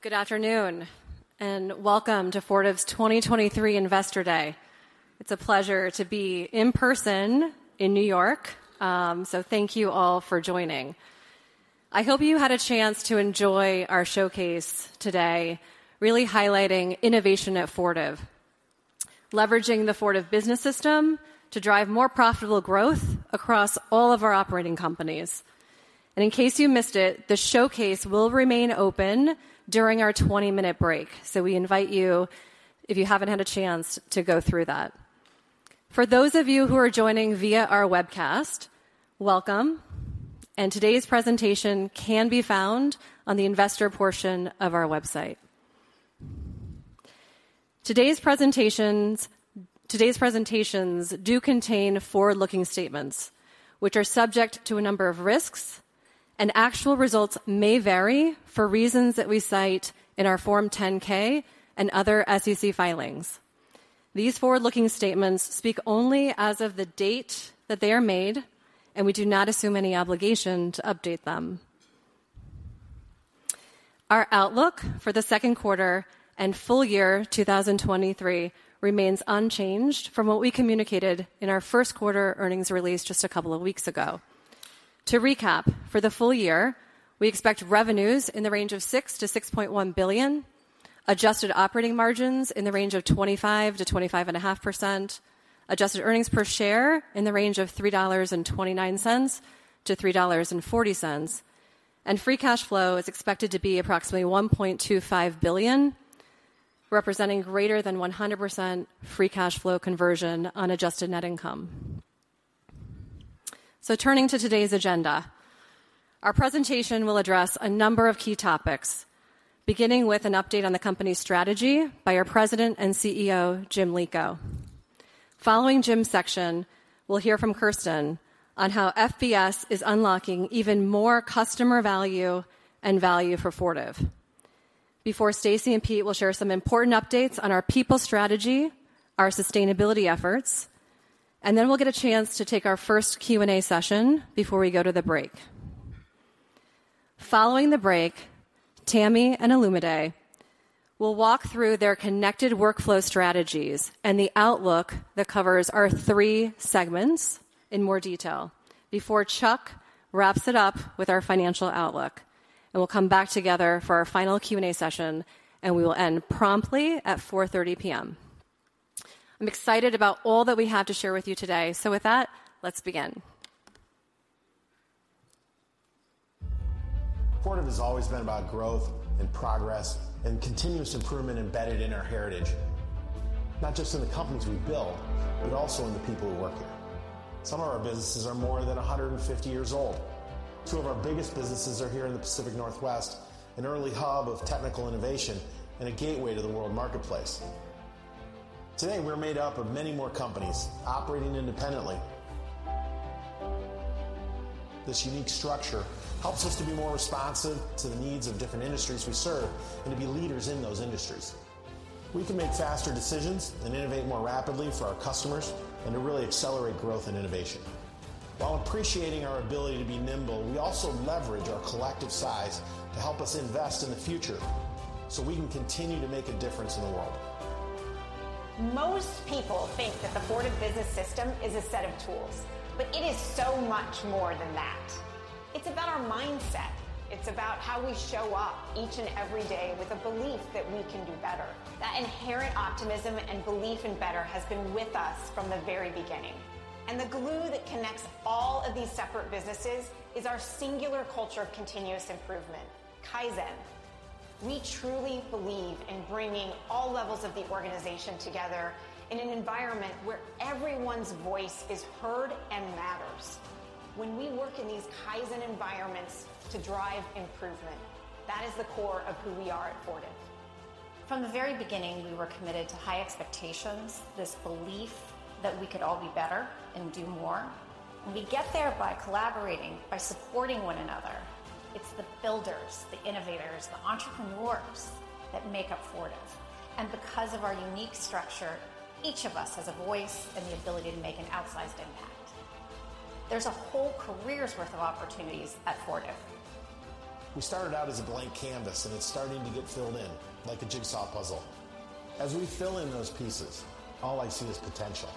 Good afternoon, welcome to Fortive's 2023 Investor Day. It's a pleasure to be in person in New York, thank you all for joining. I hope you had a chance to enjoy our showcase today, really highlighting innovation at Fortive, leveraging the Fortive Business System to drive more profitable growth across all of our operating companies. In case you missed it, the showcase will remain open during our 20-minute break. We invite you, if you haven't had a chance, to go through that. For those of you who are joining via our webcast, welcome, today's presentation can be found on the investor portion of our website. Today's presentations do contain forward-looking statements, which are subject to a number of risks, actual results may vary for reasons that we cite in our Form 10-K and other SEC filings. These forward-looking statements speak only as of the date that they are made, and we do not assume any obligation to update them. Our outlook for the second quarter and full year 2023 remains unchanged from what we communicated in our 1st quarter earnings release just a couple of weeks ago. To recap, for the full year, we expect revenues in the range of $6 billion-$6.1 billion, adjusted operating margins in the range of 25%-25.5%, adjusted earnings per share in the range of $3.29-$3.40, and free cash flow is expected to be approximately $1.25 billion, representing greater than 100% free cash flow conversion on adjusted net income. Turning to today's agenda, our presentation will address a number of key topics, beginning with an update on the company's strategy by our President and CEO, Jim Lico. Following Jim's section, we'll hear from Kirsten on how FBS is unlocking even more customer value and value for Fortive. Before Stacey and Pete will share some important updates on our people strategy, our sustainability efforts, and then we'll get a chance to take our first Q&A session before we go to the break. Following the break, Tami and Olumide will walk through their connected workflow strategies and the outlook that covers our three segments in more detail before Chuck wraps it up with our financial outlook. We'll come back together for our final Q&A session, and we will end promptly at 4:30 P.M. I'm excited about all that we have to share with you today. With that, let's begin. Fortive has always been about growth and progress and continuous improvement embedded in our heritage, not just in the companies we build, but also in the people who work here. Some of our businesses are more than 150 years old. Two of our biggest businesses are here in the Pacific Northwest, an early hub of technical innovation and a gateway to the world marketplace. Today, we're made up of many more companies operating independently. This unique structure helps us to be more responsive to the needs of different industries we serve and to be leaders in those industries. We can make faster decisions and innovate more rapidly for our customers and to really accelerate growth and innovation. While appreciating our ability to be nimble, we also leverage our collective size to help us invest in the future so we can continue to make a difference in the world. Most people think that the Fortive Business System is a set of tools, it is so much more than that. It's about our mindset. It's about how we show up each and every day with a belief that we can do better. That inherent optimism and belief in better has been with us from the very beginning, the glue that connects all of these separate businesses is our singular culture of continuous improvement, Kaizen. We truly believe in bringing all levels of the organization together in an environment where everyone's voice is heard and matters. When we work in these Kaizen environments to drive improvement, that is the core of who we are at Fortive. From the very beginning, we were committed to high expectations, this belief that we could all be better and do more. We get there by collaborating, by supporting one another. It's the builders, the innovators, the entrepreneurs that make up Fortive, and because of our unique structure, each of us has a voice and the ability to make an outsized impact. There's a whole career's worth of opportunities at Fortive. We started out as a blank canvas, and it's starting to get filled in like a jigsaw puzzle. As we fill in those pieces, all I see is potential.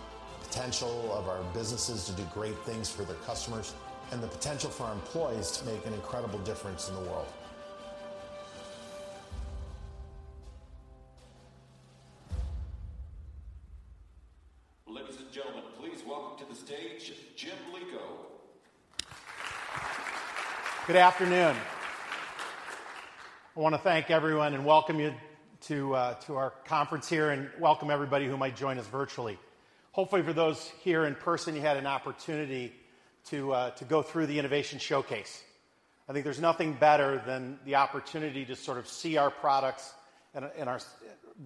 Potential of our businesses to do great things for their customers, and the potential for our employees to make an incredible difference in the world. Ladies and gentlemen, please welcome to the stage, Jim Lico. Good afternoon. I want to thank everyone and welcome you to our conference here, and welcome everybody who might join us virtually. Hopefully, for those here in person, you had an opportunity to go through the innovation showcase. I think there's nothing better than the opportunity to sort of see our products and our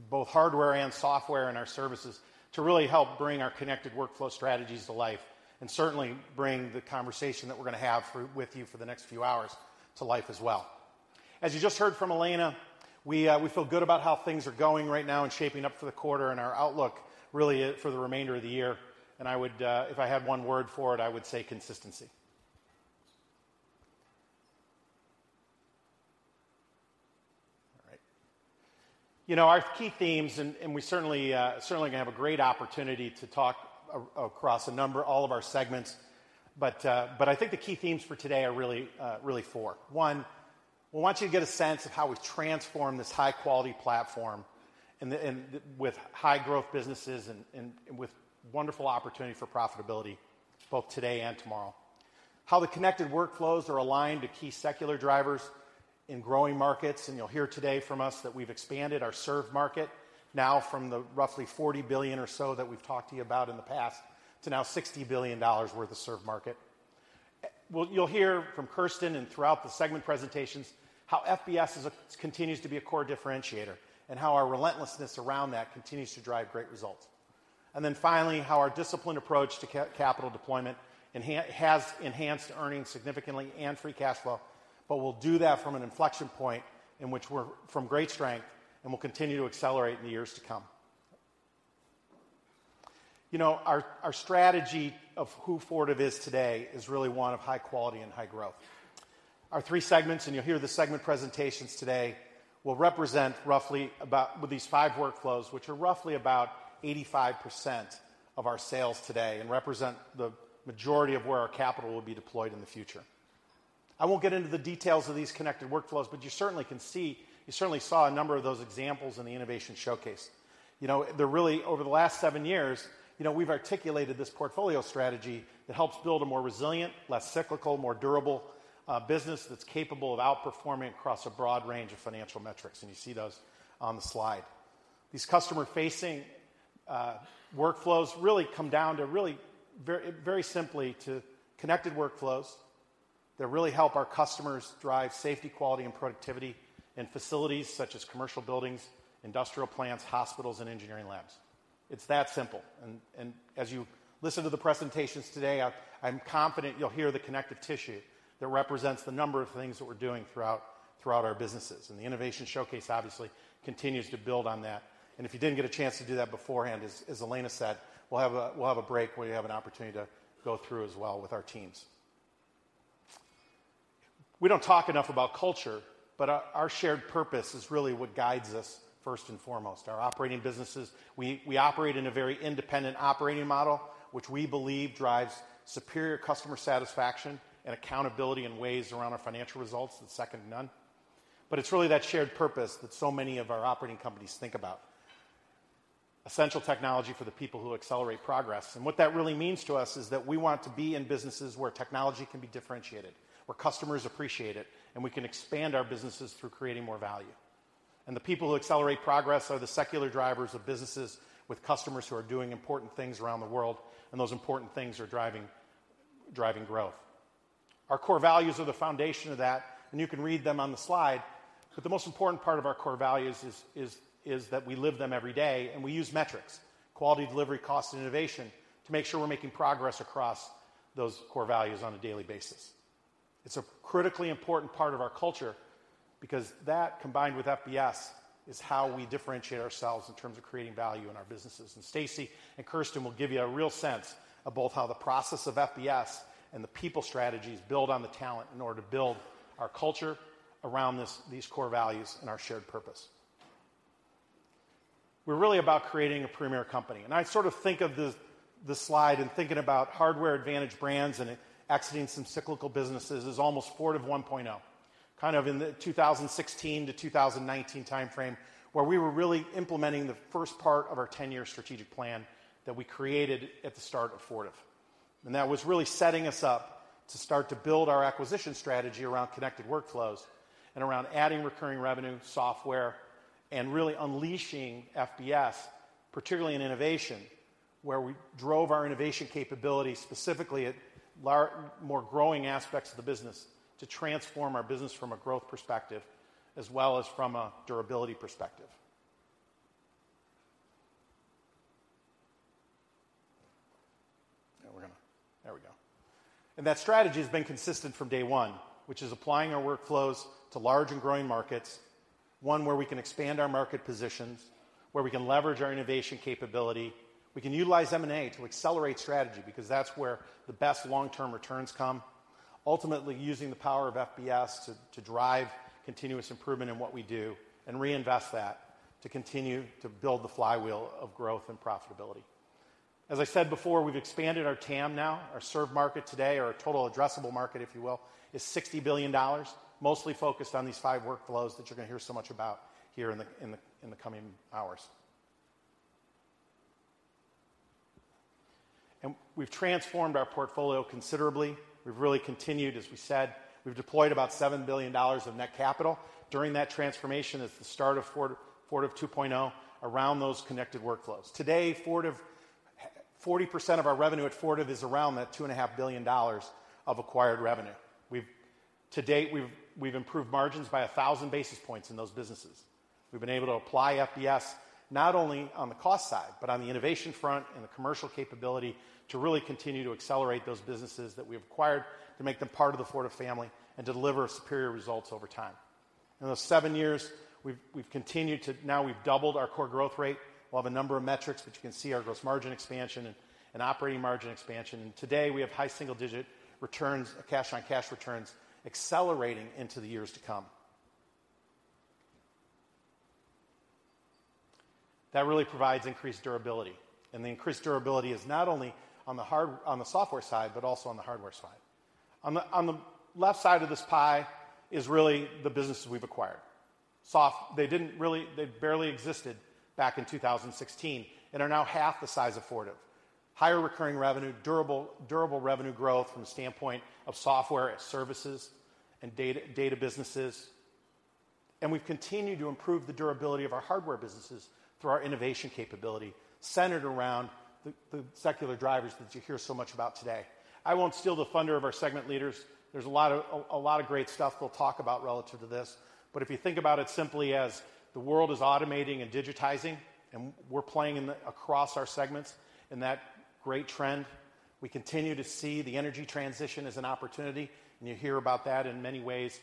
both hardware and software and our services, to really help bring our connected workflow strategies to life, and certainly bring the conversation that we're gonna have with you for the next few hours to life as well. As you just heard from Elena, we feel good about how things are going right now and shaping up for the quarter and our outlook really for the remainder of the year. I would, if I had one word for it, I would say consistency. All right. You know, our key themes, and we certainly certainly going to have a great opportunity to talk across a number, all of our segments. I think the key themes for today are really four. One, we want you to get a sense of how we've transformed this high-quality platform and the with high growth businesses and with wonderful opportunity for profitability, both today and tomorrow. How the connected workflows are aligned to key secular drivers in growing markets. You'll hear today from us that we've expanded our served market now from the roughly $40 billion or so that we've talked to you about in the past, to now $60 billion worth of served market. Well, you'll hear from Kirsten and throughout the segment presentations, how FBS continues to be a core differentiator, how our relentlessness around that continues to drive great results. Finally, how our disciplined approach to capital deployment has enhanced earnings significantly and free cash flow. We'll do that from an inflection point in which we're from great strength and will continue to accelerate in the years to come. You know, our strategy of who Fortive is today is really one of high quality and high growth. Our three segments, you'll hear the segment presentations today, will represent roughly about with these five workflows, which are roughly about 85% of our sales today and represent the majority of where our capital will be deployed in the future. I won't get into the details of these connected workflows, but you certainly can see, you certainly saw a number of those examples in the innovation showcase. You know, they're really, over the last seven years, you know, we've articulated this portfolio strategy that helps build a more resilient, less cyclical, more durable business that's capable of outperforming across a broad range of financial metrics, and you see those on the slide. These customer-facing workflows really come down to really very, very simply to connected workflows that really help our customers drive safety, quality, and productivity in facilities such as commercial buildings, industrial plants, hospitals, and engineering labs. It's that simple. As you listen to the presentations today, I'm confident you'll hear the connective tissue that represents the number of things that we're doing throughout our businesses. The innovation showcase obviously continues to build on that, and if you didn't get a chance to do that beforehand, as Elena said, we'll have a break where you have an opportunity to go through as well with our teams. We don't talk enough about culture, but our shared purpose is really what guides us first and foremost. Our operating businesses, we operate in a very independent operating model, which we believe drives superior customer satisfaction and accountability in ways around our financial results that's second to none. It's really that shared purpose that so many of our operating companies think about. Essential technology for the people who accelerate progress. What that really means to us is that we want to be in businesses where technology can be differentiated, where customers appreciate it, and we can expand our businesses through creating more value. The people who accelerate progress are the secular drivers of businesses with customers who are doing important things around the world, and those important things are driving growth. Our core values are the foundation of that, and you can read them on the slide, but the most important part of our core values is that we live them every day, and we use metrics, quality, delivery, cost, and innovation, to make sure we're making progress across those core values on a daily basis. It's a critically important part of our culture because that, combined with FBS, is how we differentiate ourselves in terms of creating value in our businesses. Stacey and Kirsten will give you a real sense of both how the process of FBS and the people strategies build on the talent in order to build our culture around this, these core values and our shared purpose. We're really about creating a premier company, I sort of think of this slide and thinking about hardware advantage brands and exiting some cyclical businesses as almost Fortive 1.0. Kind of in the 2016 to 2019 timeframe, where we were really implementing the first part of our 10-year strategic plan that we created at the start of Fortive. That was really setting us up to start to build our acquisition strategy around connected workflows and around adding recurring revenue, software, and really unleashing FBS, particularly in innovation, where we drove our innovation capabilities specifically at more growing aspects of the business to transform our business from a growth perspective as well as from a durability perspective. Yeah, we're gonna... There we go. That strategy has been consistent from day one, which is applying our workflows to large and growing markets, one where we can expand our market positions, where we can leverage our innovation capability. We can utilize M&A to accelerate strategy because that's where the best long-term returns come. Ultimately, using the power of FBS to drive continuous improvement in what we do and reinvest that to continue to build the flywheel of growth and profitability. As I said before, we've expanded our TAM now. Our served market today, or our Total Addressable Market, if you will, is $60 billion, mostly focused on these five workflows that you're going to hear so much about here in the coming hours. We've transformed our portfolio considerably. We've really continued, as we said, we've deployed about $7 billion of net capital during that transformation at the start of Fortive 2.0, around those connected workflows. Today, Fortive, 40% of our revenue at Fortive is around that $2.5 billion of acquired revenue. To date, we've improved margins by 1,000 basis points in those businesses. We've been able to apply FBS not only on the cost side, but on the innovation front and the commercial capability to really continue to accelerate those businesses that we've acquired, to make them part of the Fortive family and deliver superior results over time. In those family years, we've continued to now we've doubled our core growth rate. We'll have a number of metrics, but you can see our gross margin expansion and operating margin expansion. Today, we have high single-digit returns, cash-on-cash returns, accelerating into the years to come. That really provides increased durability, and the increased durability is not only on the software side, but also on the hardware side. On the left side of this pie is really the businesses we've acquired. They didn't really... They barely existed back in 2016, are now half the size of Fortive. Higher recurring revenue, durable revenue growth from the standpoint of software as services and data businesses. We've continued to improve the durability of our hardware businesses through our innovation capability, centered around the secular drivers that you hear so much about today. I won't steal the thunder of our segment leaders. There's a lot of great stuff they'll talk about relative to this. If you think about it simply as the world is automating and digitizing, and we're playing across our segments in that great trend, we continue to see the energy transition as an opportunity, and you hear about that in many ways.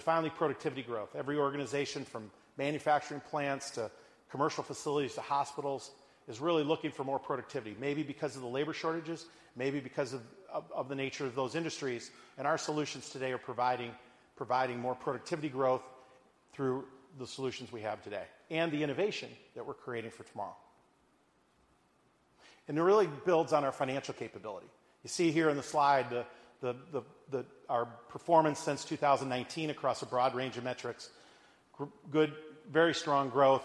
Finally, productivity growth. Every organization from manufacturing plants to commercial facilities to hospitals, is really looking for more productivity, maybe because of the labor shortages, maybe because of the nature of those industries. Our solutions today are providing more productivity growth through the solutions we have today, and the innovation that we're creating for tomorrow. It really builds on our financial capability. You see here in the slide, our performance since 2019 across a broad range of metrics. Good, very strong growth,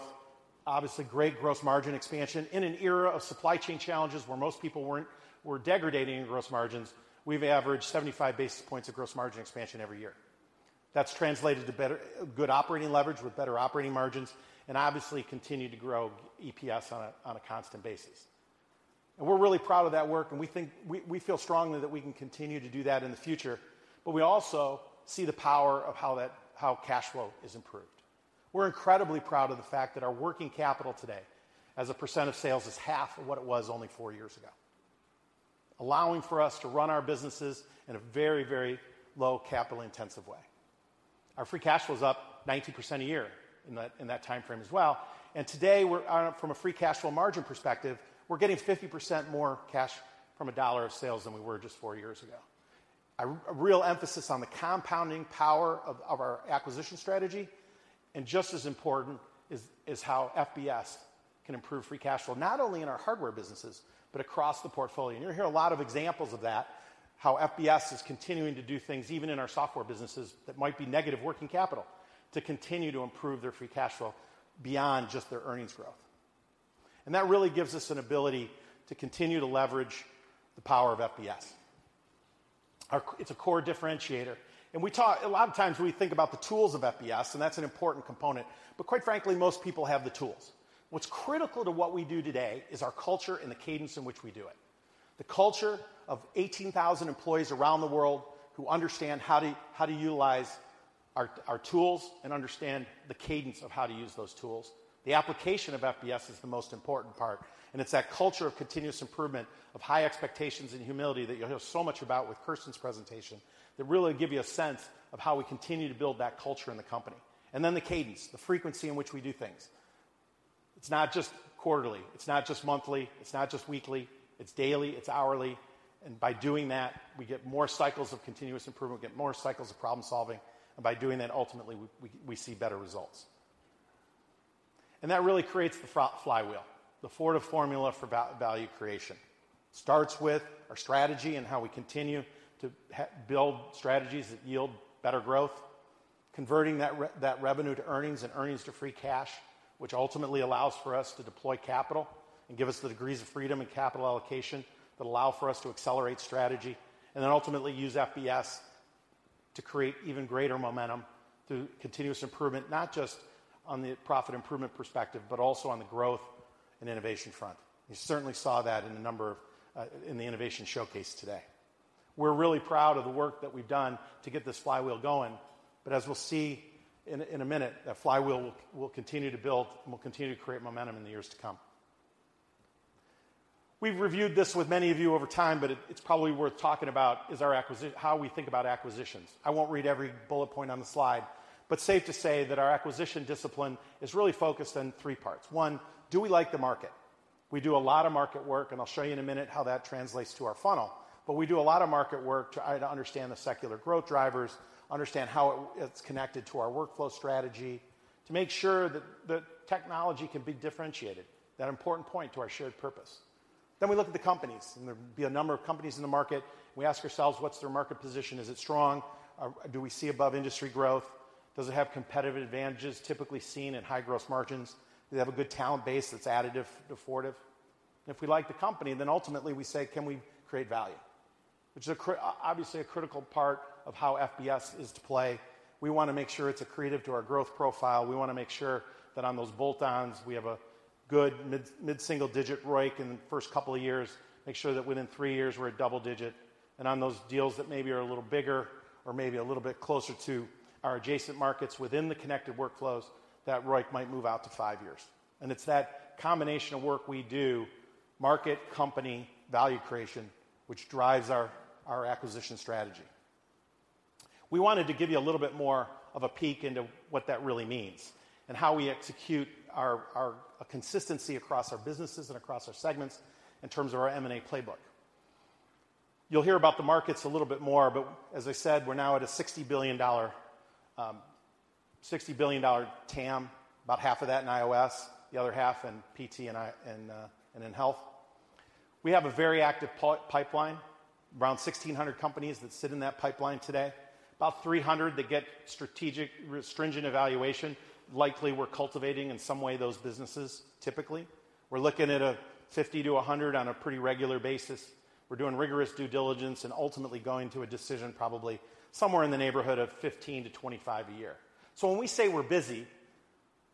obviously great gross margin expansion. In an era of supply chain challenges where most people were degradating in gross margins, we've averaged 75 basis points of gross margin expansion every year. That's translated to good operating leverage with better operating margins, and obviously continued to grow EPS on a constant basis. We're really proud of that work, and we feel strongly that we can continue to do that in the future, but we also see the power of how cash flow is improved. We're incredibly proud of the fact that our working capital today, as a percent of sales, is half of what it was only four years ago, allowing for us to run our businesses in a very, very low capital-intensive way. Our free cash flow is up 19% a year in that timeframe as well. Today, we're on, from a free cash flow margin perspective, we're getting 50% more cash from a dollar of sales than we were just four years ago. A real emphasis on the compounding power of our acquisition strategy, and just as important is how FBS can improve free cash flow, not only in our hardware businesses, but across the portfolio. You're gonna hear a lot of examples of that, how FBS is continuing to do things, even in our software businesses, that might be negative working capital, to continue to improve their free cash flow beyond just their earnings growth. That really gives us an ability to continue to leverage the power of FBS. It's a core differentiator, A lot of times we think about the tools of FBS, and that's an important component, but quite frankly, most people have the tools. What's critical to what we do today is our culture and the cadence in which we do it. The culture of 18,000 employees around the world who understand how to utilize our tools and understand the cadence of how to use those tools. The application of FBS is the most important part, and it's that culture of continuous improvement, of high expectations and humility that you'll hear so much about with Kirsten's presentation, that really give you a sense of how we continue to build that culture in the company. Then the cadence, the frequency in which we do things. It's not just quarterly, it's not just monthly, it's not just weekly, it's daily, it's hourly. By doing that, we get more cycles of continuous improvement, we get more cycles of problem-solving, and by doing that, ultimately, we see better results. That really creates the flywheel, the Fortive Formula for value creation. Starts with our strategy and how we continue to build strategies that yield better growth, converting that revenue to earnings and earnings to free cash, which ultimately allows for us to deploy capital and give us the degrees of freedom and capital allocation that allow for us to accelerate strategy, and then ultimately use FBS to create even greater momentum through continuous improvement, not just on the profit improvement perspective, but also on the growth and innovation front. You certainly saw that in a number of in the innovation showcase today. We're really proud of the work that we've done to get this flywheel going. As we'll see in a minute, that flywheel will continue to build and will continue to create momentum in the years to come. We've reviewed this with many of you over time, it's probably worth talking about, is our how we think about acquisitions. I won't read every bullet point on the slide, safe to say that our acquisition discipline is really focused on three parts. One, do we like the market? We do a lot of market work, and I'll show you in a minute how that translates to our funnel. We do a lot of market work to try to understand the secular growth drivers, understand how it's connected to our workflow strategy, to make sure that the technology can be differentiated, that important point to our shared purpose. We look at the companies, and there'll be a number of companies in the market. We ask ourselves: What's their market position? Is it strong? Do we see above-industry growth? Does it have competitive advantages typically seen in high gross margins? Do they have a good talent base that's additive to Fortive? If we like the company, then ultimately we say: Can we create value? Which is obviously a critical part of how FBS is to play. We wanna make sure it's accretive to our growth profile. We wanna make sure that on those bolt-ons, we have a good mid-single-digit ROIC in the first two years, make sure that within three years we're at double-digit. On those deals that maybe are a little bigger or maybe a little bit closer to our adjacent markets within the connected workflows, that ROIC might move out to five years. It's that combination of work we do market company value creation, which drives our acquisition strategy. We wanted to give you a little bit more of a peek into what that really means, and how we execute our consistency across our businesses and across our segments in terms of our M&A playbook. You'll hear about the markets a little bit more, as I said, we're now at a $60 billion TAM, about half of that in IOS, the other half in PT and I, and in Health. We have a very active pipeline, around 1,600 companies that sit in that pipeline today. About 300 that get strategic, stringent evaluation. Likely, we're cultivating in some way those businesses, typically. We're looking at a 50-100 on a pretty regular basis. We're doing rigorous due diligence and ultimately going to a decision probably somewhere in the neighborhood of 15-25 a year. When we say we're busy,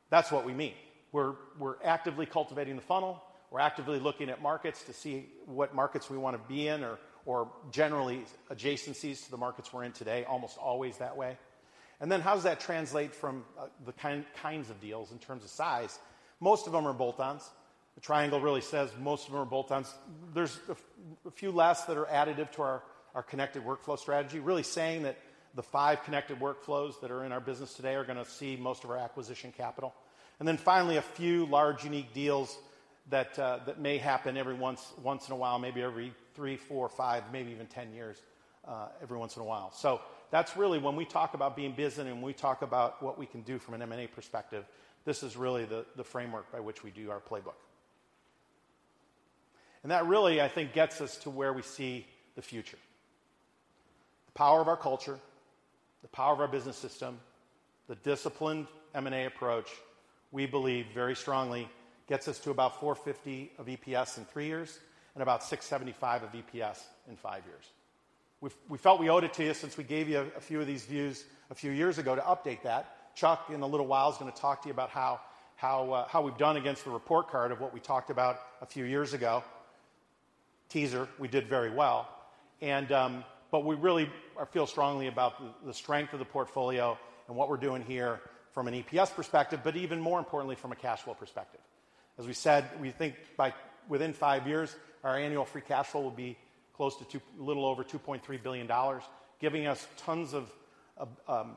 that's what we mean. We're actively cultivating the funnel, we're actively looking at markets to see what markets we want to be in or generally adjacencies to the markets we're in today, almost always that way. How does that translate from the kinds of deals in terms of size? Most of them are bolt-ons. The triangle really says most of them are bolt-ons. There's a few less that are additive to our connected workflow strategy, really saying that the five connected workflows that are in our business today are going to see most of our acquisition capital. Finally, a few large, unique deals that may happen every once in a while, maybe every three, four, five, maybe even 10 years, every once in a while. That's really when we talk about being busy and we talk about what we can do from an M&A perspective, this is really the framework by which we do our playbook. That really, I think, gets us to where we see the future. The power of our culture, the power of our Business System, the disciplined M&A approach, we believe very strongly gets us to about $4.50 of EPS in three years and about $6.75 of EPS in five years. We felt we owed it to you since we gave you a few of these views a few years ago to update that. Chuck, in a little while, is going to talk to you about how we've done against the report card of what we talked about a few years ago. Teaser: we did very well. We really feel strongly about the strength of the portfolio and what we're doing here from an EPS perspective, but even more importantly, from a cash flow perspective. As we said, we think by within five years, our annual free cash flow will be close to little over $2.3 billion, giving us tons of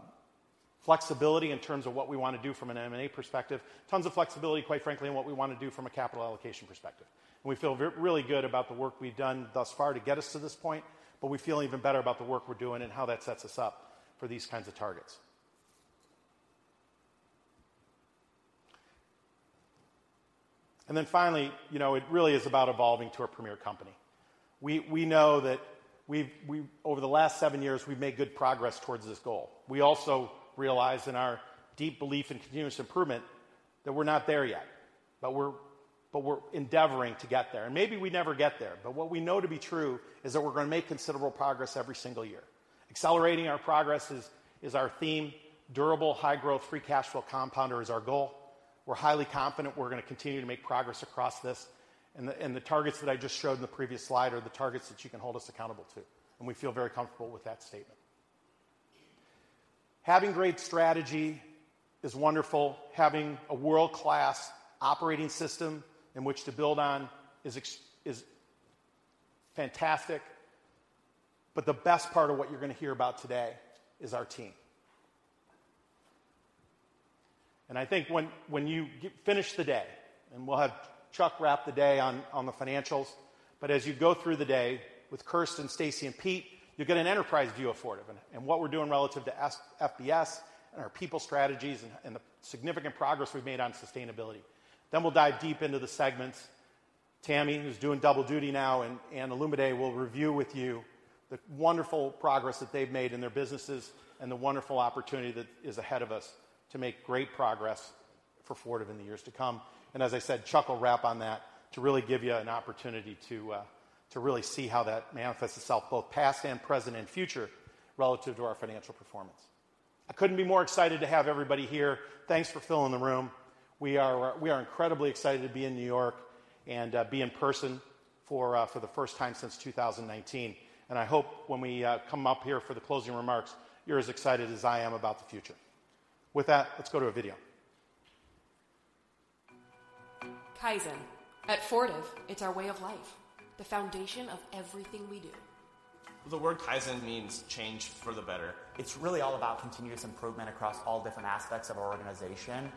flexibility in terms of what we want to do from an M&A perspective. Tons of flexibility, quite frankly, in what we want to do from a capital allocation perspective. We feel really good about the work we've done thus far to get us to this point, but we feel even better about the work we're doing and how that sets us up for these kinds of targets. Finally, you know, it really is about evolving to a premier company. We know that we've over the last seven years, we've made good progress towards this goal. We also realize in our deep belief in continuous improvement, that we're not there yet, but we're endeavoring to get there. Maybe we never get there, but what we know to be true is that we're going to make considerable progress every single year. Accelerating our progress is our theme. Durable, high growth, free cash flow compounder is our goal. We're highly confident we're going to continue to make progress across this, the targets that I just showed in the previous slide are the targets that you can hold us accountable to, we feel very comfortable with that statement. Having great strategy is wonderful. Having a world-class operating system in which to build on is fantastic, but the best part of what you're going to hear about today is our team. I think when you finish the day, and we'll have Chuck wrap the day on the financials, but as you go through the day with Kirsten, Stacey, and Pete, you'll get an enterprise view of Fortive and what we're doing relative to FBS and our people strategies and the significant progress we've made on sustainability. We'll dive deep into the segments. Tami, who's doing double duty now, and Olumide will review with you the wonderful progress that they've made in their businesses and the wonderful opportunity that is ahead of us to make great progress for Fortive in the years to come. As I said, Chuck will wrap on that to really give you an opportunity to really see how that manifests itself, both past and present and future, relative to our financial performance. I couldn't be more excited to have everybody here. Thanks for filling the room. We are incredibly excited to be in New York and be in person for the first time since 2019. I hope when we come up here for the closing remarks, you're as excited as I am about the future. With that, let's go to a video. Kaizen. At Fortive, it's our way of life, the foundation of everything we do. The word Kaizen means change for the better. It's really all about continuous improvement across all different aspects of our organization.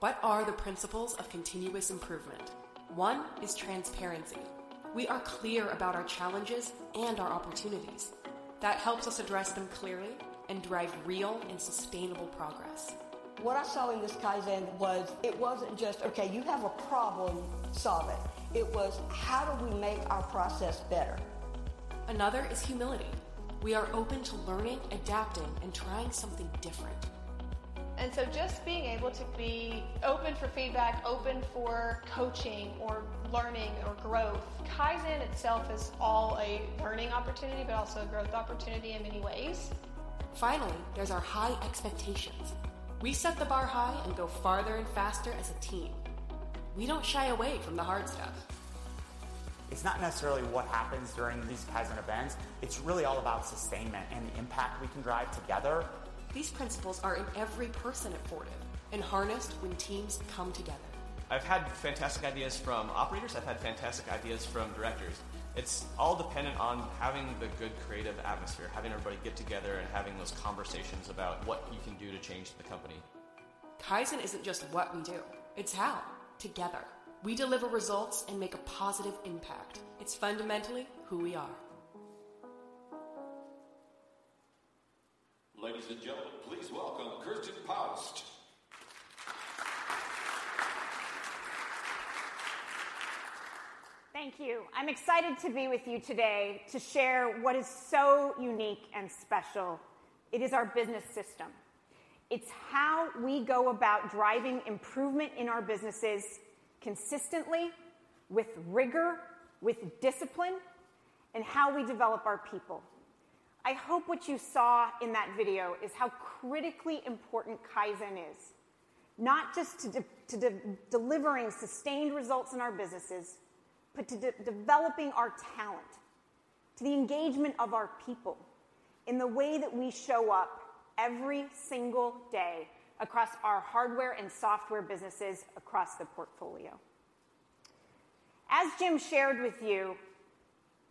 What are the principles of continuous improvement? One is transparency. We are clear about our challenges and our opportunities. That helps us address them clearly and drive real and sustainable progress. What I saw in this Kaizen was it wasn't just, "Okay, you have a problem, solve it." It was, "How do we make our process better? Another is humility. We are open to learning, adapting, and trying something different. Just being able to be open for feedback, open for coaching or learning or growth. Kaizen itself is all a learning opportunity, but also a growth opportunity in many ways. There's our high expectations. We set the bar high and go farther and faster as a team. We don't shy away from the hard stuff. It's not necessarily what happens during these Kaizen events, it's really all about sustainment and the impact we can drive together. These principles are in every person at Fortive and harnessed when teams come together. I've had fantastic ideas from operators. I've had fantastic ideas from directors. It's all dependent on having the good creative atmosphere, having everybody get together and having those conversations about what you can do to change the company. Kaizen isn't just what we do, it's how. Together, we deliver results and make a positive impact. It's fundamentally who we are. Ladies and gentlemen, please welcome Kirsten Paust. Thank you. I'm excited to be with you today to share what is so unique and special. It is our Business System. It's how we go about driving improvement in our businesses consistently, with rigor, with discipline, and how we develop our people. I hope what you saw in that video is how critically important Kaizen is, not just to delivering sustained results in our businesses, but to developing our talent, to the engagement of our people in the way that we show up every single day across our hardware and software businesses across the portfolio. As Jim shared with you,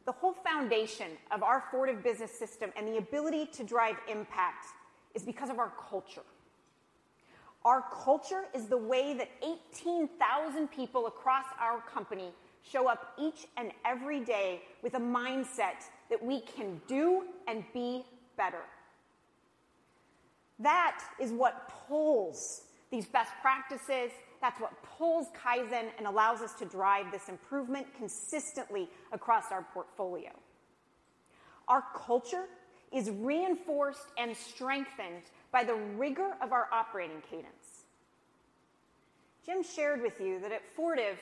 the whole foundation of our Fortive Business System and the ability to drive impact is because of our culture. Our culture is the way that 18,000 people across our company show up each and every day with a mindset that we can do and be better. That is what pulls these best practices, that's what pulls Kaizen and allows us to drive this improvement consistently across our portfolio. Our culture is reinforced and strengthened by the rigor of our operating cadence. Jim shared with you that at Fortive,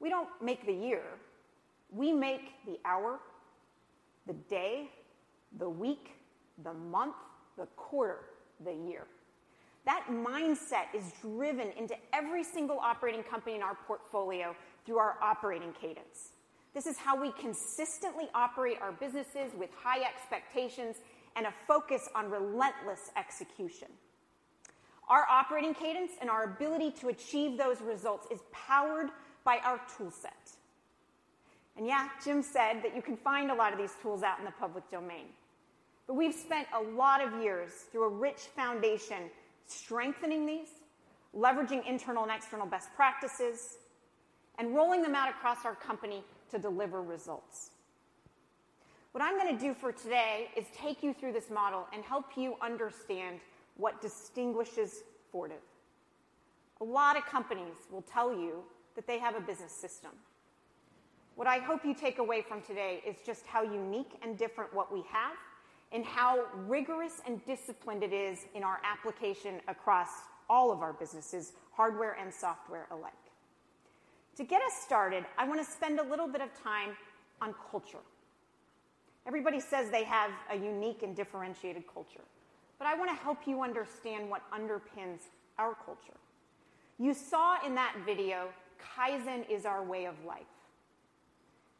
we don't make the year, we make the hour, the day, the week, the month, the quarter, the year. That mindset is driven into every single operating company in our portfolio through our operating cadence. This is how we consistently operate our businesses with high expectations and a focus on relentless execution. Our operating cadence and our ability to achieve those results is powered by our toolset. Yeah, Jim said that you can find a lot of these tools out in the public domain. We've spent a lot of years through a rich foundation, strengthening these, leveraging internal and external best practices, and rolling them out across our company to deliver results. What I'm gonna do for today is take you through this model and help you understand what distinguishes Fortive. A lot of companies will tell you that they have a business system. What I hope you take away from today is just how unique and different what we have, and how rigorous and disciplined it is in our application across all of our businesses, hardware and software alike. To get us started, I wanna spend a little bit of time on culture. Everybody says they have a unique and differentiated culture, but I wanna help you understand what underpins our culture. You saw in that video, Kaizen is our way of life.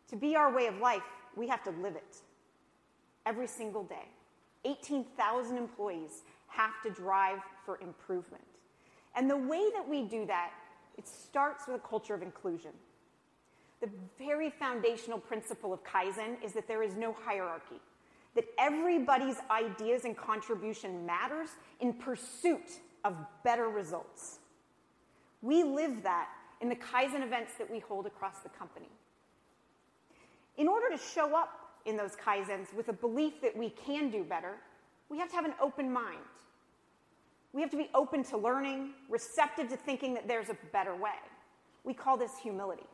To be our way of life, we have to live it every single day. 18,000 employees have to drive for improvement. The way that we do that, it starts with a culture of inclusion. The very foundational principle of Kaizen is that there is no hierarchy, that everybody's ideas and contribution matters in pursuit of better results. We live that in the Kaizen events that we hold across the company. In order to show up in those Kaizens with a belief that we can do better, we have to have an open mind. We have to be open to learning, receptive to thinking that there's a better way. We call this humility.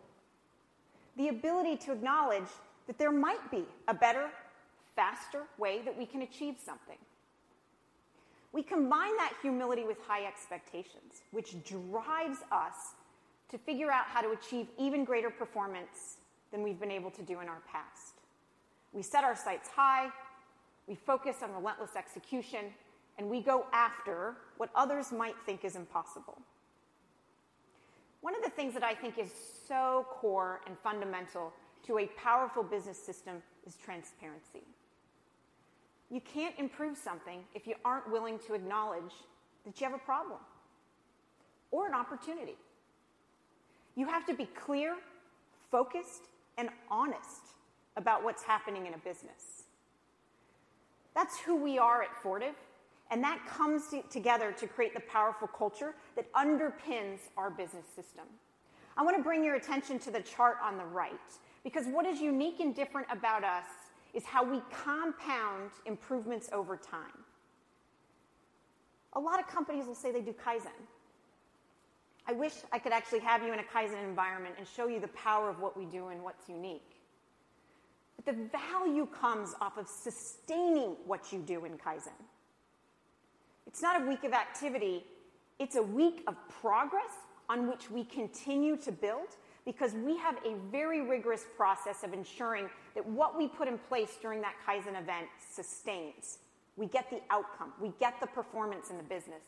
The ability to acknowledge that there might be a better, faster way that we can achieve something. We combine that humility with high expectations, which drives us to figure out how to achieve even greater performance than we've been able to do in our past. We set our sights high, we focus on relentless execution, and we go after what others might think is impossible. One of the things that I think is so core and fundamental to a powerful Business System is transparency. You can't improve something if you aren't willing to acknowledge that you have a problem or an opportunity. You have to be clear, focused, and honest about what's happening in a business. That's who we are at Fortive, and that comes together to create the powerful culture that underpins our Business System. I wanna bring your attention to the chart on the right, because what is unique and different about us is how we compound improvements over time. A lot of companies will say they do Kaizen. I wish I could actually have you in a Kaizen environment and show you the power of what we do and what's unique. The value comes off of sustaining what you do in Kaizen. It's not a week of activity, it's a week of progress on which we continue to build because we have a very rigorous process of ensuring that what we put in place during that Kaizen event sustains. We get the outcome, we get the performance in the business.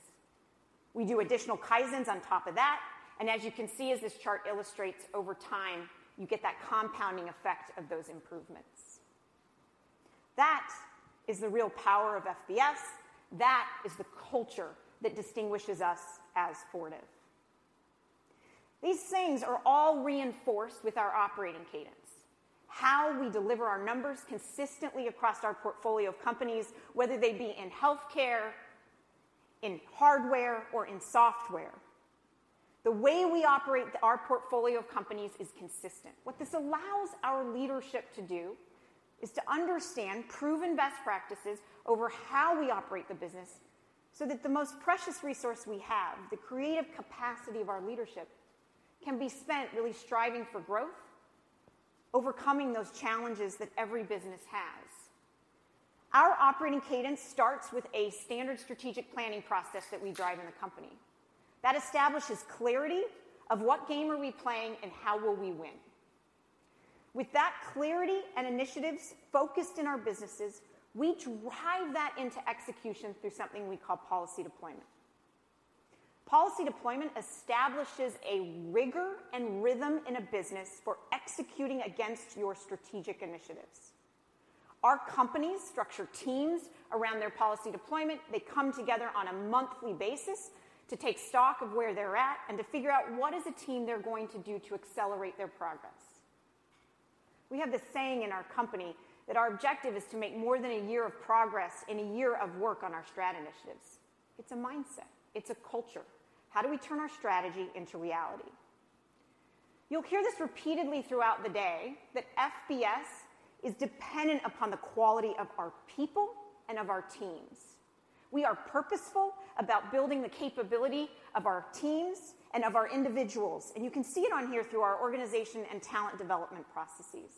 We do additional Kaizens on top of that. As you can see, as this chart illustrates, over time, you get that compounding effect of those improvements. That is the real power of FBS. That is the culture that distinguishes us as Fortive. These things are all reinforced with our operating cadence, how we deliver our numbers consistently across our portfolio of companies, whether they be in healthcare, in hardware, or in software. The way we operate our portfolio of companies is consistent. What this allows our leadership to do is to understand proven best practices over how we operate the business, so that the most precious resource we have, the creative capacity of our leadership, can be spent really striving for growth, overcoming those challenges that every business has. Our operating cadence starts with a standard strategic planning process that we drive in the company. That establishes clarity of what game are we playing and how will we win. With that clarity and initiatives focused in our businesses, we drive that into execution through something we call policy deployment. Policy deployment establishes a rigor and rhythm in a business for executing against your strategic initiatives. Our companies structure teams around their policy deployment. They come together on a monthly basis to take stock of where they're at and to figure out what as a team they're going to do to accelerate their progress. We have this saying in our company that our objective is to make more than a year of progress in a year of work on our strat initiatives. It's a mindset. It's a culture. How do we turn our strategy into reality? You'll hear this repeatedly throughout the day, that FBS is dependent upon the quality of our people and of our teams. We are purposeful about building the capability of our teams and of our individuals, and you can see it on here through our organization and talent development processes.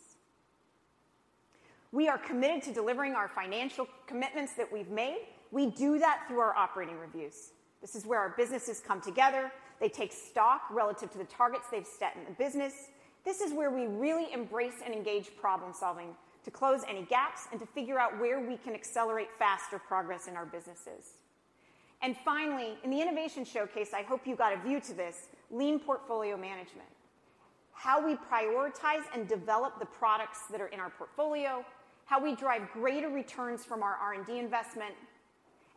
We are committed to delivering our financial commitments that we've made. We do that through our operating reviews. This is where our businesses come together. They take stock relative to the targets they've set in the business. This is where we really embrace and engage problem-solving to close any gaps and to figure out where we can accelerate faster progress in our businesses. Finally, in the innovation showcase, I hope you got a view to this, Lean Portfolio Management. How we prioritize and develop the products that are in our portfolio, how we drive greater returns from our R&D investment,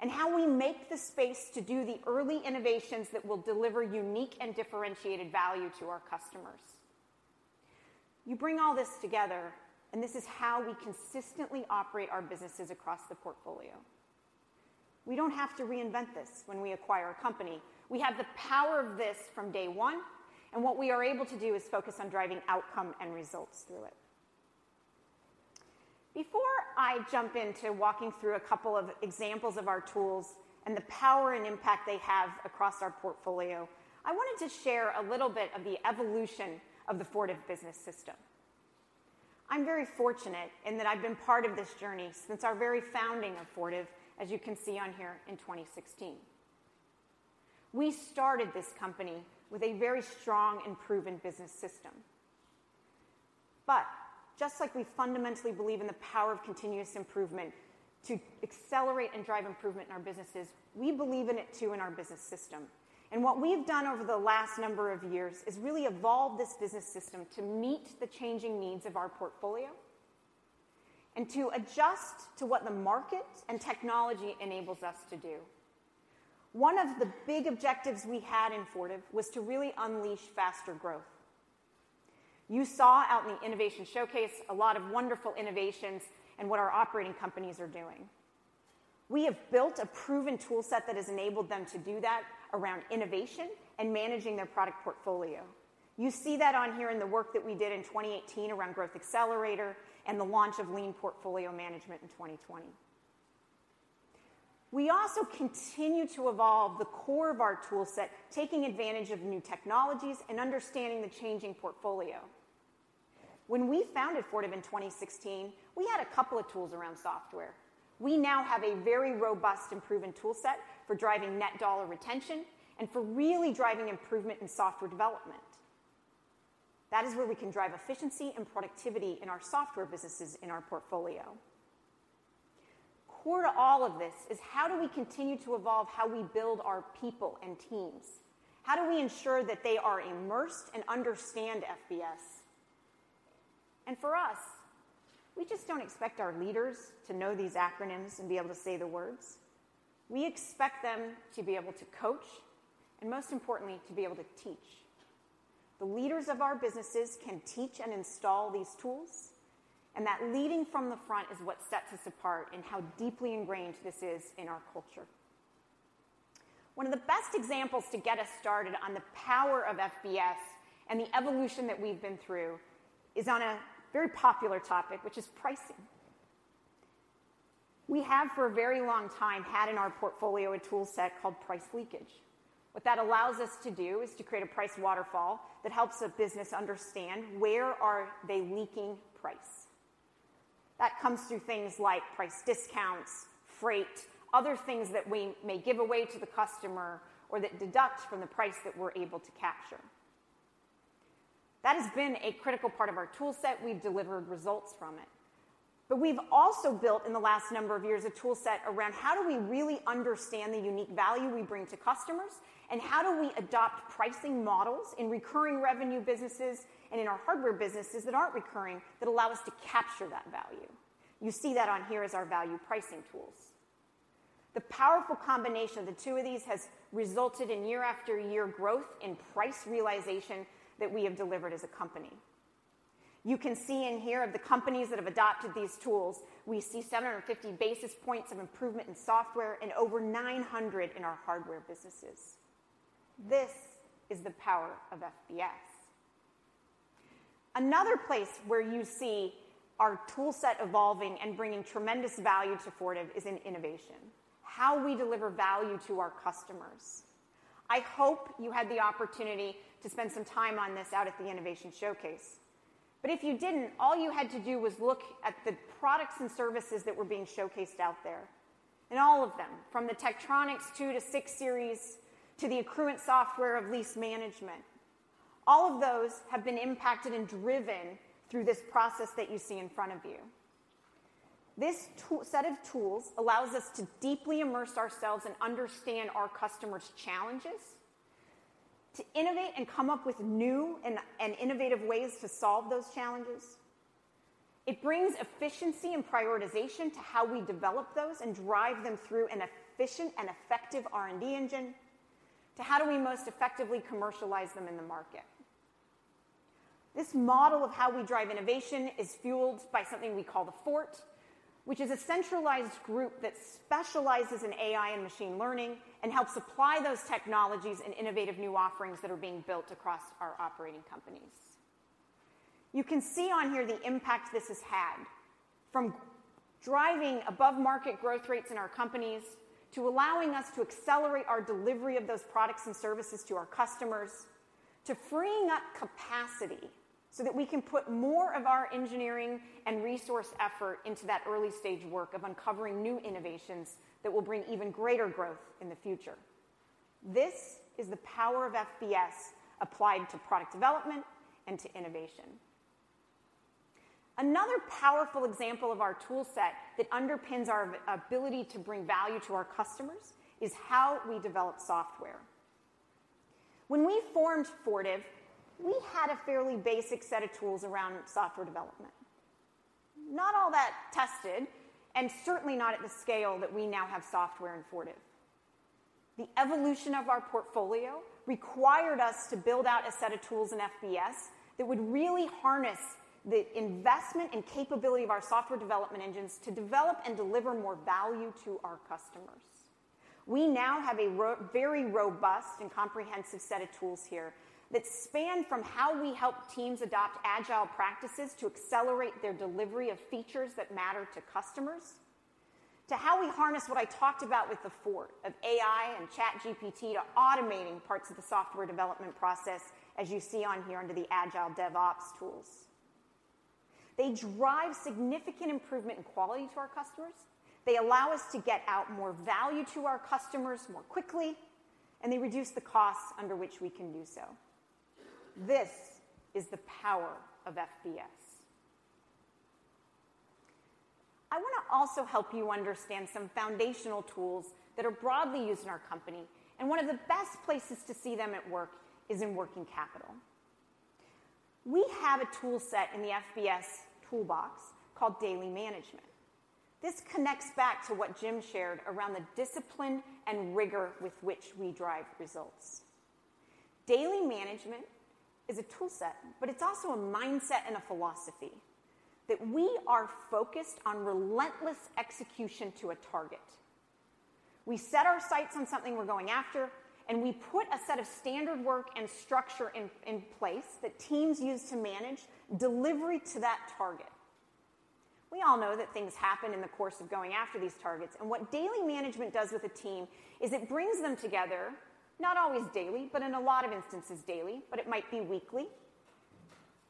and how we make the space to do the early innovations that will deliver unique and differentiated value to our customers. You bring all this together, this is how we consistently operate our businesses across the portfolio. We don't have to reinvent this when we acquire a company. We have the power of this from day one. What we are able to do is focus on driving outcome and results through it. Before I jump into walking through a couple of examples of our tools and the power and impact they have across our portfolio, I wanted to share a little bit of the evolution of the Fortive Business System. I'm very fortunate in that I've been part of this journey since our very founding of Fortive, as you can see on here, in 2016. We started this company with a very strong and proven business system. Just like we fundamentally believe in the power of continuous improvement to accelerate and drive improvement in our businesses, we believe in it, too, in our business system. What we've done over the last number of years is really evolve this business system to meet the changing needs of our portfolio and to adjust to what the market and technology enables us to do. One of the big objectives we had in Fortive was to really unleash faster growth. You saw out in the innovation showcase a lot of wonderful innovations and what our operating companies are doing. We have built a proven toolset that has enabled them to do that around innovation and managing their product portfolio. You see that on here in the work that we did in 2018 around Growth Accelerator and the launch of Lean Portfolio Management in 2020. We also continue to evolve the core of our toolset, taking advantage of new technologies and understanding the changing portfolio. When we founded Fortive in 2016, we had a couple of tools around software. We now have a very robust and proven toolset for driving Net Dollar Retention and for really driving improvement in software development. That is where we can drive efficiency and productivity in our software businesses in our portfolio. Core to all of this is how do we continue to evolve how we build our people and teams? How do we ensure that they are immersed and understand FBS? For us, we just don't expect our leaders to know these acronyms and be able to say the words. We expect them to be able to coach, and most importantly, to be able to teach. The leaders of our businesses can teach and install these tools, and that leading from the front is what sets us apart in how deeply ingrained this is in our culture. One of the best examples to get us started on the power of FBS and the evolution that we've been through is on a very popular topic, which is pricing. We have, for a very long time, had in our portfolio a toolset called Price Leakage. What that allows us to do is to create a price waterfall that helps a business understand where are they leaking price. That comes through things like price discounts, freight, other things that we may give away to the customer or that deduct from the price that we're able to capture. That has been a critical part of our toolset. We've delivered results from it. We've also built, in the last number of years, a toolset around how do we really understand the unique value we bring to customers, and how do we adopt pricing models in recurring revenue businesses and in our hardware businesses that aren't recurring, that allow us to capture that value. You see that on here as our value pricing tools. The powerful combination of the two of these has resulted in year after year growth in price realization that we have delivered as a company. You can see in here of the companies that have adopted these tools, we see 750 basis points of improvement in software and over 900 in our hardware businesses. This is the power of FBS. Another place where you see our toolset evolving and bringing tremendous value to Fortive is in innovation, how we deliver value to our customers. I hope you had the opportunity to spend some time on this out at the innovation showcase. If you didn't, all you had to do was look at the products and services that were being showcased out there. All of them, from the Tektronix 2 to 6 Series, to the Accruent software of lease management, all of those have been impacted and driven through this process that you see in front of you. This set of tools allows us to deeply immerse ourselves and understand our customers' challenges, to innovate and come up with new and innovative ways to solve those challenges. It brings efficiency and prioritization to how we develop those and drive them through an efficient and effective R&D engine, to how do we most effectively commercialize them in the market. This model of how we drive innovation is fueled by something we call The Fort, which is a centralized group that specializes in AI and machine learning, and helps apply those technologies in innovative new offerings that are being built across our operating companies. You can see on here the impact this has had, from driving above-market growth rates in our companies, to allowing us to accelerate our delivery of those products and services to our customers, to freeing up capacity so that we can put more of our engineering and resource effort into that early-stage work of uncovering new innovations that will bring even greater growth in the future. This is the power of FBS applied to product development and to innovation. Another powerful example of our toolset that underpins our ability to bring value to our customers is how we develop software. When we formed Fortive, we had a fairly basic set of tools around software development. Not all that tested, and certainly not at the scale that we now have software in Fortive. The evolution of our portfolio required us to build out a set of tools in FBS that would really harness the investment and capability of our software development engines to develop and deliver more value to our customers. We now have a very robust and comprehensive set of tools here that span from how we help teams adopt agile practices to accelerate their delivery of features that matter to customers, to how we harness what I talked about with The Fort, of AI and ChatGPT, to automating parts of the software development process, as you see on here under the Agile DevOps tools. They drive significant improvement in quality to our customers, they allow us to get out more value to our customers more quickly, and they reduce the costs under which we can do so. This is the power of FBS. I want to also help you understand some foundational tools that are broadly used in our company, and one of the best places to see them at work is in working capital. We have a toolset in the FBS toolbox called Daily Management. This connects back to what Jim shared around the discipline and rigor with which we drive results. Daily Management is a toolset, but it's also a mindset and a philosophy, that we are focused on relentless execution to a target. We set our sights on something we're going after, we put a set of standard work and structure in place that teams use to manage delivery to that target. We all know that things happen in the course of going after these targets, what Daily Management does with a team is it brings them together, not always daily, but in a lot of instances daily, but it might be weekly,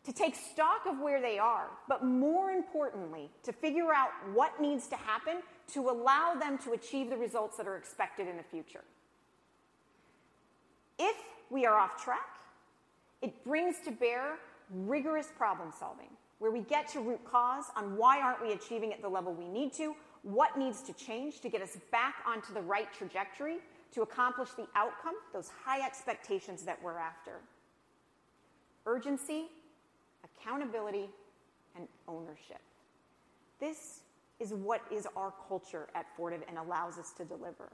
to take stock of where they are, but more importantly, to figure out what needs to happen to allow them to achieve the results that are expected in the future. If we are off track, it brings to bear rigorous problem-solving, where we get to root cause on why aren't we achieving at the level we need to, what needs to change to get us back onto the right trajectory to accomplish the outcome, those high expectations that we're after. Urgency, accountability, and ownership. This is what is our culture at Fortive and allows us to deliver.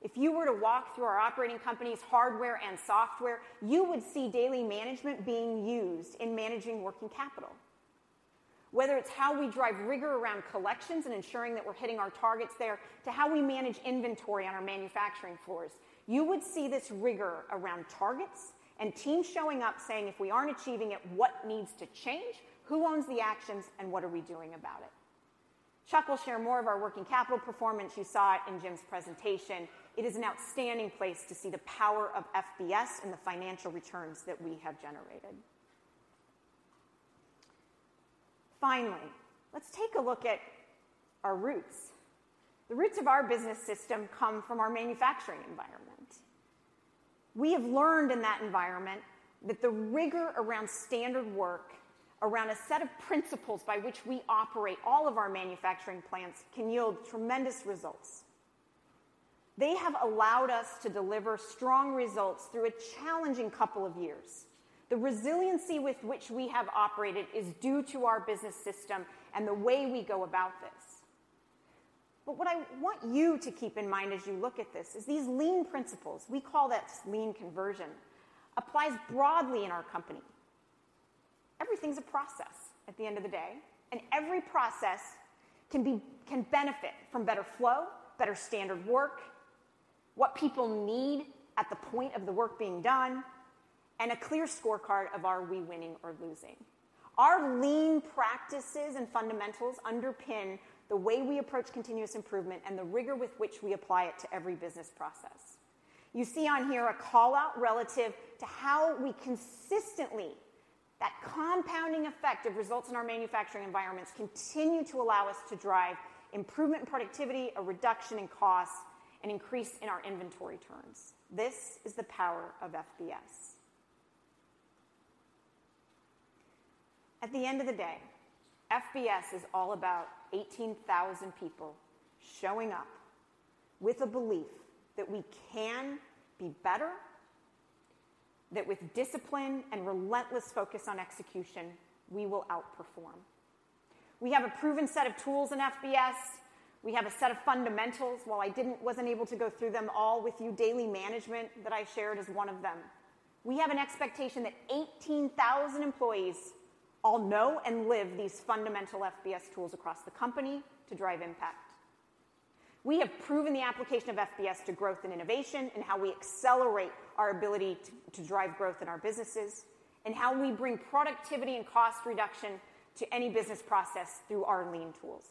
If you were to walk through our operating companies, hardware and software, you would see daily management being used in managing working capital. Whether it's how we drive rigor around collections and ensuring that we're hitting our targets there, to how we manage inventory on our manufacturing floors. You would see this rigor around targets and teams showing up saying, "If we aren't achieving it, what needs to change? Who owns the actions, and what are we doing about it?" Chuck will share more of our working capital performance. You saw it in Jim's presentation. It is an outstanding place to see the power of FBS and the financial returns that we have generated.... Finally, let's take a look at our roots. The roots of our business system come from our manufacturing environment. We have learned in that environment that the rigor around standard work, around a set of principles by which we operate all of our manufacturing plants, can yield tremendous results. They have allowed us to deliver strong results through a challenging couple of years. The resiliency with which we have operated is due to our business system and the way we go about this. What I want you to keep in mind as you look at this is these lean principles, we call this Lean Conversion, applies broadly in our company. Everything's a process at the end of the day, and every process can benefit from better flow, better standard work, what people need at the point of the work being done, and a clear scorecard of are we winning or losing? Our lean practices and fundamentals underpin the way we approach continuous improvement and the rigor with which we apply it to every business process. You see on here a call-out relative to how we consistently, that compounding effect of results in our manufacturing environments, continue to allow us to drive improvement in productivity, a reduction in costs, and increase in our inventory turns. This is the power of FBS. At the end of the day, FBS is all about 18,000 people showing up with a belief that we can be better, that with discipline and relentless focus on execution, we will outperform. We have a proven set of tools in FBS. We have a set of fundamentals. While I wasn't able to go through them all with you, Daily Management that I shared is one of them. We have an expectation that 18,000 employees all know and live these fundamental FBS tools across the company to drive impact. We have proven the application of FBS to growth and innovation, and how we accelerate our ability to drive growth in our businesses, and how we bring productivity and cost reduction to any business process through our lean tools.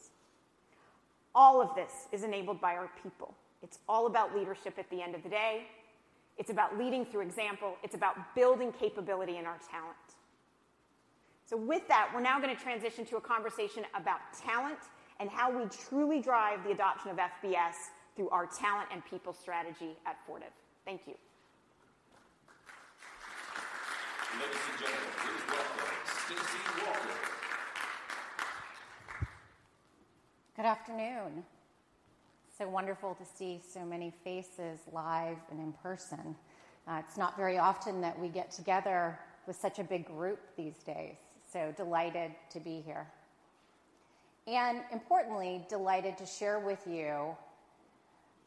All of this is enabled by our people. It's all about leadership at the end of the day. It's about leading through example. It's about building capability in our talent. With that, we're now gonna transition to a conversation about talent and how we truly drive the adoption of FBS through our talent and people strategy at Fortive. Thank you. Ladies and gentlemen, please welcome Stacey Walker. Good afternoon. Wonderful to see so many faces live and in person. It's not very often that we get together with such a big group these days, delighted to be here. Importantly, delighted to share with you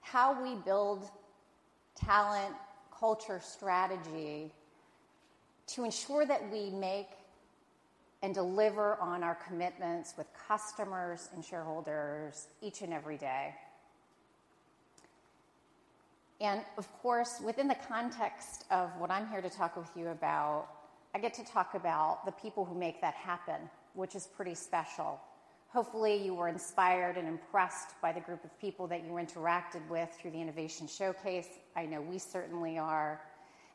how we build talent, culture, strategy to ensure that we make and deliver on our commitments with customers and shareholders each and every day. Of course, within the context of what I'm here to talk with you about, I get to talk about the people who make that happen, which is pretty special. Hopefully, you were inspired and impressed by the group of people that you interacted with through the innovation showcase. I know we certainly are,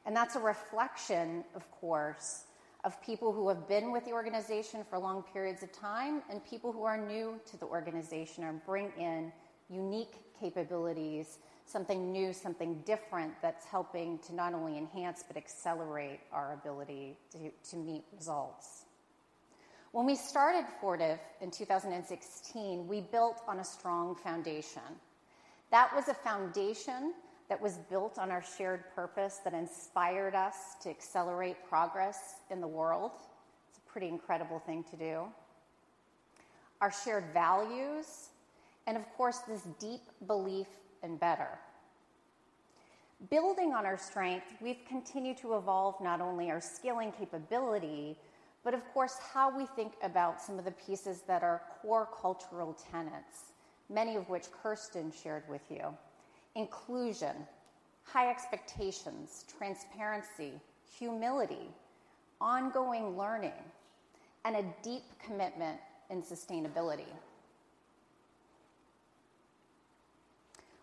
and that's a reflection, of course, of people who have been with the organization for long periods of time, and people who are new to the organization and bring in unique capabilities, something new, something different, that's helping to not only enhance but accelerate our ability to meet results. When we started Fortive in 2016, we built on a strong foundation. That was a foundation that was built on our shared purpose that inspired us to accelerate progress in the world. It's a pretty incredible thing to do. Our shared values and, of course, this deep belief in better. Building on our strength, we've continued to evolve not only our skill and capability, but of course, how we think about some of the pieces that are core cultural tenets, many of which Kirsten shared with you: inclusion, high expectations, transparency, humility, ongoing learning, and a deep commitment in sustainability.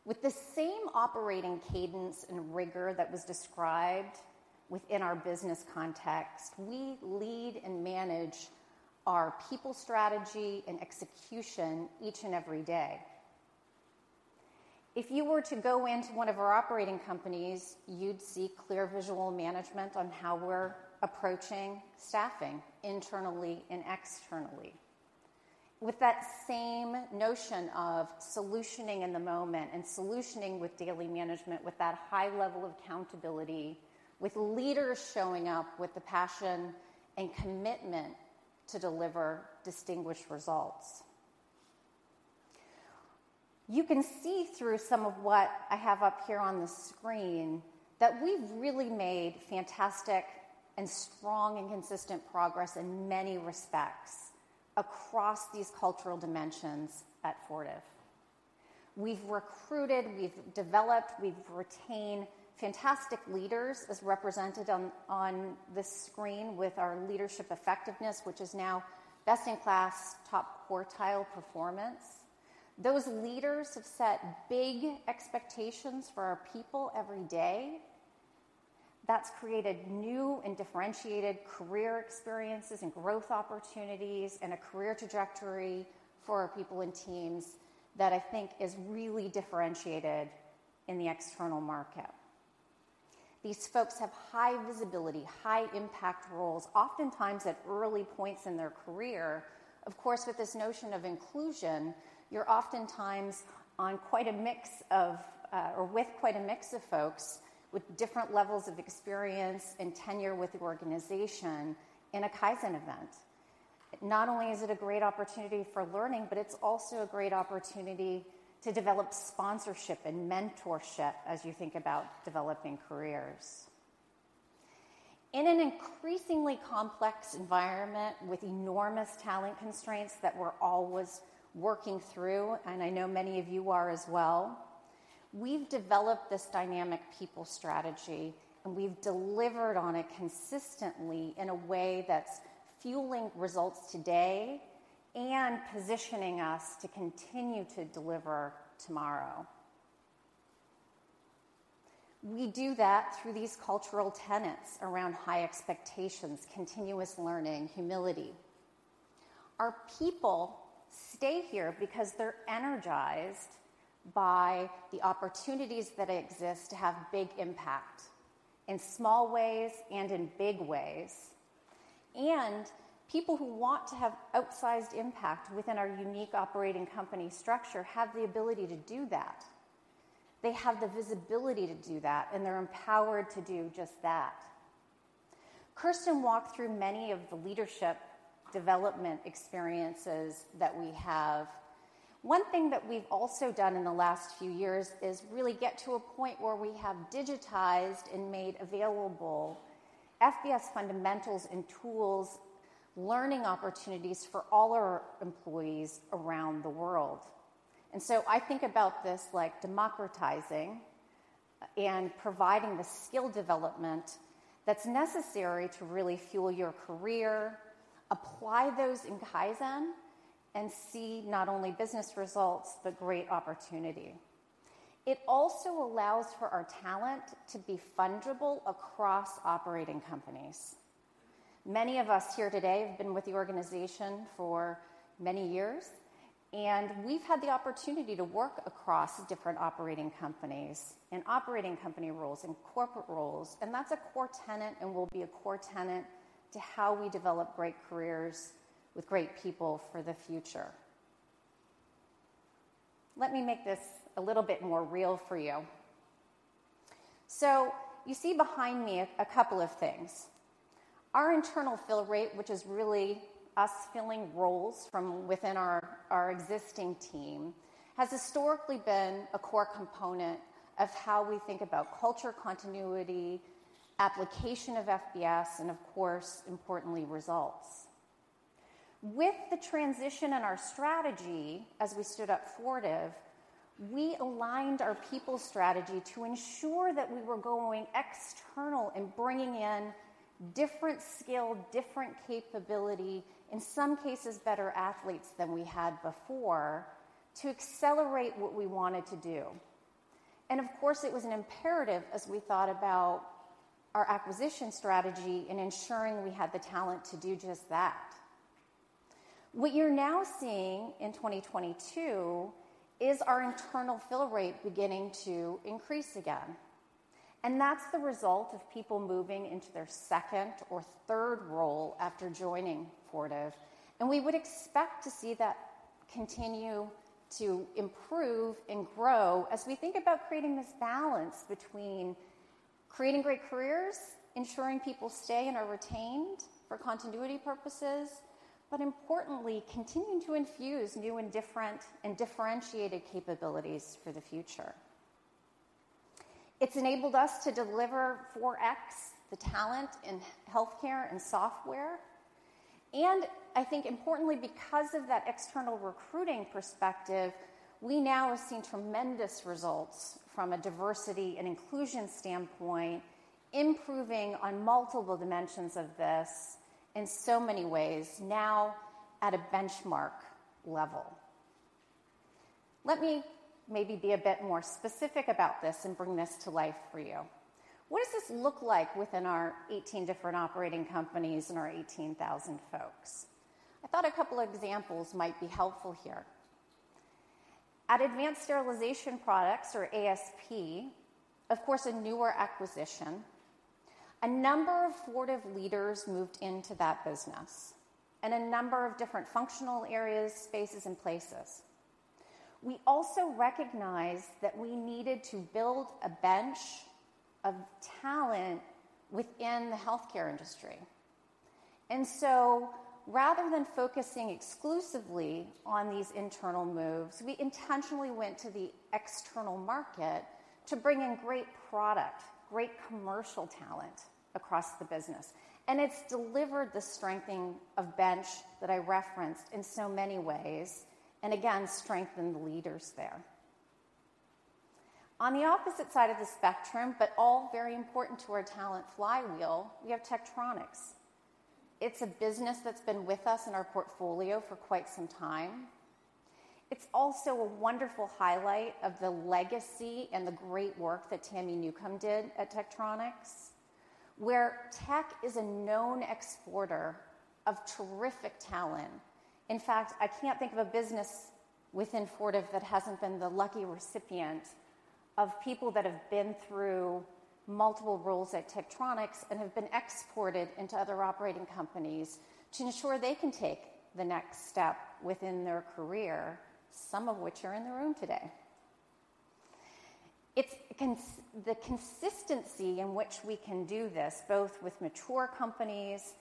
With the same operating cadence and rigor that was described within our business context, we lead and manage our people strategy and execution each and every day. If you were to go into one of our operating companies, you'd see clear visual management on how we're approaching staffing internally and externally. With that same notion of solutioning in the moment and solutioning with Daily Management, with that high level of accountability, with leaders showing up with the passion and commitment to deliver distinguished results. You can see through some of what I have up here on the screen, that we've really made fantastic and strong and consistent progress in many respects across these cultural dimensions at Fortive. We've recruited, we've developed, we've retained fantastic leaders, as represented on this screen with our leadership effectiveness, which is now best-in-class, top-quartile performance. Those leaders have set big expectations for our people every day. That's created new and differentiated career experiences and growth opportunities, and a career trajectory for our people and teams that I think is really differentiated in the external market. These folks have high visibility, high impact roles, oftentimes at early points in their career. Of course, with this notion of inclusion, you're oftentimes on quite a mix of, or with quite a mix of folks with different levels of experience and tenure with the organization in a Kaizen event. Not only is it a great opportunity for learning, but it's also a great opportunity to develop sponsorship and mentorship as you think about developing careers. In an increasingly complex environment with enormous talent constraints that we're always working through, and I know many of you are as well, we've developed this dynamic people strategy, and we've delivered on it consistently in a way that's fueling results today and positioning us to continue to deliver tomorrow. We do that through these cultural tenets around high expectations, continuous learning, humility. Our people stay here because they're energized by the opportunities that exist to have big impact in small ways and in big ways, and people who want to have outsized impact within our unique operating company structure have the ability to do that. They have the visibility to do that, and they're empowered to do just that. Kirsten walked through many of the leadership development experiences that we have. One thing that we've also done in the last few years is really get to a point where we have digitized and made available FBS fundamentals and tools, learning opportunities for all our employees around the world. I think about this like democratizing and providing the skill development that's necessary to really fuel your career, apply those in Kaizen, and see not only business results, but great opportunity. It also allows for our talent to be fundable across operating companies. Many of us here today have been with the organization for many years, and we've had the opportunity to work across different operating companies and operating company roles and corporate roles, and that's a core tenet and will be a core tenet to how we develop great careers with great people for the future. Let me make this a little bit more real for you. You see behind me a couple of things. Our internal fill rate, which is really us filling roles from within our existing team, has historically been a core component of how we think about culture continuity, application of FBS, and of course, importantly, results. With the transition in our strategy, as we stood up Fortive, we aligned our people strategy to ensure that we were going external and bringing in different skill, different capability, in some cases, better athletes than we had before, to accelerate what we wanted to do. Of course, it was an imperative as we thought about our acquisition strategy in ensuring we had the talent to do just that. What you're now seeing in 2022 is our internal fill rate beginning to increase again. That's the result of people moving into their second or third role after joining Fortive. We would expect to see that continue to improve and grow as we think about creating this balance between creating great careers, ensuring people stay and are retained for continuity purposes, but importantly, continuing to infuse new and different and differentiated capabilities for the future. It's enabled us to deliver 4x the talent in healthcare and software. I think importantly, because of that external recruiting perspective, we now are seeing tremendous results from a diversity and inclusion standpoint, improving on multiple dimensions of this in so many ways, now at a benchmark level. Let me maybe be a bit more specific about this and bring this to life for you. What does this look like within our 18 different operating companies and our 18,000 folks? I thought a couple of examples might be helpful here. At Advanced Sterilization Products or ASP, of course, a newer acquisition, a number of Fortive leaders moved into that business and a number of different functional areas, spaces, and places. Rather than focusing exclusively on these internal moves, we intentionally went to the external market to bring in great product, great commercial talent across the business, and it's delivered the strengthening of bench that I referenced in so many ways, and again, strengthened the leaders there. On the opposite side of the spectrum, but all very important to our talent flywheel, we have Tektronix. It's a business that's been with us in our portfolio for quite some time. It's also a wonderful highlight of the legacy and the great work that Tami Newcombe did at Tektronix, where Tek is a known exporter of terrific talent. In fact, I can't think of a business within Fortive that hasn't been the lucky recipient of people that have been through multiple roles at Tektronix and have been exported into other operating companies to ensure they can take the next step within their career, some of which are in the room today. It's the consistency in which we can do this, both with mature companies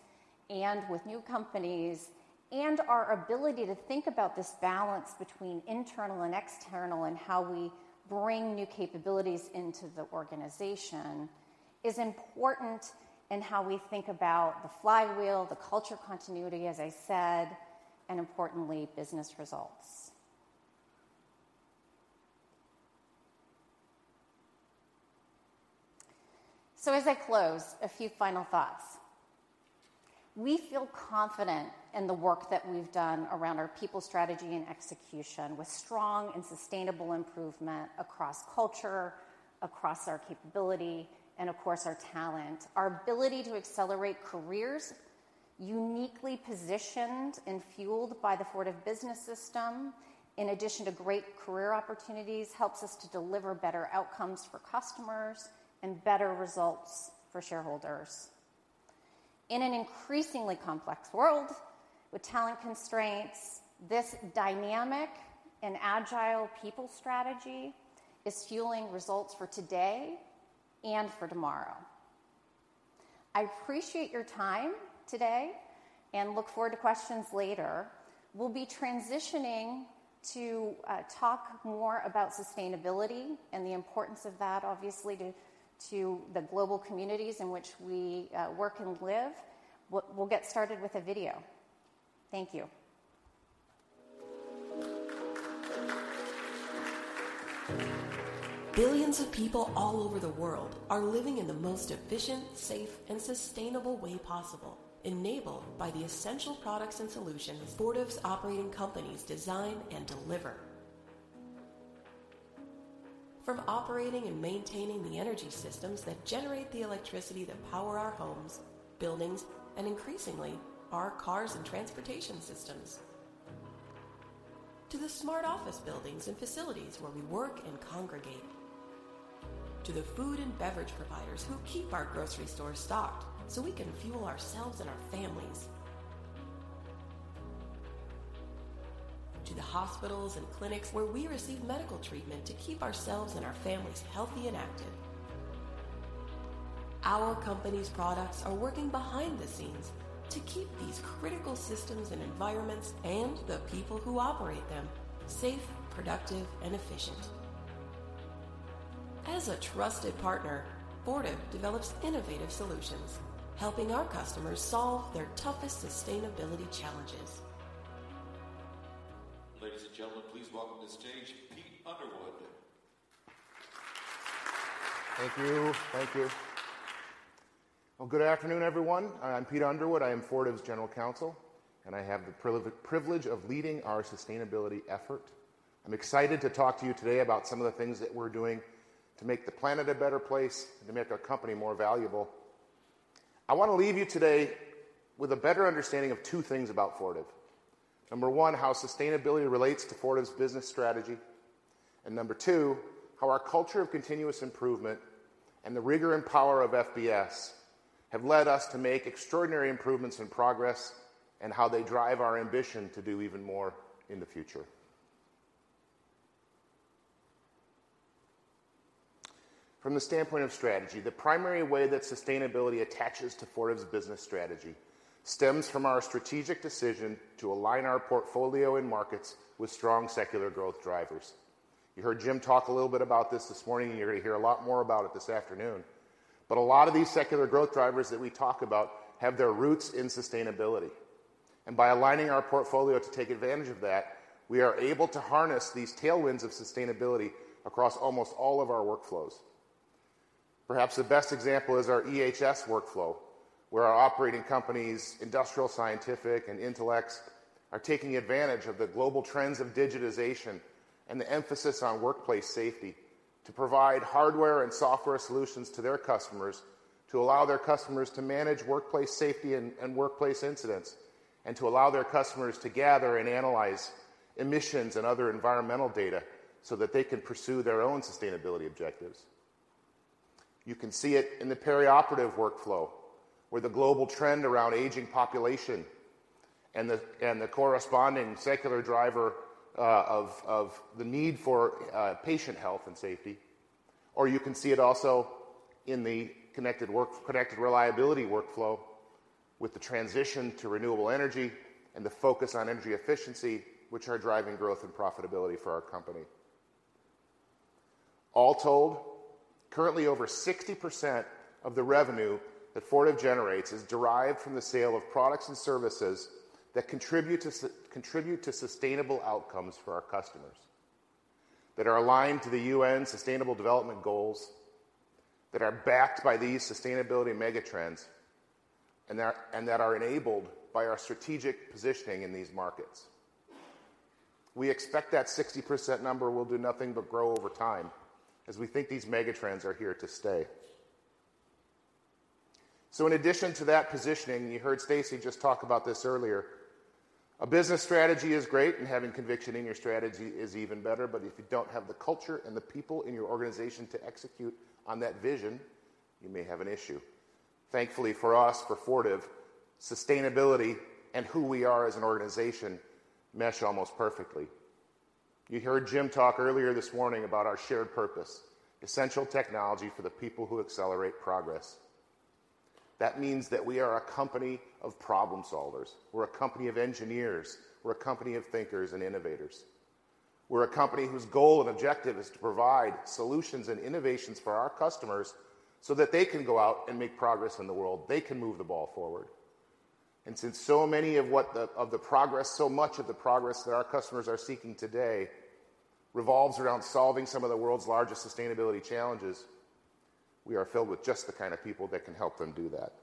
and with new companies, and our ability to think about this balance between internal and external and how we bring new capabilities into the organization, is important in how we think about the flywheel, the culture continuity, as I said, and importantly, business results. As I close, a few final thoughts. We feel confident in the work that we've done around our people strategy and execution, with strong and sustainable improvement across culture, across our capability, and of course, our talent. Our ability to accelerate careers, uniquely positioned and fueled by the Fortive Business System, in addition to great career opportunities, helps us to deliver better outcomes for customers and better results for shareholders. In an increasingly complex world with talent constraints, this dynamic and agile people strategy is fueling results for today and for tomorrow. I appreciate your time today and look forward to questions later. We'll be transitioning to talk more about sustainability and the importance of that, obviously, to the global communities in which we work and live. We'll get started with a video. Thank you. Billions of people all over the world are living in the most efficient, safe, and sustainable way possible, enabled by the essential products and solutions Fortive's operating companies design and deliver. From operating and maintaining the energy systems that generate the electricity that power our homes, buildings, and increasingly, our cars and transportation systems, to the smart office buildings and facilities where we work and congregate, to the food and beverage providers who keep our grocery stores stocked so we can fuel ourselves and our families. To the hospitals and clinics where we receive medical treatment to keep ourselves and our families healthy and active. Our company's products are working behind the scenes to keep these critical systems and environments, and the people who operate them, safe, productive and efficient. As a trusted partner, Fortive develops innovative solutions, helping our customers solve their toughest sustainability challenges. Ladies and gentlemen, please welcome to the stage, Peter Underwood. Thank you. Thank you. Well, good afternoon, everyone. I'm Peter Underwood. I am Fortive's General Counsel, and I have the privilege of leading our sustainability effort. I'm excited to talk to you today about some of the things that we're doing to make the planet a better place and to make our company more valuable. I want to leave you today with a better understanding of two things about Fortive. Number one, how sustainability relates to Fortive's business strategy, and number two, how our culture of continuous improvement and the rigor and power of FBS have led us to make extraordinary improvements and progress, and how they drive our ambition to do even more in the future. From the standpoint of strategy, the primary way that sustainability attaches to Fortive's business strategy stems from our strategic decision to align our portfolio and markets with strong secular growth drivers. You heard Jim talk a little bit about this this morning, and you're going to hear a lot more about it this afternoon. A lot of these secular growth drivers that we talk about have their roots in sustainability. By aligning our portfolio to take advantage of that, we are able to harness these tailwinds of sustainability across almost all of our workflows. Perhaps the best example is our EHS workflow, where our operating companies, Industrial Scientific and Intelex, are taking advantage of the global trends of digitization and the emphasis on workplace safety to provide hardware and software solutions to their customers, to allow their customers to manage workplace safety and workplace incidents, and to allow their customers to gather and analyze emissions and other environmental data so that they can pursue their own sustainability objectives. You can see it in the perioperative workflow, where the global trend around aging population and the corresponding secular driver of the need for patient health and safety. You can see it also in the Connected Reliability workflow with the transition to renewable energy and the focus on energy efficiency, which are driving growth and profitability for our company. All told, currently, over 60% of the revenue that Fortive generates is derived from the sale of products and services that contribute to sustainable outcomes for our customers, that are aligned to the UN Sustainable Development Goals, that are backed by these sustainability megatrends, and that are enabled by our strategic positioning in these markets. We expect that 60% number will do nothing but grow over time, as we think these megatrends are here to stay. In addition to that positioning, you heard Stacey just talk about this earlier, a business strategy is great, and having conviction in your strategy is even better, but if you don't have the culture and the people in your organization to execute on that vision, you may have an issue. Thankfully, for us, for Fortive, sustainability and who we are as an organization mesh almost perfectly. You heard Jim talk earlier this morning about our shared purpose: essential technology for the people who accelerate progress. That means that we are a company of problem solvers. We're a company of engineers. We're a company of thinkers and innovators. We're a company whose goal and objective is to provide solutions and innovations for our customers so that they can go out and make progress in the world. They can move the ball forward. Since so many of the progress, so much of the progress that our customers are seeking today revolves around solving some of the world's largest sustainability challenges, we are filled with just the kind of people that can help them do that.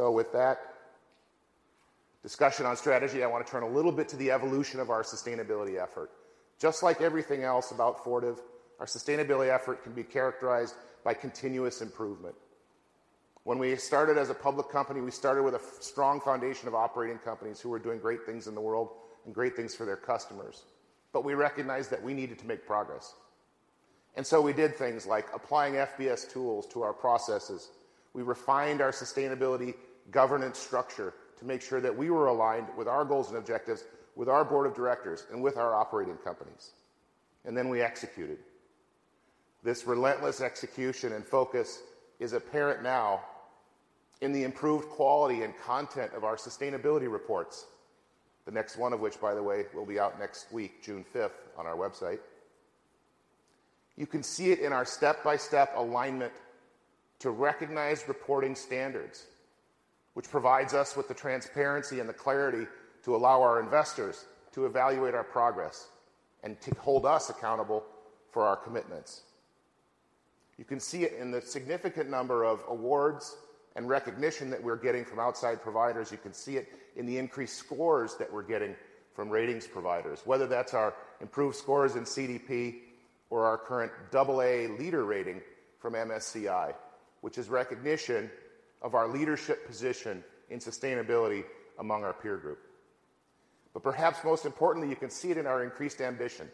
With that discussion on strategy, I wanna turn a little bit to the evolution of our sustainability effort. Just like everything else about Fortive, our sustainability effort can be characterized by continuous improvement. When we started as a public company, we started with a strong foundation of operating companies who were doing great things in the world and great things for their customers, but we recognized that we needed to make progress. We did things like applying FBS tools to our processes. We refined our sustainability governance structure to make sure that we were aligned with our goals and objectives, with our board of directors, and with our operating companies, and then we executed. This relentless execution and focus is apparent now in the improved quality and content of our sustainability reports, the next one of which, by the way, will be out next week, June fifth, on our website. You can see it in our step-by-step alignment to recognize reporting standards, which provides us with the transparency and the clarity to allow our investors to evaluate our progress and to hold us accountable for our commitments. You can see it in the significant number of awards and recognition that we're getting from outside providers. You can see it in the increased scores that we're getting from ratings providers, whether that's our improved scores in CDP or our current AA leader rating from MSCI, which is recognition of our leadership position in sustainability among our peer group. Perhaps most importantly, you can see it in our increased ambition.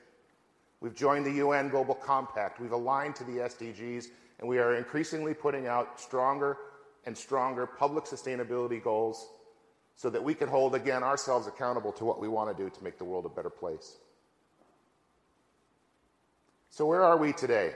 We've joined the UN Global Compact, we've aligned to the SDGs, and we are increasingly putting out stronger and stronger public sustainability goals so that we can hold, again, ourselves accountable to what we wanna do to make the world a better place. Where are we today?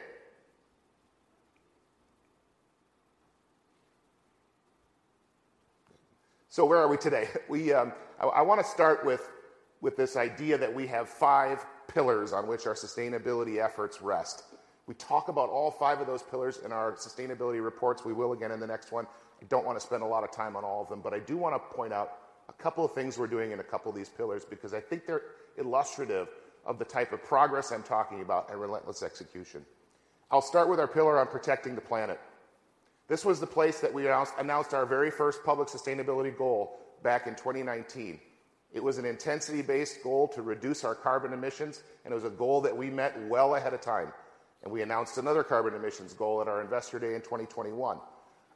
Where are we today? We I wanna start with this idea that we have five pillars on which our sustainability efforts rest. We talk about all five of those pillars in our sustainability reports. We will again in the next one. I don't wanna spend a lot of time on all of them, but I do wanna point out a couple of things we're doing in a couple of these pillars because I think they're illustrative of the type of progress I'm talking about and relentless execution. I'll start with our pillar on protecting the planet. This was the place that we announced our very first public sustainability goal back in 2019. It was an intensity-based goal to reduce our carbon emissions, and it was a goal that we met well ahead of time, and we announced another carbon emissions goal at our Investor Day in 2021,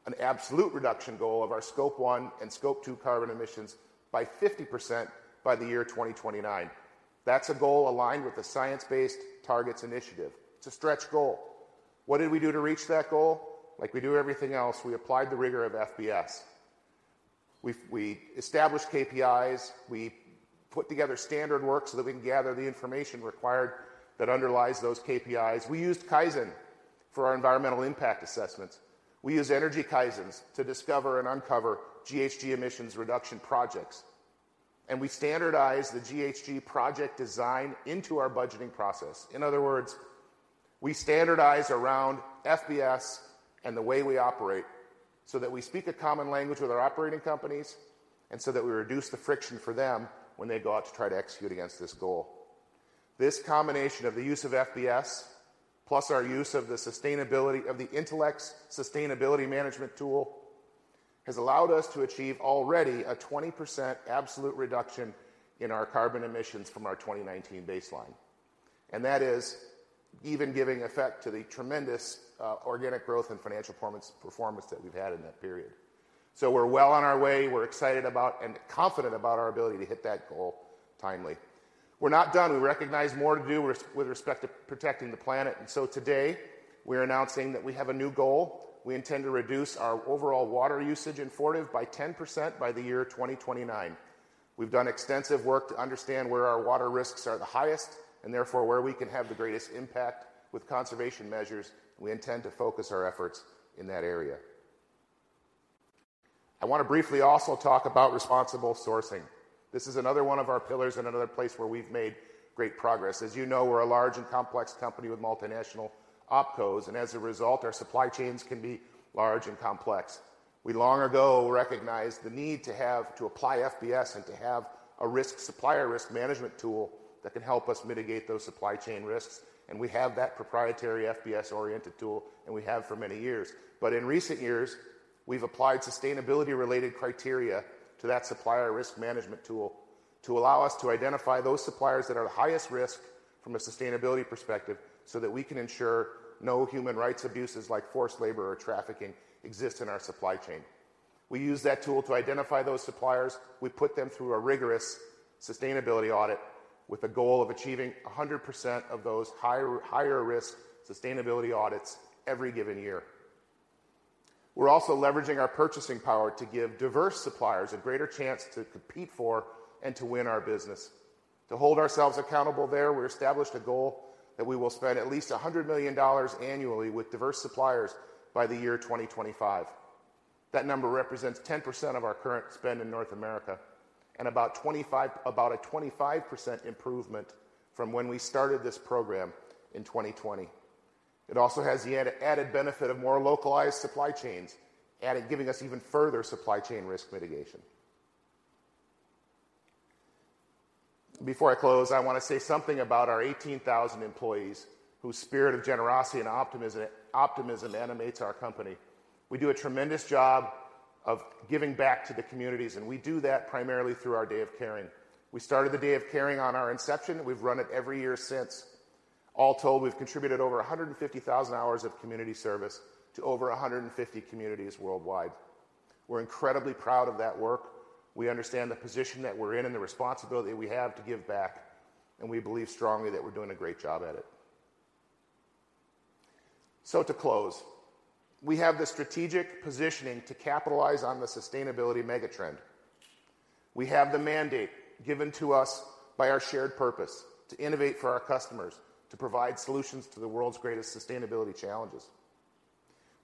an absolute reduction goal of our Scope 1 and Scope 2 carbon emissions by 50% by the year 2029. That's a goal aligned with the Science Based Targets Initiative. It's a stretch goal. What did we do to reach that goal? Like we do everything else, we applied the rigor of FBS. We established KPIs. We put together standard work so that we can gather the information required that underlies those KPIs. We used Kaizen for our environmental impact assessments. We used energy Kaizens to discover and uncover GHG emissions reduction projects, and we standardized the GHG project design into our budgeting process. In other words, we standardize around FBS and the way we operate so that we speak a common language with our operating companies, and so that we reduce the friction for them when they go out to try to execute against this goal. This combination of the use of FBS, plus our use of the Intelex Sustainability Management tool, has allowed us to achieve already a 20% absolute reduction in our carbon emissions from our 2019 baseline. That is even giving effect to the tremendous organic growth and financial performance that we've had in that period. We're well on our way. We're excited about and confident about our ability to hit that goal timely. We're not done. We recognize more to do with respect to protecting the planet, today, we're announcing that we have a new goal. We intend to reduce our overall water usage in Fortive by 10% by the year 2029. We've done extensive work to understand where our water risks are the highest, where we can have the greatest impact with conservation measures. We intend to focus our efforts in that area. I want to briefly also talk about responsible sourcing. This is another one of our pillars and another place where we've made great progress. As you know, we're a large and complex company with multinational opcos, and as a result, our supply chains can be large and complex. We long ago recognized the need to apply FBS and to have a risk, supplier risk management tool that can help us mitigate those supply chain risks, and we have that proprietary FBS-oriented tool, and we have for many years. In recent years, we've applied sustainability-related criteria to that supplier risk management tool to allow us to identify those suppliers that are the highest risk from a sustainability perspective, so that we can ensure no human rights abuses like forced labor or trafficking exist in our supply chain. We use that tool to identify those suppliers. We put them through a rigorous sustainability audit with a goal of achieving 100% of those higher-risk sustainability audits every given year. We're also leveraging our purchasing power to give diverse suppliers a greater chance to compete for and to win our business. To hold ourselves accountable there, we established a goal that we will spend at least $100 million annually with diverse suppliers by the year 2025. That number represents 10% of our current spend in North America and about a 25% improvement from when we started this program in 2020. It also has the added benefit of more localized supply chains, and it giving us even further supply chain risk mitigation. Before I close, I wanna say something about our 18,000 employees, whose spirit of generosity and optimism animates our company. We do a tremendous job of giving back to the communities, and we do that primarily through our Day of Caring. We started the Day of Caring on our inception, and we've run it every year since. All told, we've contributed over 150,000 hours of community service to over 150 communities worldwide. We're incredibly proud of that work. We understand the position that we're in and the responsibility we have to give back, and we believe strongly that we're doing a great job at it. To close, we have the strategic positioning to capitalize on the sustainability mega trend. We have the mandate given to us by our shared purpose: to innovate for our customers, to provide solutions to the world's greatest sustainability challenges.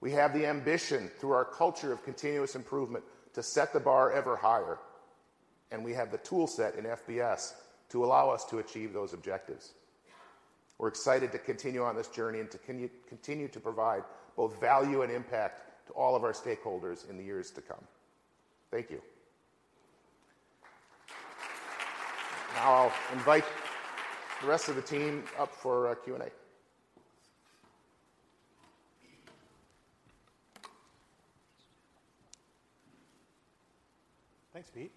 We have the ambition, through our culture of continuous improvement, to set the bar ever higher, and we have the toolset in FBS to allow us to achieve those objectives. We're excited to continue on this journey and to continue to provide both value and impact to all of our stakeholders in the years to come. Thank you. Now I'll invite the rest of the team up for Q&A. Thanks, Pete.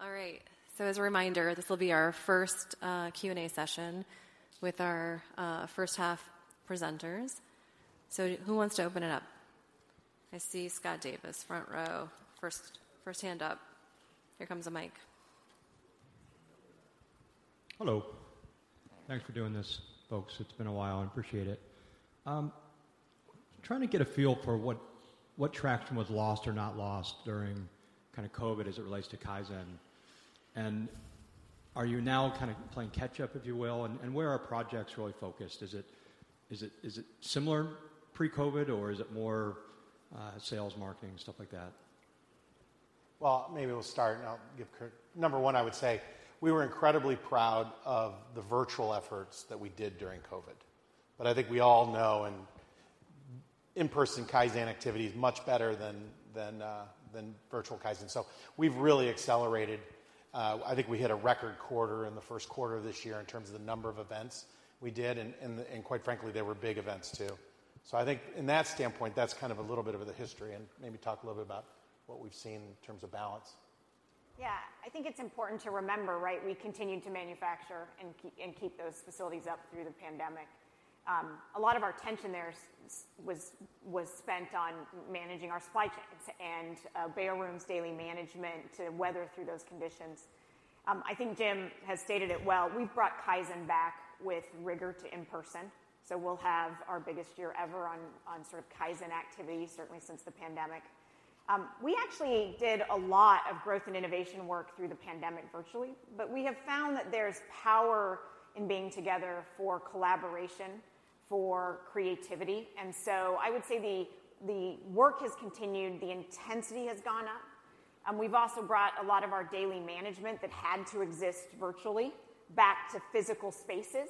All right. As a reminder, this will be our first Q&A session with our first half presenters. Who wants to open it up? I see Scott Davis, front row, first hand up. Here comes a mic. Hello. Thanks for doing this, folks. It's been a while, and I appreciate it. Trying to get a feel for what traction was lost or not lost during kind of COVID as it relates to Kaizen. Are you now kind of playing catch up, if you will, and where are projects really focused? Is it similar pre-COVID, or is it more sales, marketing, stuff like that? Maybe we'll start, and I'll give Kirst. Number one, I would say we were incredibly proud of the virtual efforts that we did during COVID. I think we all know and in-person Kaizen activity is much better than virtual Kaizen. We've really accelerated. I think we hit a record quarter in the first quarter of this year in terms of the number of events we did, and quite frankly, they were big events too. I think in that standpoint, that's kind of a little bit of the history and maybe talk a little bit about what we've seen in terms of balance. I think it's important to remember, right, we continued to manufacture and keep those facilities up through the pandemic. A lot of our attention there was spent on managing our supply chains and bare rooms Daily Management to weather through those conditions. I think Jim has stated it well. We've brought Kaizen back with rigor to in-person, so we'll have our biggest year ever on sort of Kaizen activity, certainly since the pandemic. We actually did a lot of growth and innovation work through the pandemic virtually, but we have found that there's power in being together for collaboration, for creativity. I would say the work has continued, the intensity has gone up. We've also brought a lot of our Daily Management that had to exist virtually back to physical spaces,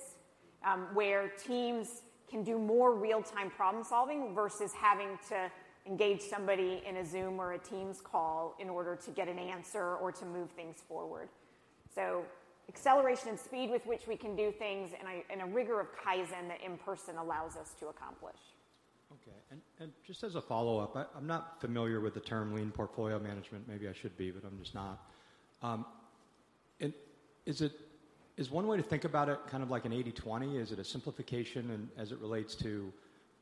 where teams can do more real-time problem-solving versus having to engage somebody in a Zoom or a Teams call in order to get an answer or to move things forward. Acceleration and speed with which we can do things and a rigor of Kaizen that in-person allows us to accomplish. Okay. Just as a follow-up, I'm not familiar with the term Lean Portfolio Management. Maybe I should be, but I'm just not. Is one way to think about it, kind of like an 80/20? Is it a simplification and as it relates to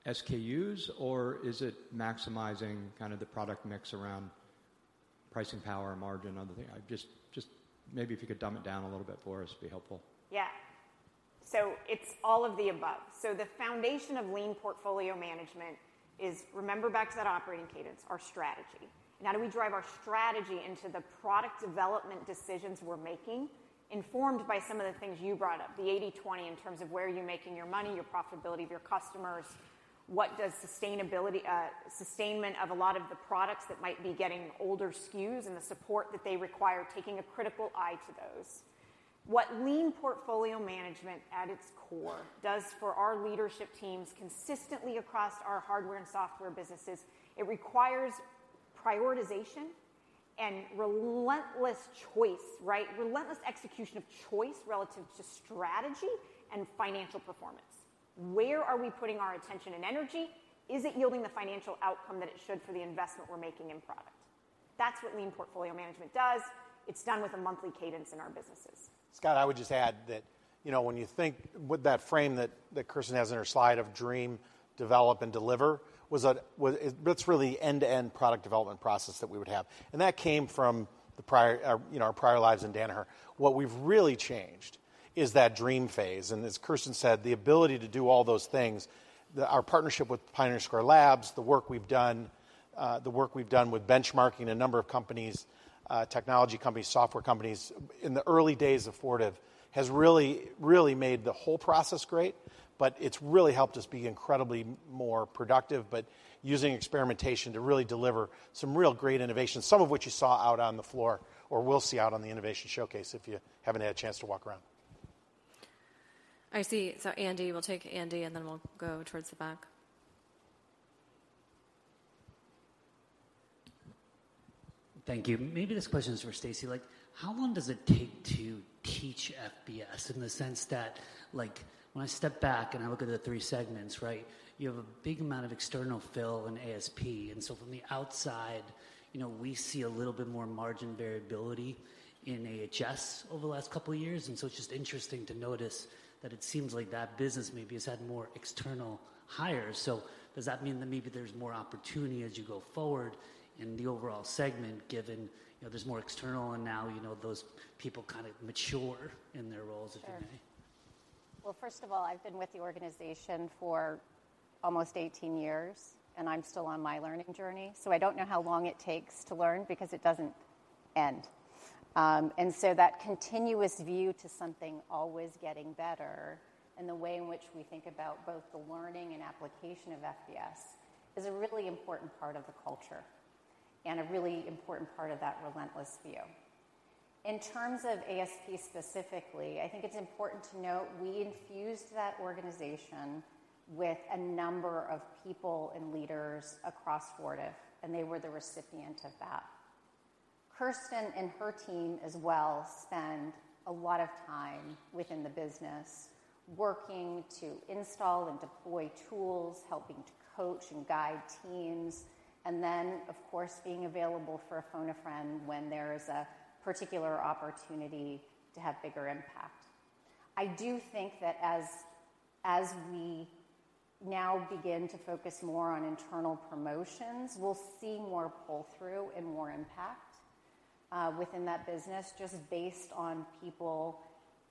SKUs, or is it maximizing kind of the product mix around pricing power, margin, other thing? I just maybe if you could dumb it down a little bit for us, it'd be helpful. Yeah. It's all of the above. The foundation of Lean Portfolio Management is, remember back to that operating cadence, our strategy. How do we drive our strategy into the product development decisions we're making, informed by some of the things you brought up, the 80/20 in terms of where you're making your money, your profitability of your customers, what does sustainability, sustainment of a lot of the products that might be getting older SKUs and the support that they require, taking a critical eye to those. What Lean Portfolio Management at its core does for our leadership teams consistently across our hardware and software businesses, it requires prioritization and relentless choice, right? Relentless execution of choice relative to strategy and financial performance. Where are we putting our attention and energy? Is it yielding the financial outcome that it should for the investment we're making in product? That's what Lean Portfolio Management does. It's done with a monthly cadence in our businesses. Scott, I would just add that, you know, when you think with that frame that Kirsten has in her slide of dream, develop, and deliver, that's really end-to-end product development process that we would have. That came from the prior, you know, our prior lives in Danaher. What we've really changed is that dream phase, and as Kirsten said, the ability to do all those things, the, our partnership with Pioneer Square Labs, the work we've done, the work we've done with benchmarking a number of companies, technology companies, software companies, in the early days of Fortive, has really, really made the whole process great. It's really helped us be incredibly more productive, but using experimentation to really deliver some real great innovations, some of which you saw out on the floor or will see out on the innovation showcase if you haven't had a chance to walk around. I see. Andy, we'll take Andy, and then we'll go towards the back. Thank you. Maybe this question is for Stacey. Like, how long does it take to teach FBS in the sense that, like, when I step back and I look at the three segments, right? You have a big amount of external fill in ASP. From the outside, you know, we see a little bit more margin variability in AHS over the last couple of years. It's just interesting to notice that it seems like that business maybe has had more external hires. Does that mean that maybe there's more opportunity as you go forward in the overall segment, given, you know, there's more external and now, you know, those people kind of mature in their roles, if you may? Sure. First of all, I've been with the organization for almost 18 years, and I'm still on my learning journey, so I don't know how long it takes to learn because it doesn't end. That continuous view to something always getting better and the way in which we think about both the learning and application of FBS is a really important part of the culture and a really important part of that relentless view. In terms of ASP specifically, I think it's important to note we infused that organization with a number of people and leaders across Fortive. They were the recipient of that. Kirsten and her team as well, spend a lot of time within the business, working to install and deploy tools, helping to coach and guide teams, and then, of course, being available for a phone-a-friend when there is a particular opportunity to have bigger impact. I do think that as we now begin to focus more on internal promotions, we'll see more pull-through and more impact within that business, just based on people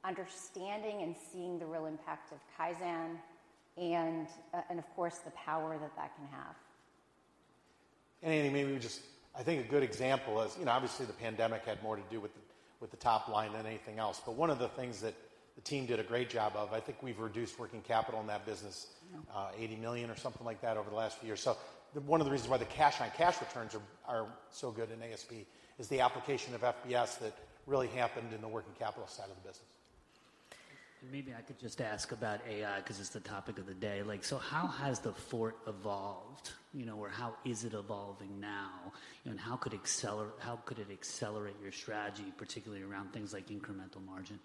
understanding and seeing the real impact of Kaizen and, of course, the power that can have. maybe just... I think a good example is, you know, obviously, the pandemic had more to do with the top line than anything else. One of the things that the team did a great job of, I think we've reduced working capital in that business. Yeah... $80 million or something like that over the last few years. One of the reasons why the cash on cash returns are so good in ASP is the application of FBS that really happened in the working capital side of the business. Maybe I could just ask about AI, because it's the topic of the day. Like, how has the Fort evolved? You know, how is it evolving now? How could it accelerate your strategy, particularly around things like incremental margin?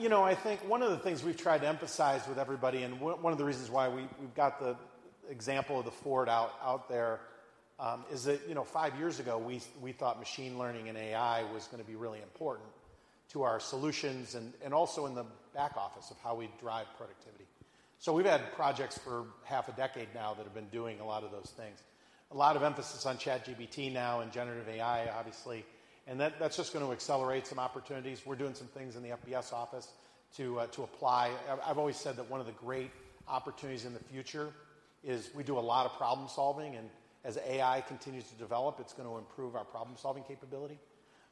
You know, I think one of the things we've tried to emphasize with everybody, and one of the reasons why we've got the example of The Fort out there, is that, you know, 5 years ago, we thought machine learning and AI was going to be really important to our solutions and also in the back office of how we drive productivity. We've had projects for half a decade now that have been doing a lot of those things. A lot of emphasis on ChatGPT now and generative AI, obviously, and that's just going to accelerate some opportunities. We're doing some things in the FBS office to apply. I've always said that one of the great opportunities in the future is we do a lot of problem-solving, and as AI continues to develop, it's going to improve our problem-solving capability.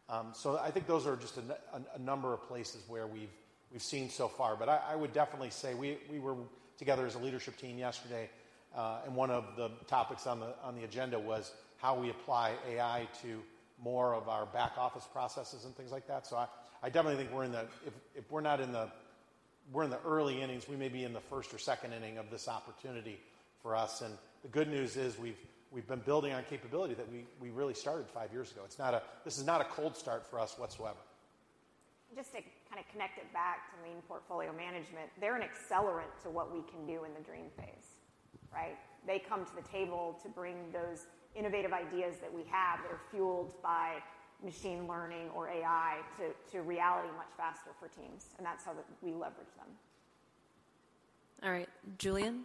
I think those are just a number of places where we've seen so far. I would definitely say we were together as a leadership team yesterday, one of the topics on the agenda was how we apply AI to more of our back-office processes and things like that. I definitely think we're in the early innings, we may be in the first or second inning of this opportunity for us, and the good news is, we've been building on capability that we really started 5 years ago. This is not a cold start for us whatsoever. Just to kind of connect it back to Lean Portfolio Management, they're an accelerant to what we can do in the dream phase, right? They come to the table to bring those innovative ideas that we have that are fueled by machine learning or AI to reality much faster for teams, and that's how we leverage them. All right, Julian? ...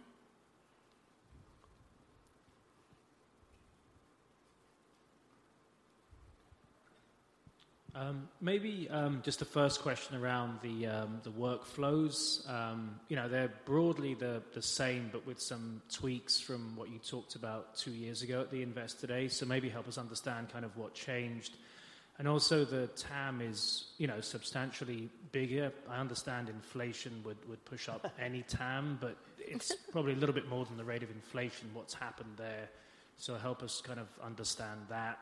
maybe just the first question around the workflows. You know, they're broadly the same, but with some tweaks from what you talked about two years ago at the Invest today. Maybe help us understand kind of what changed. Also the TAM is, you know, substantially bigger. I understand inflation would push up any TAM, but it's probably a little bit more than the rate of inflation, what's happened there. Help us kind of understand that.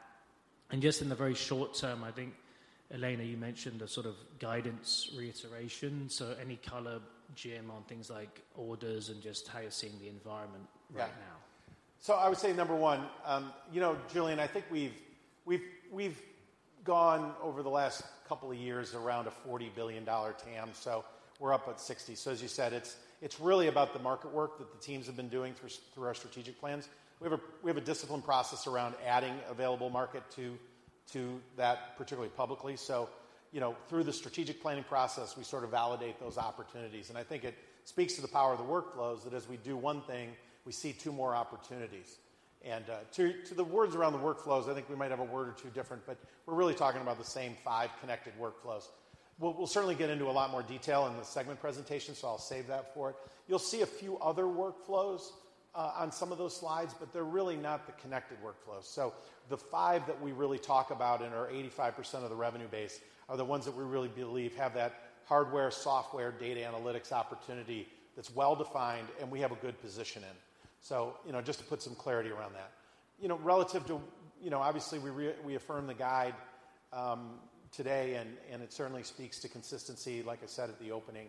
Just in the very short term, I think, Elena, you mentioned a sort of guidance reiteration. Any color, Jim, on things like orders and just how you're seeing the environment right now? I would say, number one, you know, Julian, I think we've gone over the last couple of years around a $40 billion TAM, so we're up at 60. As you said, it's really about the market work that the teams have been doing through our strategic plans. We have a disciplined process around adding available market to that, particularly publicly. You know, through the strategic planning process, we sort of validate those opportunities, and I think it speaks to the power of the workflows that as we do one thing, we see two more opportunities. To the words around the workflows, I think we might have a word or two different, but we're really talking about the same five connected workflows. We'll certainly get into a lot more detail in the segment presentation, so I'll save that for it. You'll see a few other workflows on some of those slides, but they're really not the connected workflows. The five that we really talk about and are 85% of the revenue base are the ones that we really believe have that hardware, software, data analytics opportunity that's well-defined and we have a good position in. You know, just to put some clarity around that. You know, relative to... You know, obviously, we affirm the guide today, and it certainly speaks to consistency, like I said at the opening.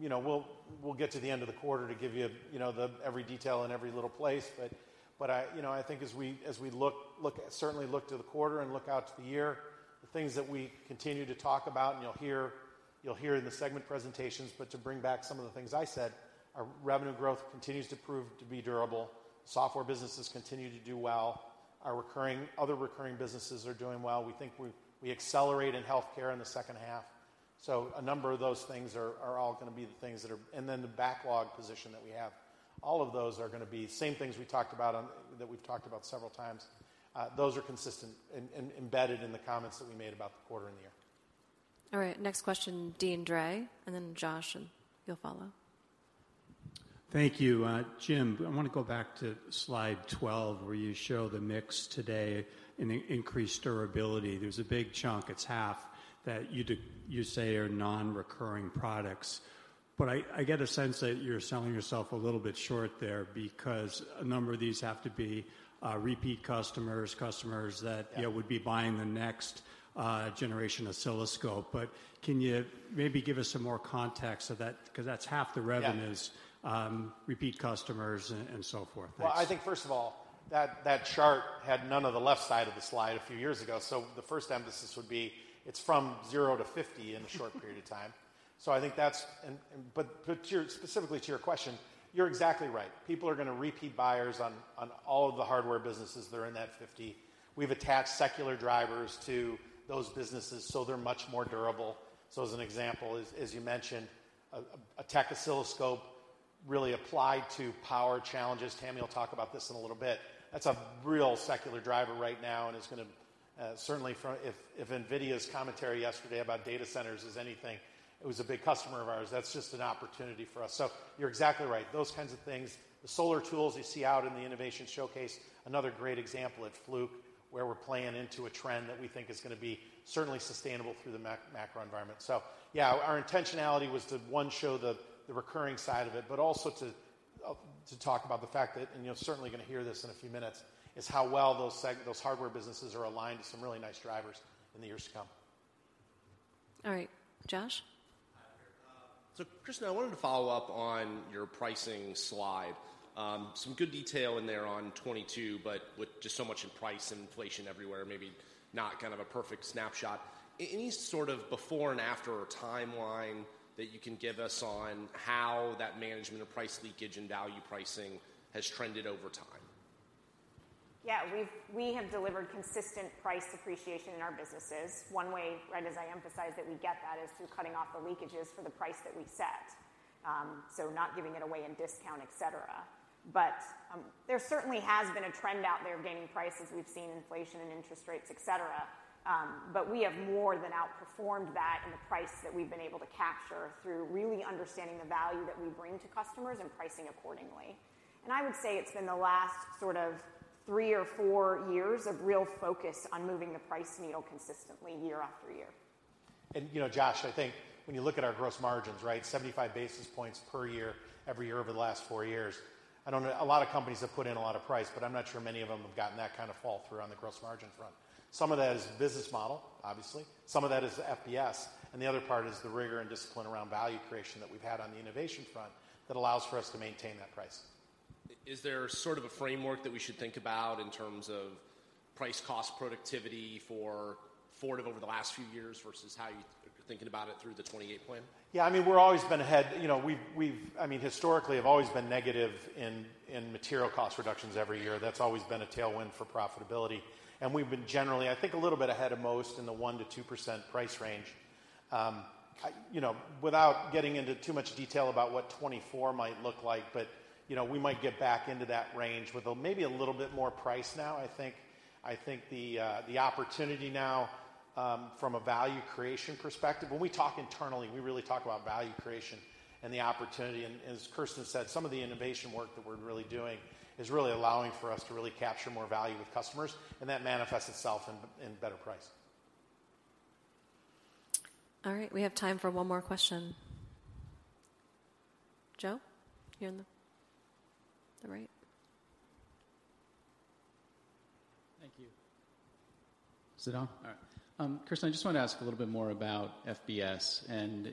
You know, we'll get to the end of the quarter to give you know, the every detail in every little place. I, you know, I think as we certainly look to the quarter and look out to the year, the things that we continue to talk about, and you'll hear in the segment presentations, but to bring back some of the things I said, our revenue growth continues to prove to be durable. Software businesses continue to do well. Our recurring, other recurring businesses are doing well. We think we accelerate in healthcare in the second half. A number of those things are all gonna be the things that are... The backlog position that we have. All of those are gonna be the same things we talked about that we've talked about several times. Those are consistent embedded in the comments that we made about the quarter and the year. All right, next question, Deane Dray, and then Josh, and you'll follow. Thank you. Jim, I wanna go back to slide 12, where you show the mix today and the increased durability. There's a big chunk, it's half, that you say are non-recurring products. I get a sense that you're selling yourself a little bit short there because a number of these have to be repeat customers that, you know, would be buying the next generation oscilloscope. Can you maybe give us some more context of that? 'Cause that's half the revenues. Yeah. repeat customers and so forth. Well, I think first of all, that chart had none of the left side of the slide a few years ago. The first emphasis would be it's from zero to 50 in a short period of time. I think that's. But to your, specifically to your question, you're exactly right. People are gonna repeat buyers on all of the hardware businesses that are in that 50. We've attached secular drivers to those businesses, so they're much more durable. As an example, as you mentioned, a Tektronix oscilloscope really applied to power challenges. Tami will talk about this in a little bit. That's a real secular driver right now and is gonna, if NVIDIA's commentary yesterday about data centers is anything, it was a big customer of ours. That's just an opportunity for us. You're exactly right. Those kinds of things, the solar tools you see out in the innovation showcase, another great example at Fluke, where we're playing into a trend that we think is gonna be certainly sustainable through the macro environment. Yeah, our intentionality was to, one, show the recurring side of it, but also to talk about the fact that, you're certainly gonna hear this in a few minutes, is how well those hardware businesses are aligned to some really nice drivers in the years to come. All right. Josh? Hi there. Kirsten, I wanted to follow up on your pricing slide. Some good detail in there on 22, with just so much in price and inflation everywhere, maybe not kind of a perfect snapshot. Any sort of before and after or timeline that you can give us on how that management of Price Leakage and value pricing has trended over time? Yeah, we have delivered consistent price appreciation in our businesses. One way, right as I emphasized, that we get that is through cutting off the leakages for the price that we set. Not giving it away in discount, et cetera. There certainly has been a trend out there of gaining prices. We've seen inflation and interest rates, et cetera, but we have more than outperformed that in the price that we've been able to capture through really understanding the value that we bring to customers and pricing accordingly. I would say it's been the last sort of three or four years of real focus on moving the price needle consistently year after year. You know, Josh, I think when you look at our gross margins, right, 75 basis points per year, every year over the last four years. I don't know, a lot of companies have put in a lot of price, but I'm not sure many of them have gotten that kind of fall through on the gross margin front. Some of that is business model, obviously, some of that is FBS, and the other part is the rigor and discipline around value creation that we've had on the innovation front that allows for us to maintain that price. Is there sort of a framework that we should think about in terms of price, cost, productivity for over the last few years versus how you're thinking about it through the 2028 plan? Yeah, I mean, we're always been ahead. You know, we've, I mean, historically, have always been negative in material cost reductions every year. That's always been a tailwind for profitability. We've been generally, I think, a little bit ahead of most in the 1%-2% price range. You know, without getting into too much detail about what 2024 might look like, but, you know, we might get back into that range with a maybe a little bit more price now. I think the opportunity now, from a value creation perspective, when we talk internally, we really talk about value creation and the opportunity. As Kirsten said, some of the innovation work that we're really doing is really allowing for us to really capture more value with customers, and that manifests itself in better price. All right, we have time for one more question. Joe, you're on the right. Thank you. Is it on? All right. Kirsten, I just want to ask a little bit more about FBS,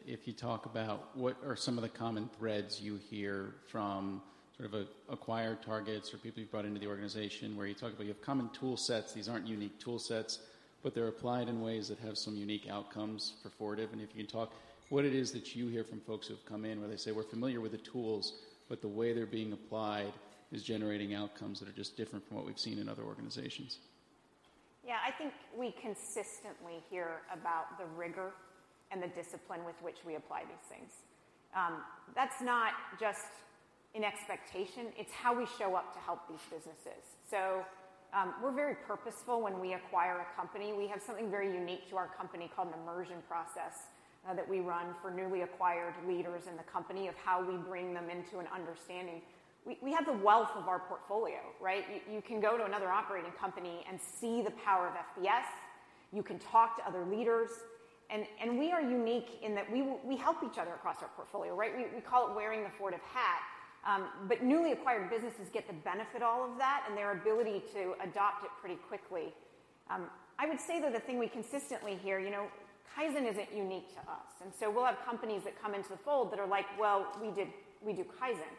if you talk about what are some of the common threads you hear from sort of acquired targets or people you've brought into the organization, where you talk about you have common tool sets, these aren't unique tool sets, but they're applied in ways that have some unique outcomes for Fortive. If you can talk, what it is that you hear from folks who have come in, where they say, "We're familiar with the tools, but the way they're being applied is generating outcomes that are just different from what we've seen in other organizations? Yeah, I think we consistently hear about the rigor and the discipline with which we apply these things. That's not just an expectation, it's how we show up to help these businesses. We're very purposeful when we acquire a company. We have something very unique to our company called an immersion process that we run for newly acquired leaders in the company of how we bring them into an understanding. We have the wealth of our portfolio, right? You can go to another operating company and see the power of FBS. You can talk to other leaders, and we are unique in that we help each other across our portfolio, right? We call it wearing the Fortive hat. Newly acquired businesses get the benefit all of that, and their ability to adopt it pretty quickly. I would say, though, the thing we consistently hear, you know, Kaizen isn't unique to us, and so we'll have companies that come into the fold that are like, "Well, we do Kaizen."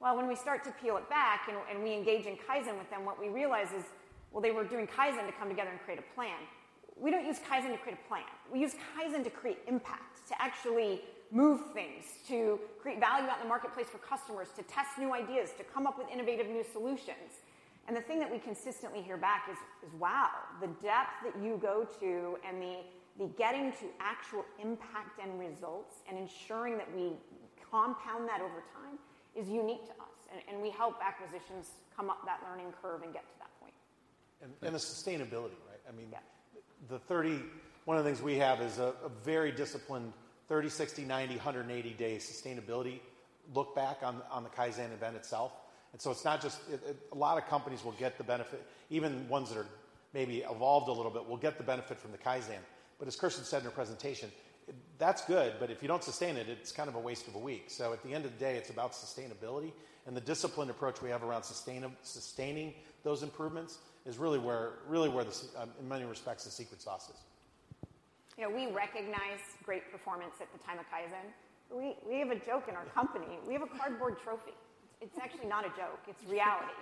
Well, when we start to peel it back and we engage in Kaizen with them, what we realize is, well, they were doing Kaizen to come together and create a plan. We don't use Kaizen to create a plan. We use Kaizen to create impact, to actually move things, to create value out in the marketplace for customers, to test new ideas, to come up with innovative new solutions. The thing that we consistently hear back is: Wow, the depth that you go to and the getting to actual impact and results and ensuring that we compound that over time is unique to us, and we help acquisitions come up that learning curve and get to that point. The sustainability, right? Yeah. One of the things we have is a very disciplined 30, 60, 90, 180-day sustainability look-back on the Kaizen event itself. A lot of companies will get the benefit, even ones that are maybe evolved a little bit, will get the benefit from the Kaizen. As Kirsten said in her presentation, "That's good, but if you don't sustain it's kind of a waste of a week." At the end of the day, it's about sustainability, and the disciplined approach we have around sustaining those improvements is really where, in many respects, the secret sauce is. You know, we recognize great performance at the time of Kaizen. We have a joke in our company. We have a cardboard trophy. It's actually not a joke, it's reality.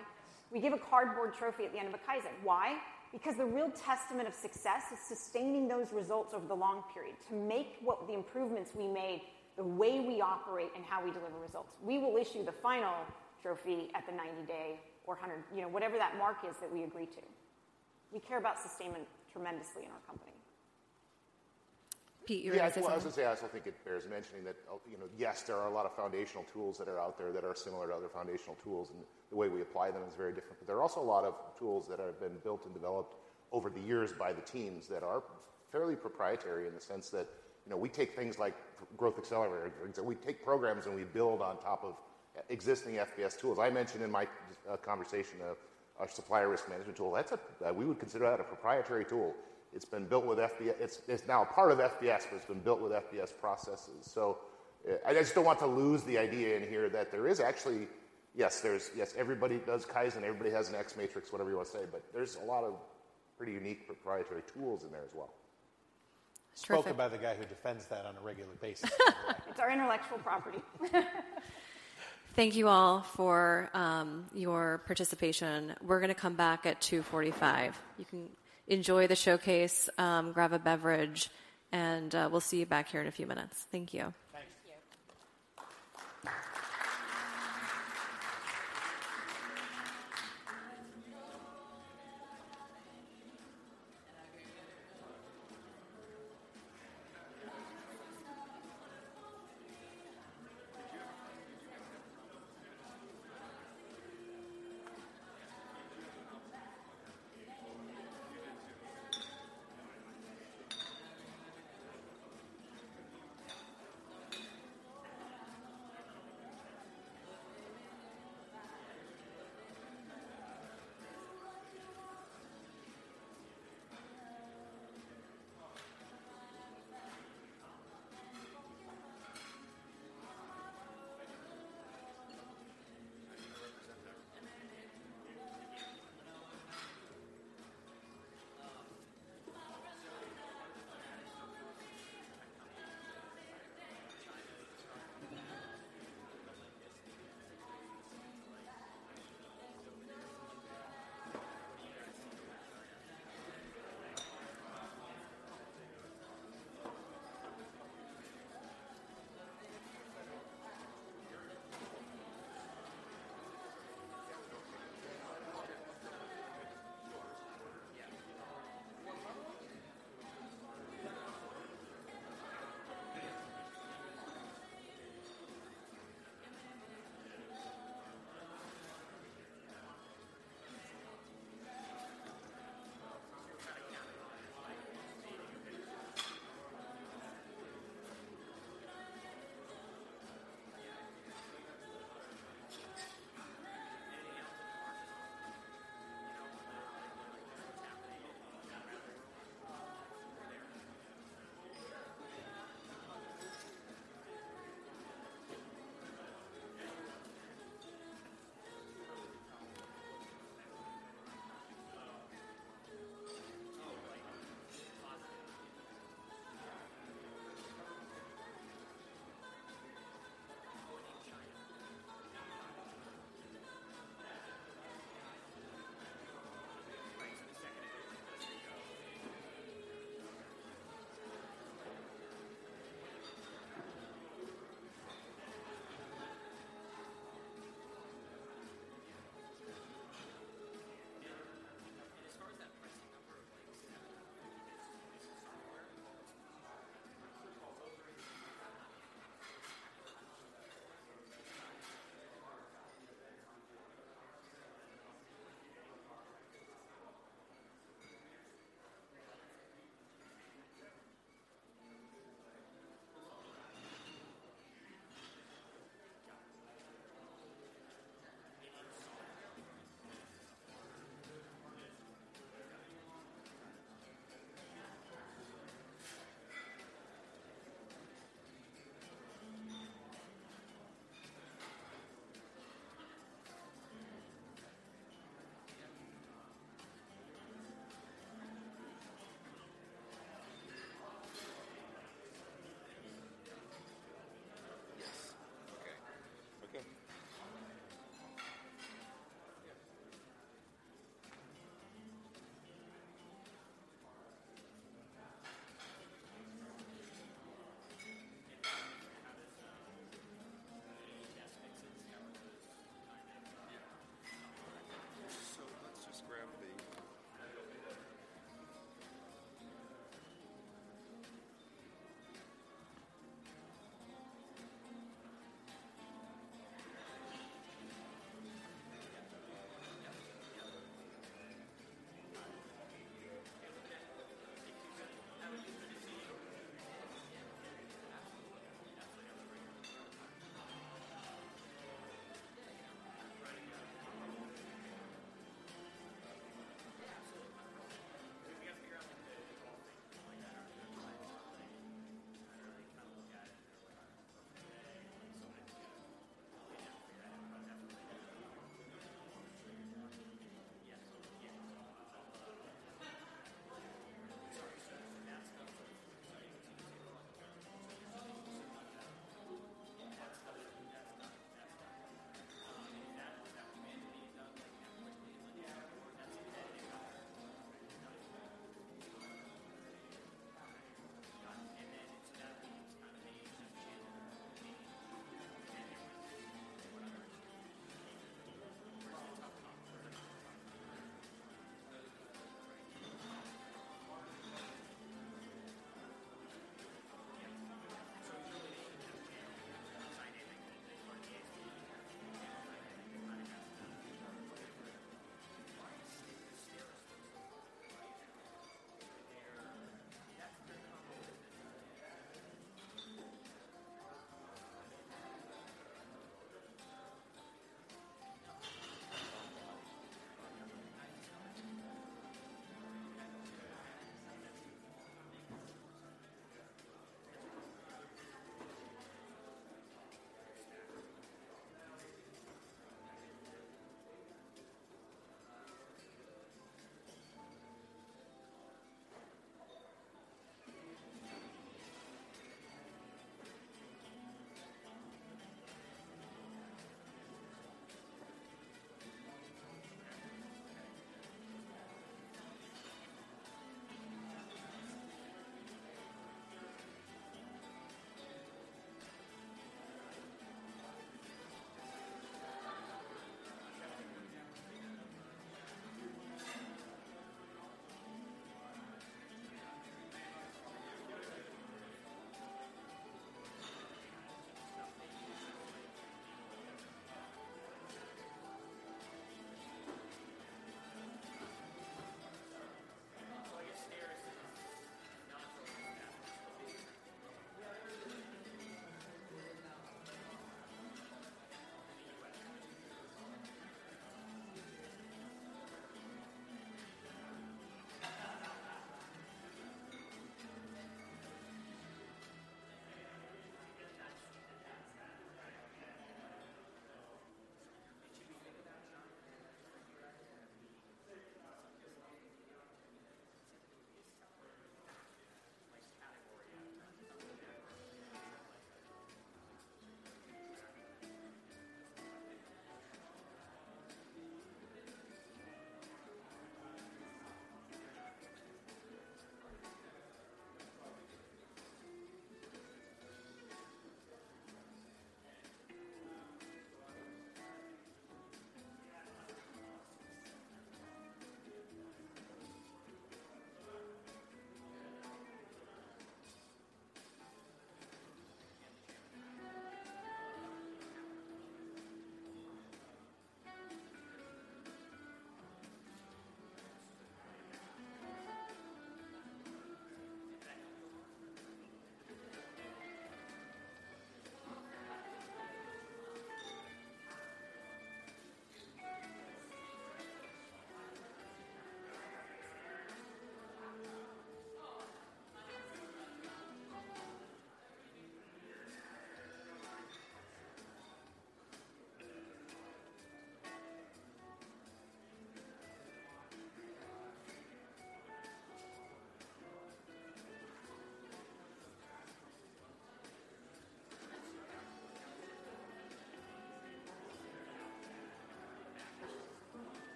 We give a cardboard trophy at the end of a Kaizen. Why? The real testament of success is sustaining those results over the long period, to make what the improvements we made, the way we operate, and how we deliver results. We will issue the final trophy at the 90-day or 100, you know, whatever that mark is that we agree to. We care about sustainment tremendously in our company. Pete, you were- Yeah, I was going to say, I also think it bears mentioning that, you know, yes, there are a lot of foundational tools that are out there that are similar to other foundational tools. The way we apply them is very different. There are also a lot of tools that have been built and developed over the years by the teams that are fairly proprietary in the sense that, you know, we take things like growth accelerators. We take programs, and we build on top of existing FBS tools. I mentioned in my conversation of our supplier risk management tool, that's a proprietary tool. It's now a part of FBS, but it's been built with FBS processes. I just don't want to lose the idea in here that there is actually... Yes, yes, everybody does Kaizen, everybody has an X matrix, whatever you want to say, but there's a lot of pretty unique proprietary tools in there as well. Terrific. Spoken by the guy who defends that on a regular basis. It's our intellectual property. Thank you all for your participation. We're going to come back at 2:45 PM. You can enjoy the showcase, grab a beverage, and we'll see you back here in a few minutes. Thank you. Thanks. Thank you.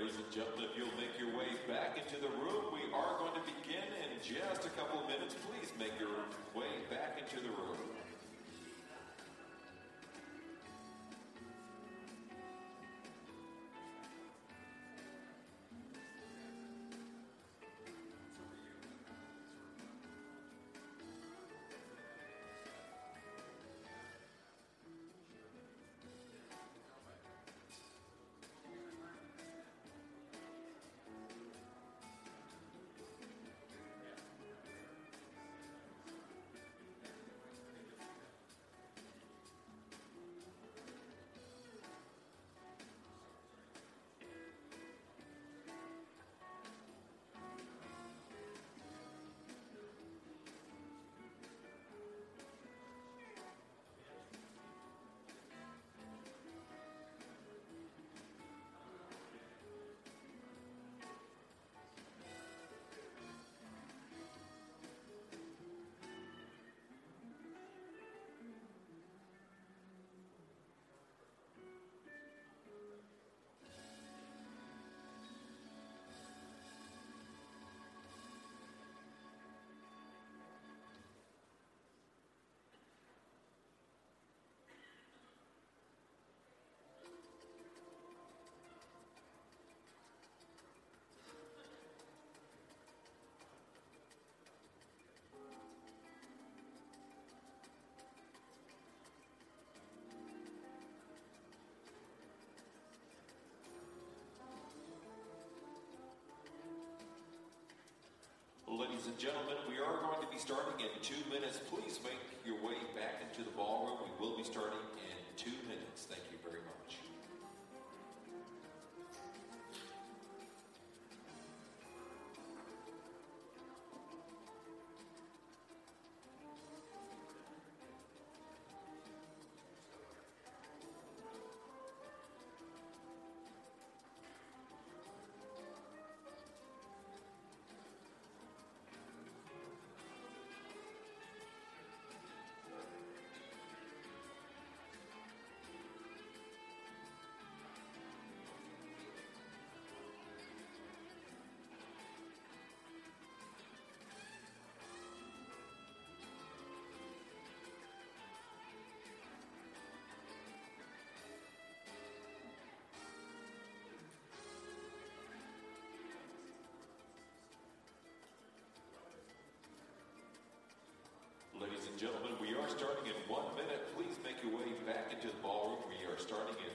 Ladies and gentlemen, if you'll make your way back into the room, we are going to begin in just a couple of minutes. Please make your way back into the room. Ladies and gentlemen, we are going to be starting in two minutes. Please make your way back into the ballroom. We will be starting in two minutes. Thank you very much! Ladies and gentlemen, we are starting in one minute. Please make your way back into the ballroom. We are starting in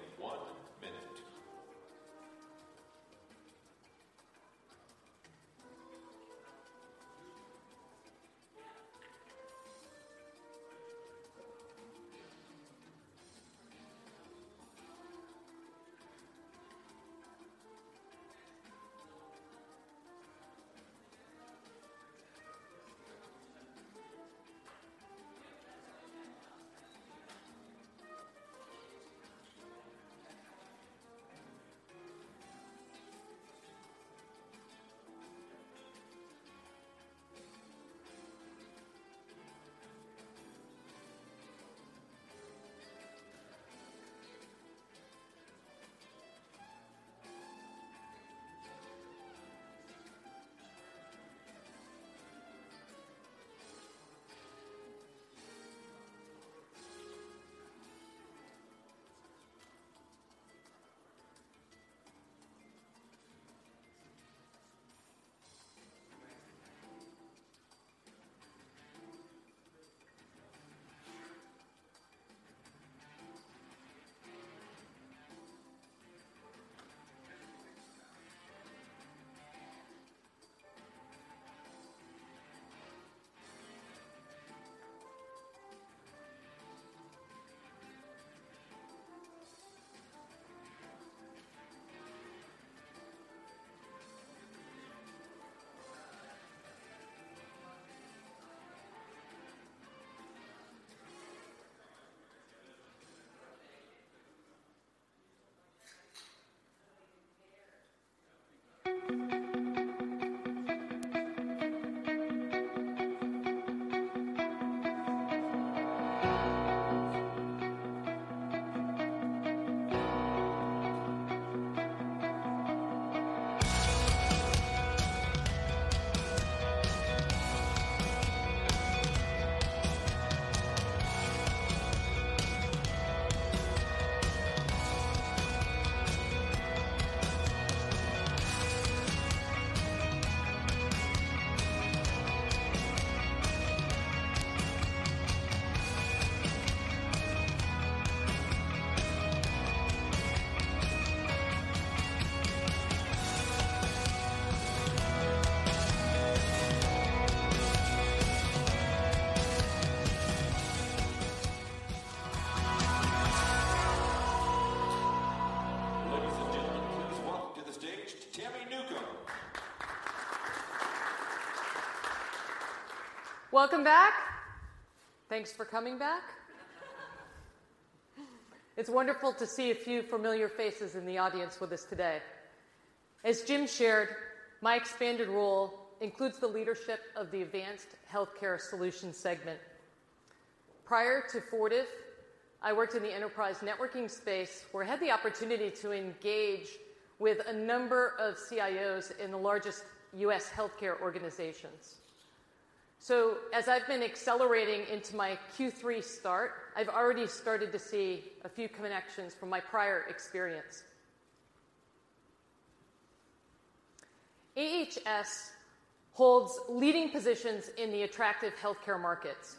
one minute. Ladies and gentlemen, please welcome to the stage, Tami Newcombe. Welcome back! Thanks for coming back. It's wonderful to see a few familiar faces in the audience with us today. As Jim shared, my expanded role includes the leadership of the Advanced Healthcare Solutions segment. Prior to Fortive, I worked in the enterprise networking space, where I had the opportunity to engage with a number of CIOs in the largest U.S. healthcare organizations. As I've been accelerating into my Q3 start, I've already started to see a few connections from my prior experience. AHS holds leading positions in the attractive healthcare markets.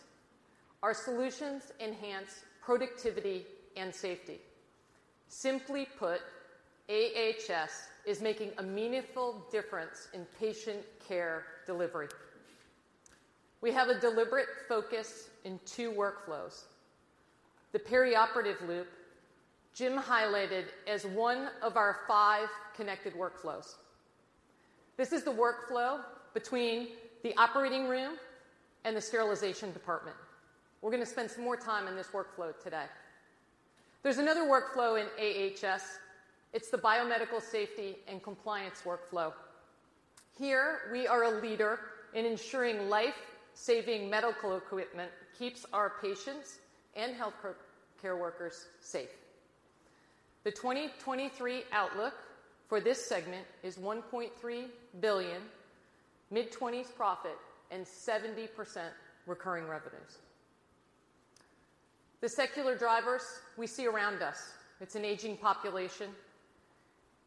Our solutions enhance productivity and safety. Simply put, AHS is making a meaningful difference in patient care delivery. We have a deliberate focus in two workflows: the perioperative loop, Jim highlighted as one of our five connected workflows. This is the workflow between the operating room and the sterilization department. We're going to spend some more time on this workflow today. There's another workflow in AHS. It's the biomedical safety and compliance workflow. Here, we are a leader in ensuring life-saving medical equipment keeps our patients and healthcare workers safe. The 2023 outlook for this segment is $1.3 billion, mid-20s profit, and 70% recurring revenues. The secular drivers we see around us, it's an aging population,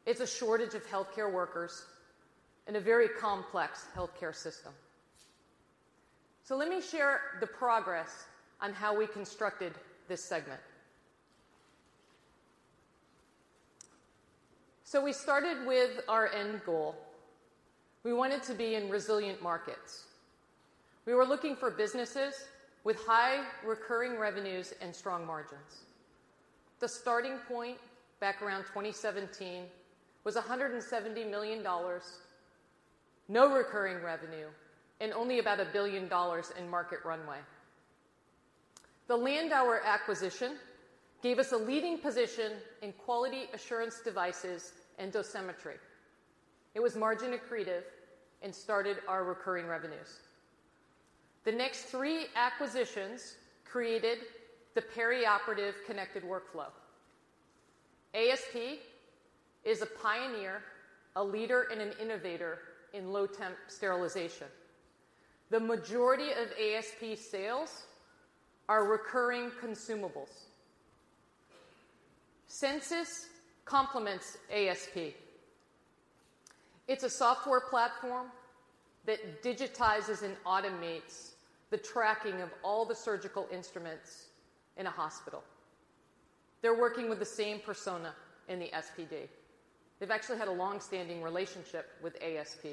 it's a shortage of healthcare workers, and a very complex healthcare system. Let me share the progress on how we constructed this segment. We started with our end goal. We wanted to be in resilient markets. We were looking for businesses with high recurring revenues and strong margins. The starting point, back around 2017, was $170 million, no recurring revenue, and only about $1 billion in market runway. The Landauer acquisition gave us a leading position in quality assurance devices and dosimetry. It was margin accretive and started our recurring revenues.... The next three acquisitions created the perioperative connected workflow. ASP is a pioneer, a leader, and an innovator in low-temp sterilization. The majority of ASP sales are recurring consumables. Censis complements ASP. It's a software platform that digitizes and automates the tracking of all the surgical instruments in a hospital. They're working with the same persona in the SPD. They've actually had a long-standing relationship with ASP.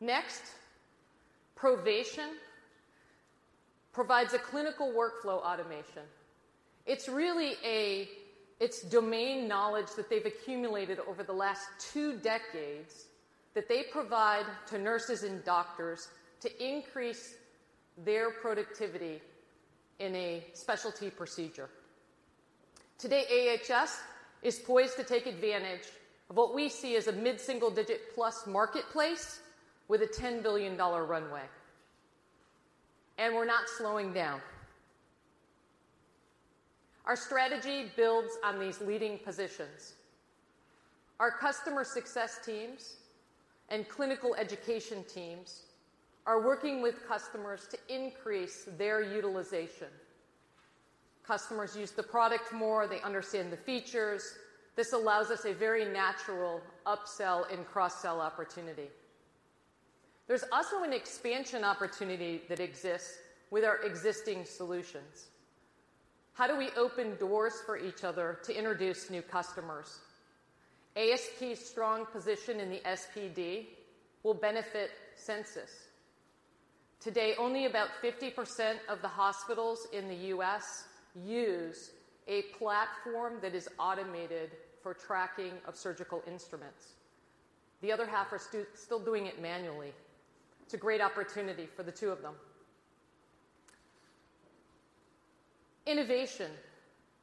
Next, Provation provides a clinical workflow automation. It's really a... It's domain knowledge that they've accumulated over the last two decades that they provide to nurses and doctors to increase their productivity in a specialty procedure. Today, AHS is poised to take advantage of what we see as a mid-single-digit plus marketplace with a $10 billion runway. We're not slowing down. Our strategy builds on these leading positions. Our customer success teams and clinical education teams are working with customers to increase their utilization. Customers use the product more, they understand the features. This allows us a very natural upsell and cross-sell opportunity. There's also an expansion opportunity that exists with our existing solutions. How do we open doors for each other to introduce new customers? ASP's strong position in the SPD will benefit Censis. Today, only about 50% of the hospitals in the U.S. use a platform that is automated for tracking of surgical instruments. The other half are still doing it manually. It's a great opportunity for the two of them. Innovation.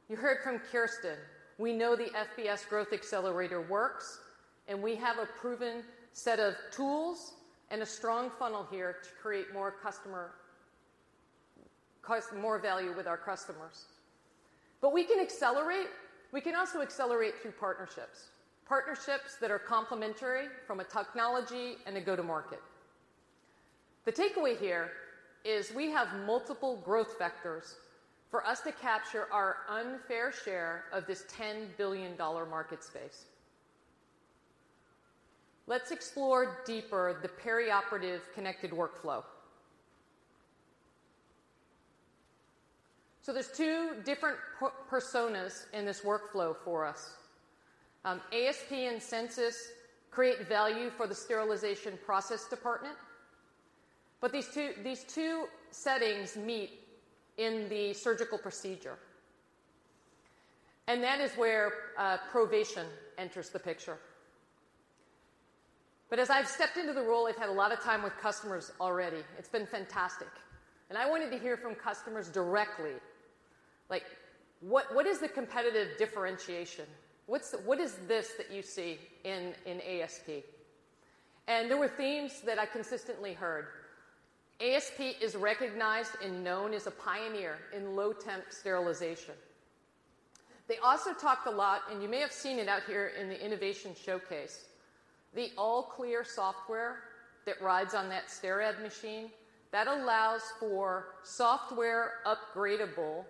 You heard from Kirsten, we know the FBS Growth Accelerator works. We have a proven set of tools and a strong funnel here to create more value with our customers. We can accelerate. We can also accelerate through partnerships that are complementary from a technology and a go-to-market. The takeaway here is we have multiple growth vectors for us to capture our unfair share of this $10 billion market space. Let's explore deeper the perioperative connected workflow. There's two different personas in this workflow for us. ASP and Censis create value for the sterilization process department. These two settings meet in the surgical procedure, and that is where Provation enters the picture. As I've stepped into the role, I've had a lot of time with customers already. It's been fantastic. I wanted to hear from customers directly, like, what is the competitive differentiation? What is this that you see in ASP? There were themes that I consistently heard. ASP is recognized and known as a pioneer in low-temp sterilization. They also talked a lot, and you may have seen it out here in the innovation showcase, the ALLClear software that rides on that STERRAD machine, that allows for software upgradable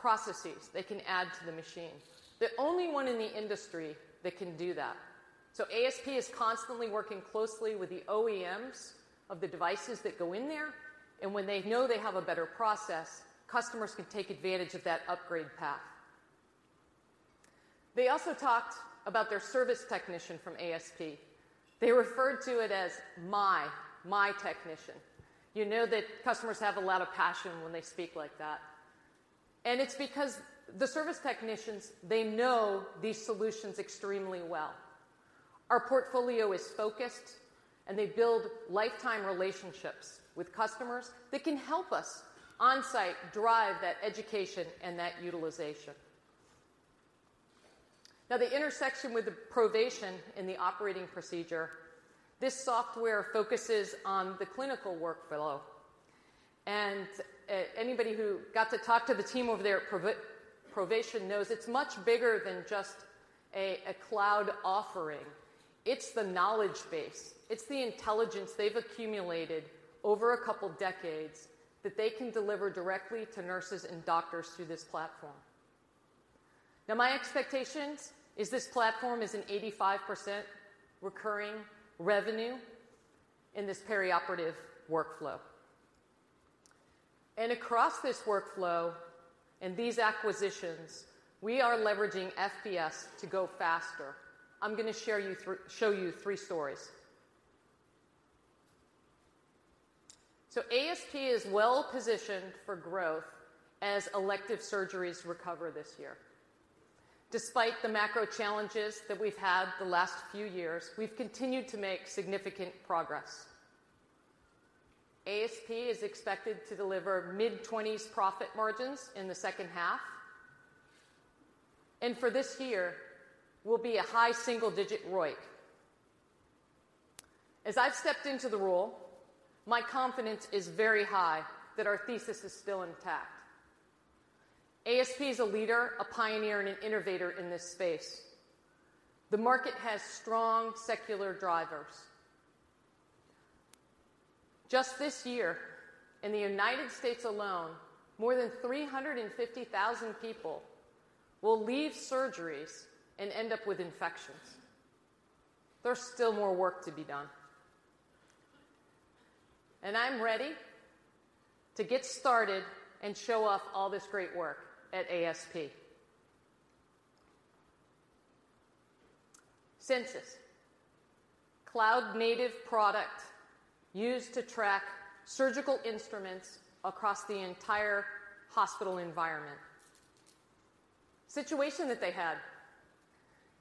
processes they can add to the machine. The only one in the industry that can do that. ASP is constantly working closely with the OEMs of the devices that go in there, and when they know they have a better process, customers can take advantage of that upgrade path. They also talked about their service technician from ASP. They referred to it as my technician. You know that customers have a lot of passion when they speak like that. It's because the service technicians, they know these solutions extremely well. Our portfolio is focused, they build lifetime relationships with customers that can help us on-site drive that education and that utilization. Now, the intersection with the Provation in the operating procedure, this software focuses on the clinical workflow, and anybody who got to talk to the team over there at Provation knows it's much bigger than just a cloud offering. It's the knowledge base, it's the intelligence they've accumulated over a couple decades that they can deliver directly to nurses and doctors through this platform. Now, my expectations is this platform is an 85% recurring revenue in this perioperative workflow. Across this workflow and these acquisitions, we are leveraging FBS to go faster. I'm gonna show you three stories. ASP is well positioned for growth as elective surgeries recover this year. Despite the macro challenges that we've had the last few years, we've continued to make significant progress. ASP is expected to deliver mid-20s profit margins in the second half. For this year, will be a high single-digit ROIC. As I've stepped into the role, my confidence is very high that our thesis is still intact. ASP is a leader, a pioneer, and an innovator in this space. The market has strong secular drivers. Just this year, in the United States alone, more than 350,000 people will leave surgeries and end up with infections. There's still more work to be done. I'm ready to get started and show off all this great work at ASP. Censis, cloud-native product used to track surgical instruments across the entire hospital environment. Situation that they had: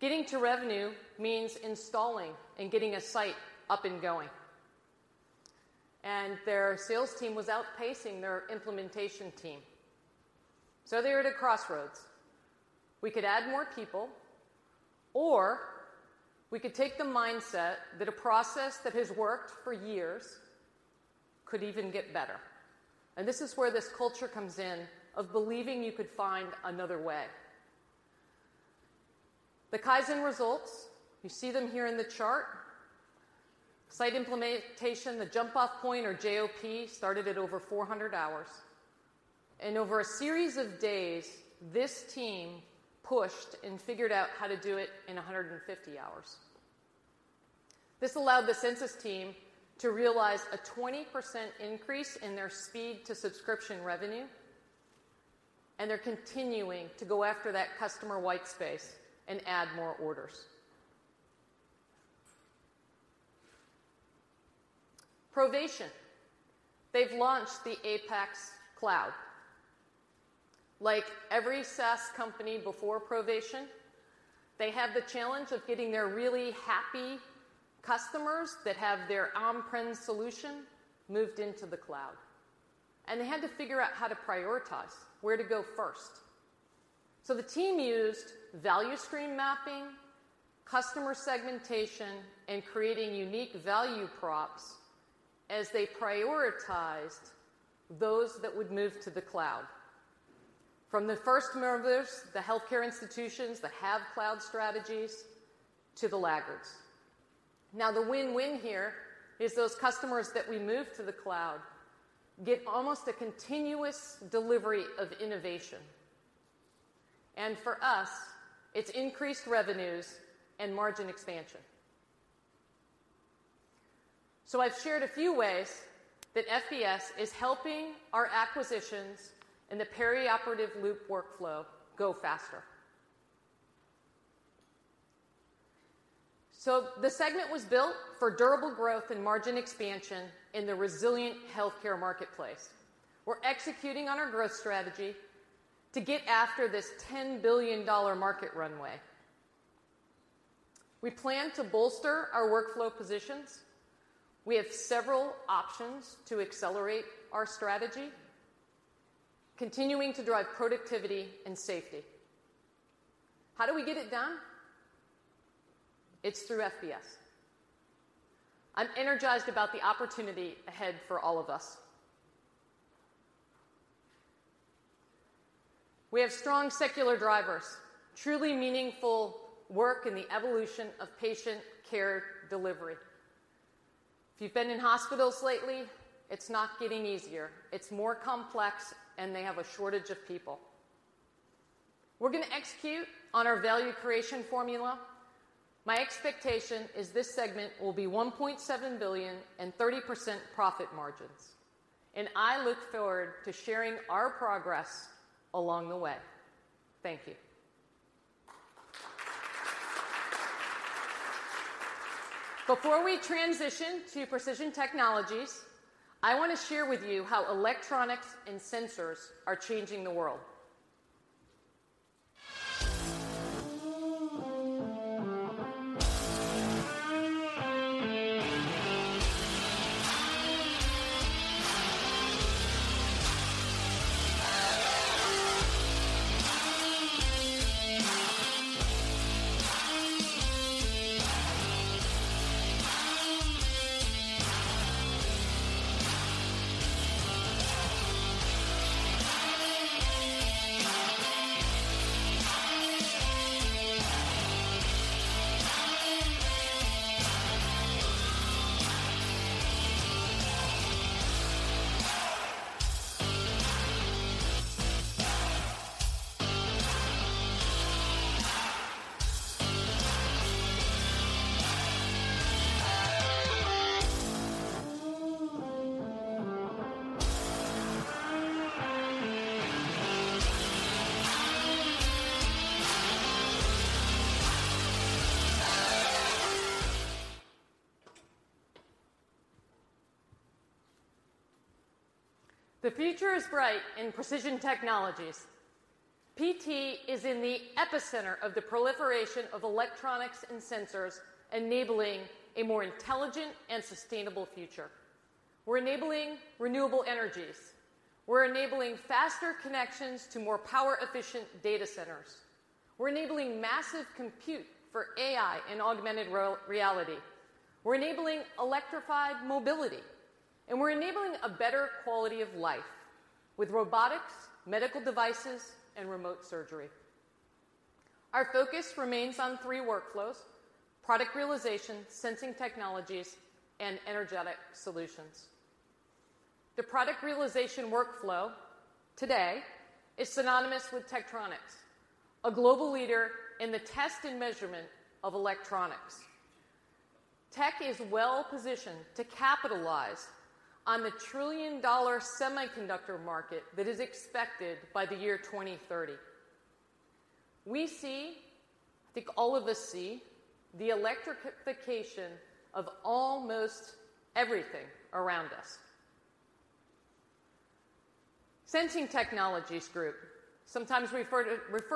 getting to revenue means installing and getting a site up and going, and their sales team was outpacing their implementation team. They were at a crossroads. We could add more people, or we could take the mindset that a process that has worked for years could even get better, and this is where this culture comes in of believing you could find another way. The Kaizen results, you see them here in the chart. Site implementation, the jump-off point or JOP, started at over 400 hours, over a series of days, this team pushed and figured out how to do it in 150 hours. This allowed the Censis team to realize a 20% increase in their speed to subscription revenue. They're continuing to go after that customer white space and add more orders. Provation. They've launched the APEX Cloud. Like every SaaS company before Provation, they had the challenge of getting their really happy customers that have their on-prem solution moved into the cloud, and they had to figure out how to prioritize, where to go first. The team used value stream mapping, customer segmentation, and creating unique value props as they prioritized those that would move to the cloud. From the first movers, the healthcare institutions that have cloud strategies, to the laggards. The win-win here is those customers that we move to the cloud get almost a continuous delivery of innovation, and for us, it's increased revenues and margin expansion. I've shared a few ways that FBS is helping our acquisitions and the perioperative loop workflow go faster. The segment was built for durable growth and margin expansion in the resilient healthcare marketplace. We're executing on our growth strategy to get after this $10 billion market runway. We plan to bolster our workflow positions. We have several options to accelerate our strategy, continuing to drive productivity and safety. How do we get it done? It's through FBS. I'm energized about the opportunity ahead for all of us. We have strong secular drivers, truly meaningful work in the evolution of patient care delivery. If you've been in hospitals lately, it's not getting easier. It's more complex, and they have a shortage of people. We're going to execute on our value creation formula. My expectation is this segment will be $1.7 billion and 30% profit margins. I look forward to sharing our progress along the way. Thank you. Before we transition to Precision Technologies, I want to share with you how electronics and sensors are changing the world. The future is bright in Precision Technologies. PT is in the epicenter of the proliferation of electronics and sensors, enabling a more intelligent and sustainable future. We're enabling renewable energies. We're enabling faster connections to more power-efficient data centers. We're enabling massive compute for AI and augmented reality. We're enabling electrified mobility. We're enabling a better quality of life with robotics, medical devices, and remote surgery. Our focus remains on three workflows: Product Realization, Sensing Technologies, and Energetic Solutions. The Product Realization workflow today is synonymous with Tektronix, a global leader in the test and measurement of electronics. Tech is well-positioned to capitalize on the trillion-dollar semiconductor market that is expected by the year 2030. We see, I think all of us see, the electrification of almost everything around us. Sensing Technologies Group, sometimes refer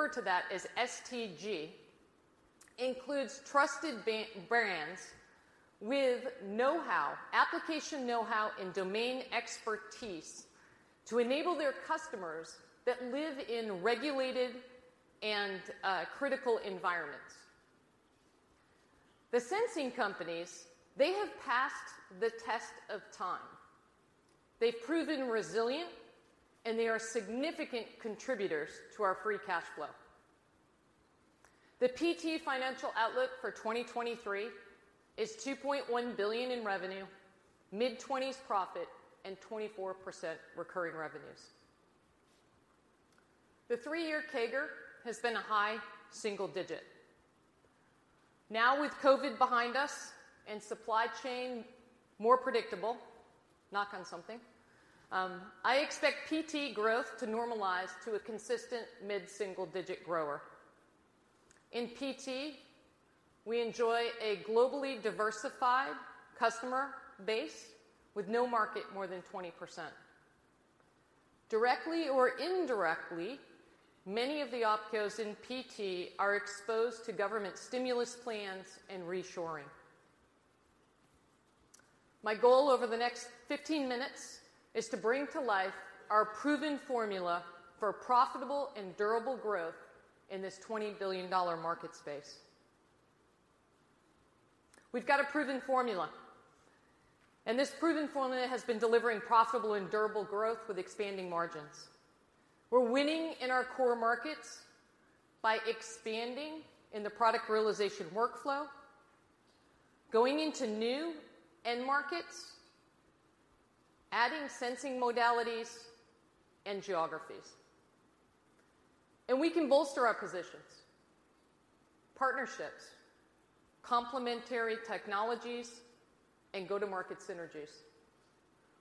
to that as STG, includes trusted brands with know-how, application know-how, and domain expertise to enable their customers that live in regulated and critical environments. The sensing companies, they have passed the test of time. They've proven resilient, they are significant contributors to our free cash flow. The PT financial outlook for 2023 is $2.1 billion in revenue, mid-20s % profit, and 24% recurring revenues. The three-year CAGR has been a high single digit %. With COVID behind us and supply chain more predictable, knock on something, I expect PT growth to normalize to a consistent mid-single-digit % grower. In PT, we enjoy a globally diversified customer base with no market more than 20%. Directly or indirectly, many of the opcos in PT are exposed to government stimulus plans and reshoring. My goal over the next 15 minutes is to bring to life our proven formula for profitable and durable growth in this $20 billion market space. We've got a proven formula, and this proven formula has been delivering profitable and durable growth with expanding margins. We're winning in our core markets by expanding in the Product Realization workflow, going into new end markets, adding sensing modalities and geographies. We can bolster our positions, partnerships, complementary technologies, and go-to-market synergies.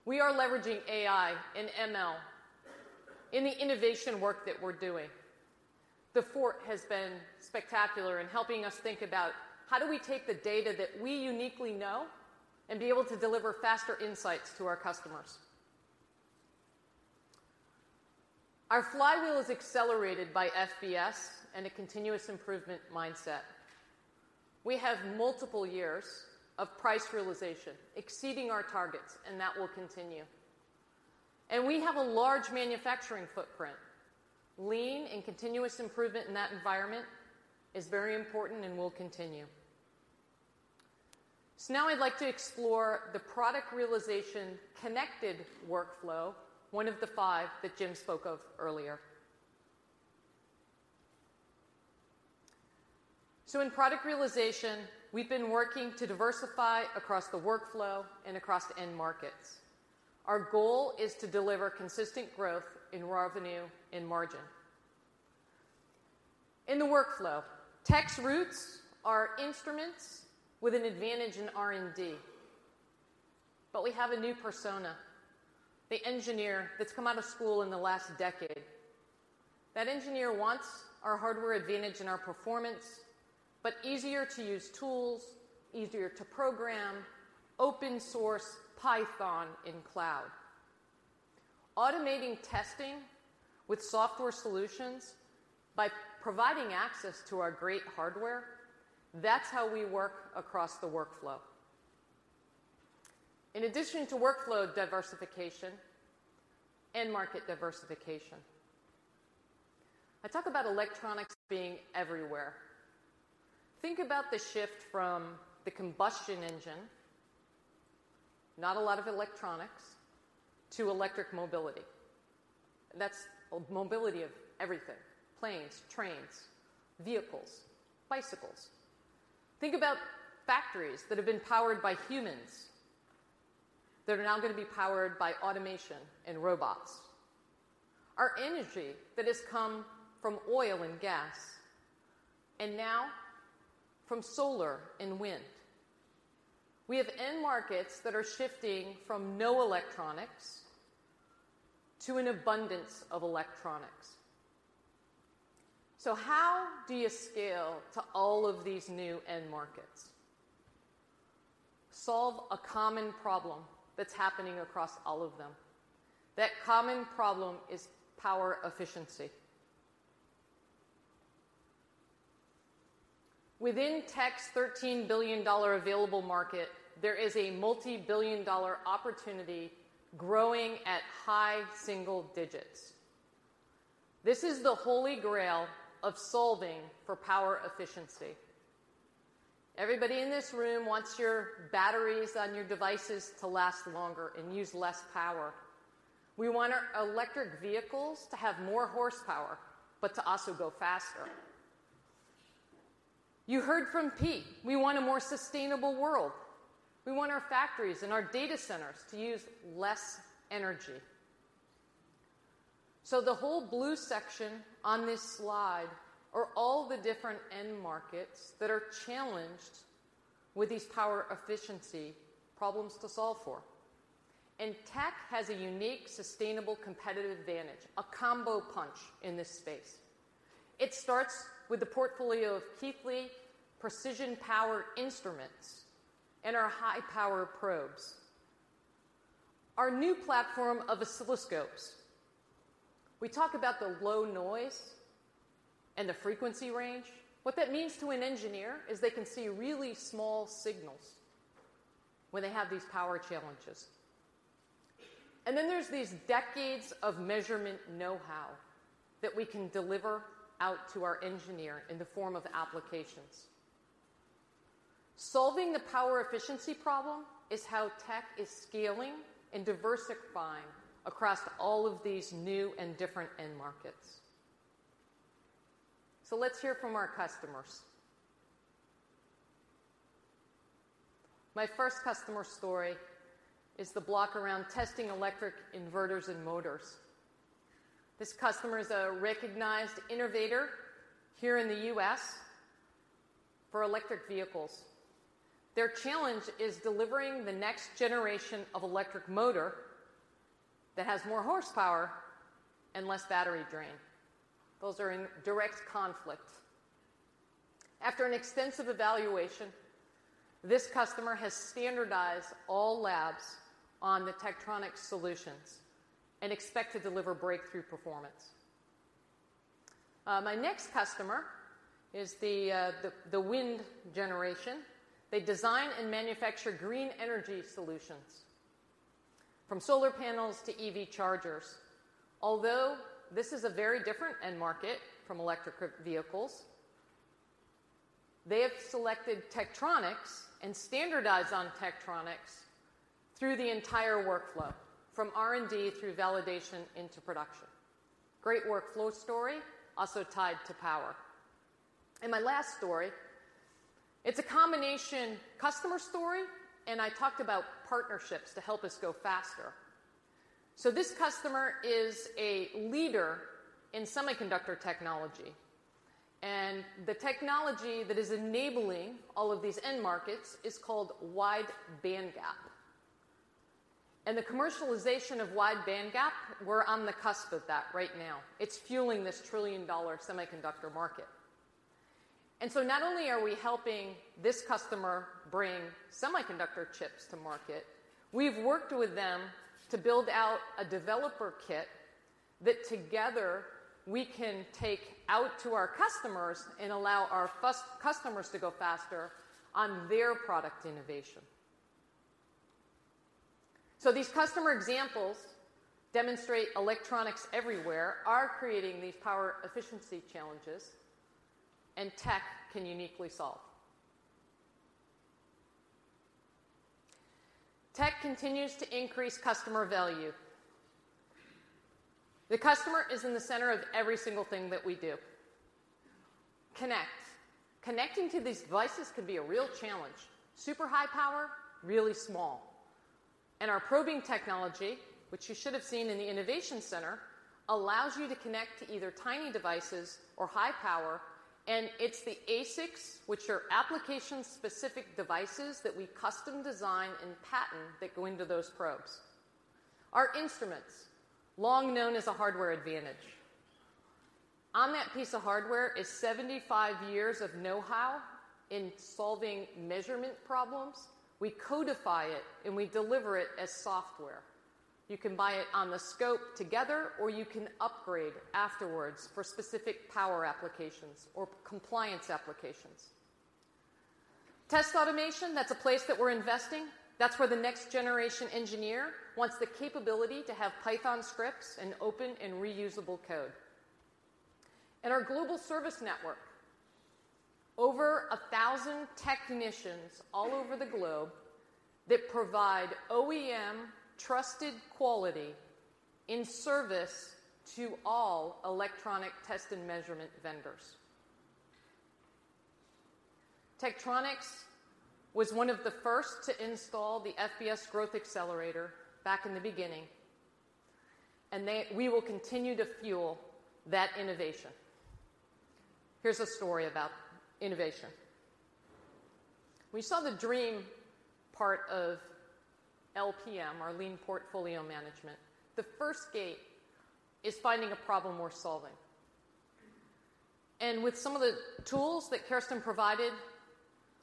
We are leveraging AI and ML in the innovation work that we're doing. The Fort has been spectacular in helping us think about how do we take the data that we uniquely know and be able to deliver faster insights to our customers. Our flywheel is accelerated by FBS and a continuous improvement mindset. We have multiple years of price realization exceeding our targets, that will continue. We have a large manufacturing footprint. Lean and continuous improvement in that environment is very important and will continue. Now I'd like to explore the Product Realization connected workflow, one of the 5 that Jim spoke of earlier. In Product Realization, we've been working to diversify across the workflow and across the end markets. Our goal is to deliver consistent growth in revenue and margin. In the workflow, Tek's roots are instruments with an advantage in R&D. We have a new persona, the engineer that's come out of school in the last decade. That engineer wants our hardware advantage and our performance, but easier-to-use tools, easier to program, open source, Python, and cloud. Automating testing with software solutions by providing access to our great hardware, that's how we work across the workflow. In addition to workflow diversification, end market diversification. I talk about electronics being everywhere. Think about the shift from the combustion engine, not a lot of electronics, to electric mobility. That's mobility of everything: planes, trains, vehicles, bicycles. Think about factories that have been powered by humans that are now going to be powered by automation and robots. Our energy that has come from oil and gas, and now from solar and wind. We have end markets that are shifting from no electronics to an abundance of electronics. How do you scale to all of these new end markets? Solve a common problem that's happening across all of them. That common problem is power efficiency. Within Tek's $13 billion available market, there is a multi-billion dollar opportunity growing at high single digits. This is the holy grail of solving for power efficiency. Everybody in this room wants your batteries on your devices to last longer and use less power. We want our electric vehicles to have more horsepower, but to also go faster. You heard from Pete, we want a more sustainable world. We want our factories and our data centers to use less energy. The whole blue section on this slide are all the different end markets that are challenged with these power efficiency problems to solve for. Tek has a unique, sustainable, competitive advantage, a combo punch in this space. It starts with the portfolio of Keithley precision power instruments and our high-power probes. Our new platform of oscilloscopes. We talk about the low noise and the frequency range. What that means to an engineer is they can see really small signals when they have these power challenges. There's these decades of measurement know-how that we can deliver out to our engineer in the form of applications. Solving the power efficiency problem is how Tek is scaling and diversifying across all of these new and different end markets. Let's hear from our customers. My first customer story is the block around testing electric inverters and motors. This customer is a recognized innovator here in the U.S. for electric vehicles. Their challenge is delivering the next generation of electric motor that has more horsepower and less battery drain. Those are in direct conflict. After an extensive evaluation, this customer has standardized all labs on the Tektronix solutions and expect to deliver breakthrough performance. My next customer is the wind generation. They design and manufacture green energy solutions, from solar panels to EV chargers. Although this is a very different end market from electric vehicles, they have selected Tektronix and standardized on Tektronix through the entire workflow, from R&D through validation into production. Great workflow story, also tied to power. My last story, it's a combination customer story, and I talked about partnerships to help us go faster. This customer is a leader in semiconductor technology, and the technology that is enabling all of these end markets is called wide-bandgap. The commercialization of wide-bandgap, we're on the cusp of that right now. It's fueling this trillion-dollar semiconductor market. Not only are we helping this customer bring semiconductor chips to market, we've worked with them to build out a developer kit that together we can take out to our customers and allow our customers to go faster on their product innovation. These customer examples demonstrate electronics everywhere are creating these power efficiency challenges, and Tek can uniquely solve. Tek continues to increase customer value. The customer is in the center of every single thing that we do. Connect. Connecting to these devices can be a real challenge. Super high power, really small. Our probing technology, which you should have seen in the innovation center, allows you to connect to either tiny devices or high power, and it's the ASICs, which are application-specific devices that we custom design and patent that go into those probes. Our instruments, long known as a hardware advantage. On that piece of hardware is 75 years of know-how in solving measurement problems. We codify it, we deliver it as software. You can buy it on the scope together, you can upgrade afterwards for specific power applications or compliance applications. Test automation, that's a place that we're investing. That's where the next-generation engineer wants the capability to have Python scripts and open and reusable code. Our global service network, over 1,000 technicians all over the globe that provide OEM-trusted quality in service to all electronic test and measurement vendors. Tektronix was one of the first to install the FBS Growth Accelerator back in the beginning, and we will continue to fuel that innovation. Here's a story about innovation. We saw the dream part of LPM, our Lean Portfolio Management. The first gate is finding a problem worth solving. With some of the tools that Kirsten provided,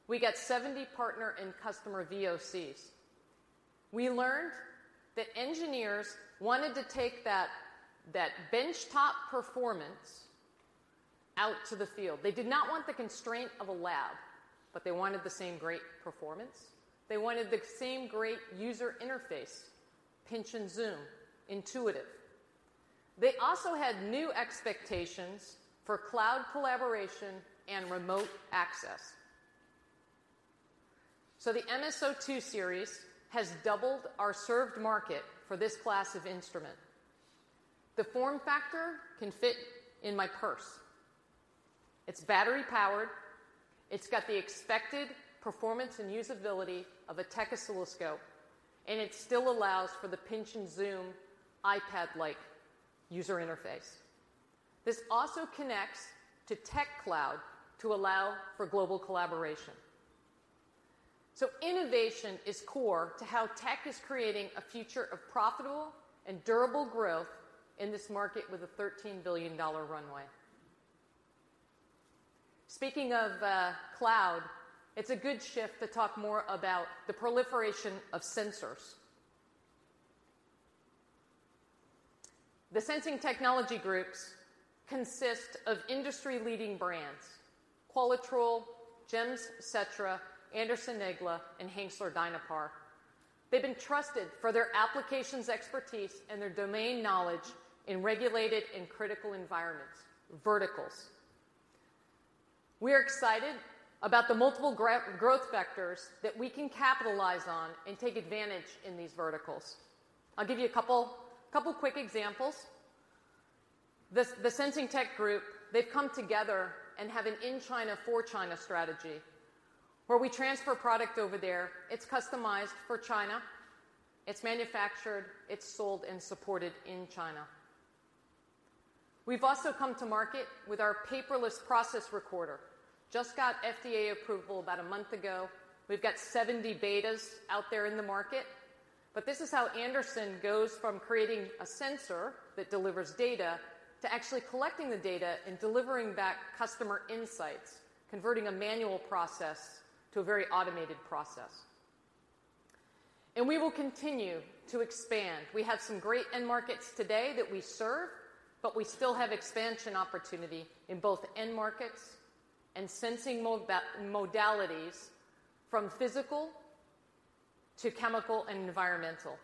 we got 70 partner and customer VOCs. We learned that engineers wanted to take that benchtop performance out to the field. They did not want the constraint of a lab. They wanted the same great performance. They wanted the same great user interface, pinch and zoom, intuitive. They also had new expectations for cloud collaboration and remote access. The MSO2 series has doubled our served market for this class of instrument. The form factor can fit in my purse. It's battery-powered, it's got the expected performance and usability of a Tek oscilloscope. It still allows for the pinch and zoom iPad-like user interface. This also connects to TekCloud to allow for global collaboration. Innovation is core to how Tek is creating a future of profitable and durable growth in this market with a $13 billion runway. Speaking of cloud, it's a good shift to talk more about the proliferation of sensors. The Sensing Technologies Group consists of industry-leading brands: Qualitrol, Gems, Setra, Anderson-Negele, and Hengstler Dynapar. They've been trusted for their applications expertise and their domain knowledge in regulated and critical environments, verticals. We are excited about the multiple growth vectors that we can capitalize on and take advantage in these verticals. I'll give you a couple quick examples. The Sensing Technologies Group, they've come together and have an in China for China strategy, where we transfer product over there, it's customized for China, it's manufactured, it's sold and supported in China. We've also come to market with our paperless process recorder. Just got FDA approval about a month ago. We've got 70 betas out there in the market, this is how Anderson goes from creating a sensor that delivers data to actually collecting the data and delivering back customer insights, converting a manual process to a very automated process. We will continue to expand. We have some great end markets today that we serve, we still have expansion opportunity in both end markets and sensing modalities from physical to chemical and environmental.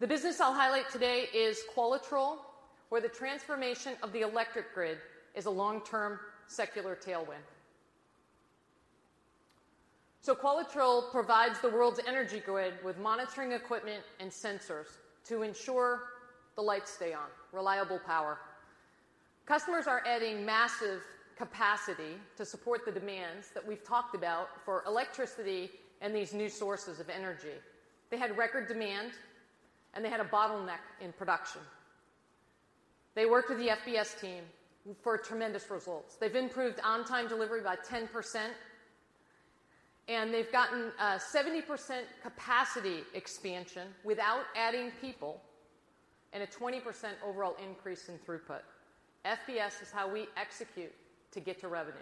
The business I'll highlight today is Qualitrol, where the transformation of the electric grid is a long-term secular tailwind. Qualitrol provides the world's energy grid with monitoring equipment and sensors to ensure the lights stay on, reliable power. Customers are adding massive capacity to support the demands that we've talked about for electricity and these new sources of energy. They had record demand, and they had a bottleneck in production. They worked with the FBS team for tremendous results. They've improved on-time delivery by 10%, and they've gotten a 70% capacity expansion without adding people, and a 20% overall increase in throughput. FBS is how we execute to get to revenue.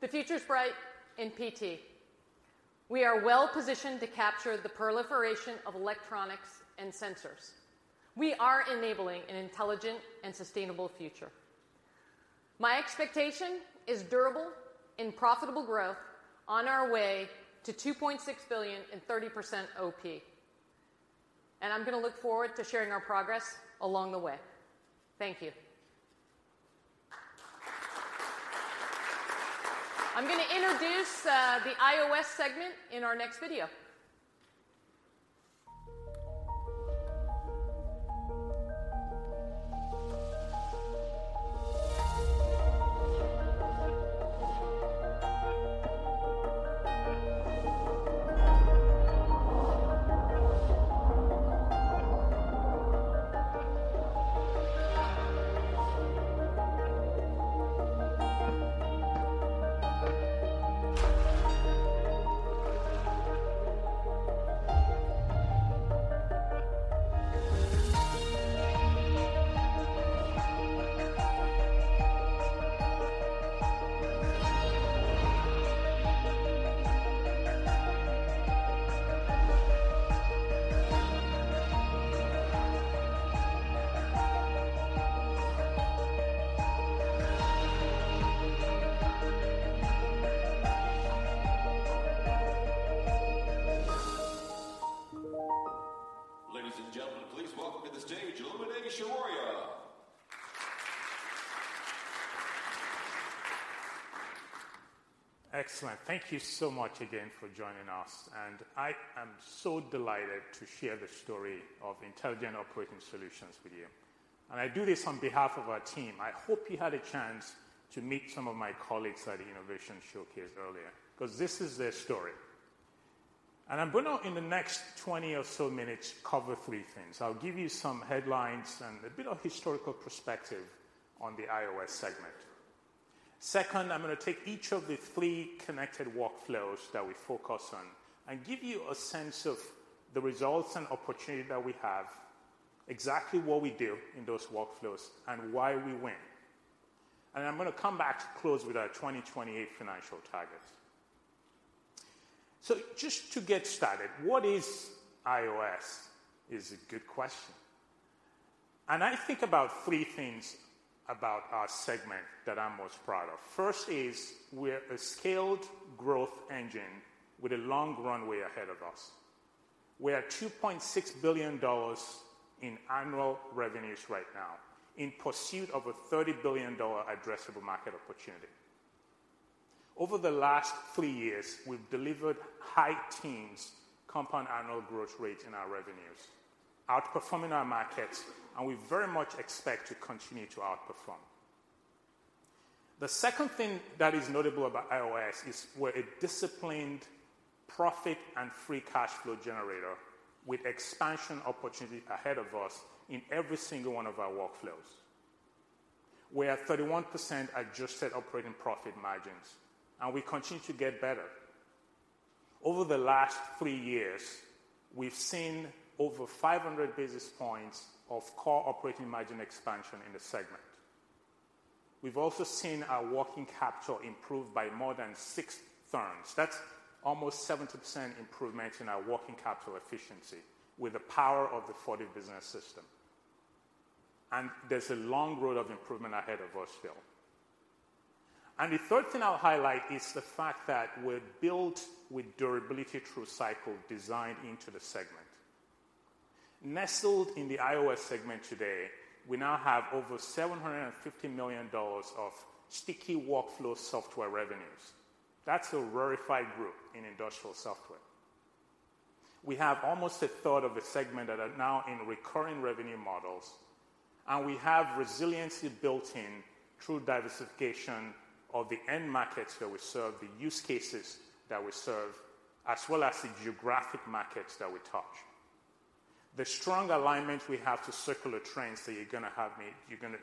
The future's bright in PT. We are well-positioned to capture the proliferation of electronics and sensors. We are enabling an intelligent and sustainable future. My expectation is durable and profitable growth on our way to $2.6 billion in 30% OP, and I'm gonna look forward to sharing our progress along the way. Thank you. I'm gonna introduce the IOS segment in our next video. Ladies and gentlemen, please welcome to the stage, Olumide Soroye. Excellent. Thank you so much again for joining us, I am so delighted to share the story of Intelligent Operating Solutions with you. I do this on behalf of our team. I hope you had a chance to meet some of my colleagues at the innovation showcase earlier, 'cause this is their story. I'm gonna, in the next 20 or so minutes, cover three things. I'll give you some headlines and a bit of historical perspective on the IOS segment. Second, I'm gonna take each of the three connected workflows that we focus on and give you a sense of the results and opportunity that we have, exactly what we do in those workflows, and why we win. I'm gonna come back to close with our 2028 financial targets. Just to get started, what is IOS? Is a good question. I think about three things about our segment that I'm most proud of. First is, we're a scaled growth engine with a long runway ahead of us. We are $2.6 billion in annual revenues right now, in pursuit of a $30 billion addressable market opportunity. Over the last three years, we've delivered high teens compound annual growth rate in our revenues, outperforming our markets, and we very much expect to continue to outperform. The second thing that is notable about IOS is we're a disciplined profit and free cash flow generator with expansion opportunity ahead of us in every single one of our workflows. We are at 31% adjusted operating profit margins, and we continue to get better. Over the last three years, we've seen over 500 basis points of core operating margin expansion in the segment. We've also seen our working capital improve by more than six turns. That's almost 70% improvement in our working capital efficiency with the power of the Fortive Business System. There's a long road of improvement ahead of us still. The third thing I'll highlight is the fact that we're built with durability through cycle design into the segment. Nestled in the IOS segment today, we now have over $750 million of sticky workflow software revenues. That's a rarefied group in industrial software. We have almost 1/3 of the segment that are now in recurring revenue models, and we have resiliency built in through diversification of the end markets that we serve, the use cases that we serve, as well as the geographic markets that we touch. The strong alignment we have to circular trends that you're gonna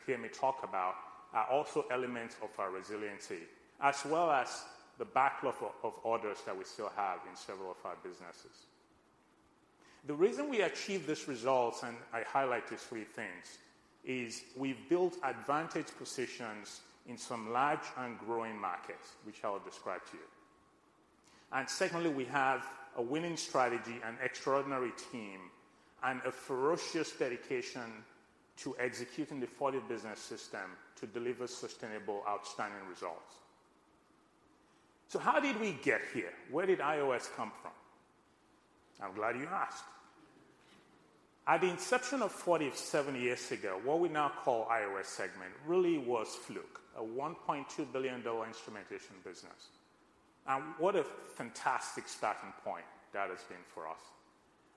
hear me talk about, are also elements of our resiliency, as well as the backlog of orders that we still have in several of our businesses. The reason we achieved these results, I highlight these three things, is we've built advantage positions in some large and growing markets, which I will describe to you. Secondly, we have a winning strategy, an extraordinary team, and a ferocious dedication to executing the Fortive Business System to deliver sustainable, outstanding results. How did we get here? Where did IOS come from? I'm glad you asked. At the inception of Fortive seven years ago, what we now call IOS segment really was Fluke, a $1.2 billion instrumentation business. What a fantastic starting point that has been for us.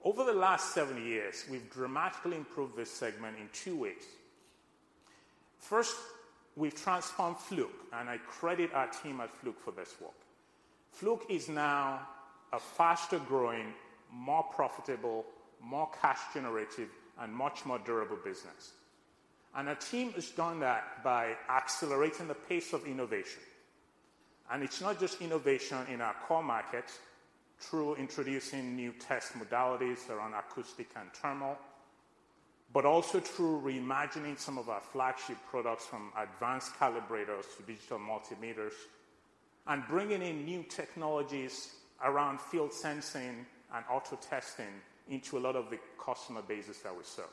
Over the last seven years, we've dramatically improved this segment in two ways. First, we've transformed Fluke, and I credit our team at Fluke for this work. Fluke is now a faster-growing, more profitable, more cash generative, and much more durable business. Our team has done that by accelerating the pace of innovation. It's not just innovation in our core markets through introducing new test modalities around acoustic and thermal, but also through reimagining some of our flagship products, from advanced calibrators to digital multimeters, and bringing in new technologies around field sensing and auto testing into a lot of the customer bases that we serve.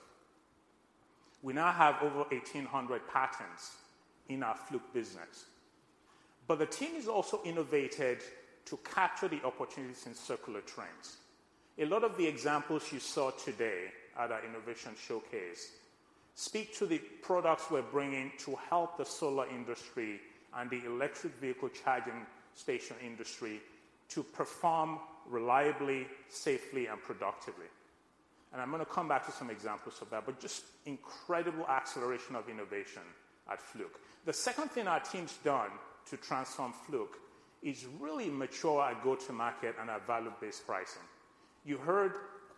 We now have over 1,800 patents in our Fluke business. The team has also innovated to capture the opportunities in circular trends. A lot of the examples you saw today at our innovation showcase speak to the products we're bringing to help the solar industry and the electric vehicle charging station industry to perform reliably, safely, and productively. I'm gonna come back to some examples of that, but just incredible acceleration of innovation at Fluke. The second thing our team's done to transform Fluke is really mature our go-to-market and our value-based pricing. You heard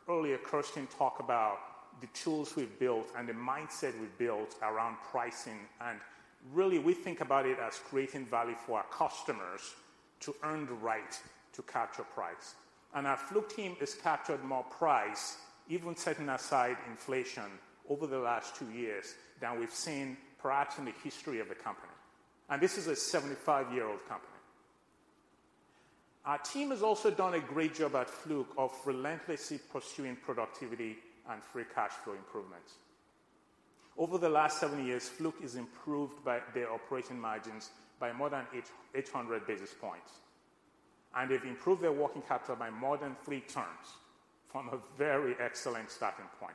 earlier Kirsten talk about the tools we've built and the mindset we've built around pricing, and really, we think about it as creating value for our customers to earn the right to capture price. Our Fluke team has captured more price, even setting aside inflation, over the last two years than we've seen perhaps in the history of the company, and this is a 75-year-old company. Our team has also done a great job at Fluke of relentlessly pursuing productivity and free cash flow improvement. Over the last seven years, Fluke has improved their operating margins by more than 800 basis points, and they've improved their working capital by more than three turns from a very excellent starting point.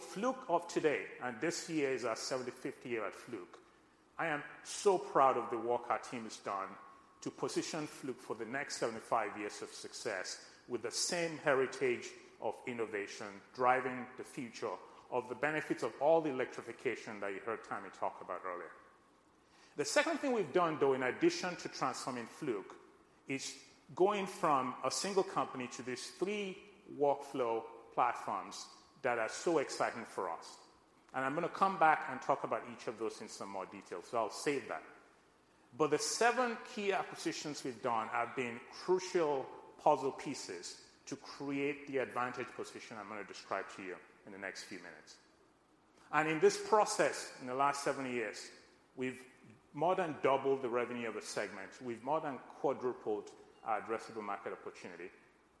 Fluke of today, and this year is our 75th year at Fluke, I am so proud of the work our team has done to position Fluke for the next 75 years of success with the same heritage of innovation, driving the future of the benefits of all the electrification that you heard Tami talk about earlier. The second thing we've done, though, in addition to transforming Fluke, is going from a single company to these three workflow platforms that are so exciting for us. I'm gonna come back and talk about each of those in some more detail, so I'll save that. The seven key acquisitions we've done have been crucial puzzle pieces to create the advantage position I'm going to describe to you in the next few minutes. In this process, in the last seven years, we've more than doubled the revenue of a segment. We've more than quadrupled our addressable market opportunity.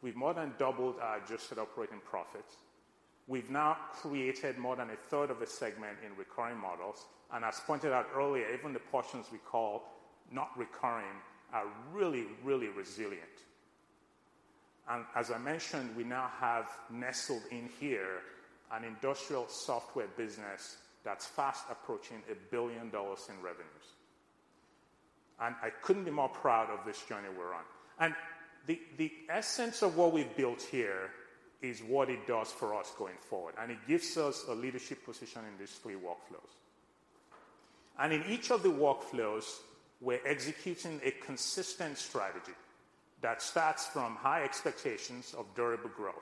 We've more than doubled our adjusted operating profits. We've now created more than a third of a segment in recurring models, and as pointed out earlier, even the portions we call not recurring are really resilient. As I mentioned, we now have nestled in here an industrial software business that's fast approaching $1 billion in revenues. I couldn't be more proud of this journey we're on. The essence of what we've built here is what it does for us going forward, and it gives us a leadership position in these three workflows. In each of the workflows, we're executing a consistent strategy that starts from high expectations of durable growth,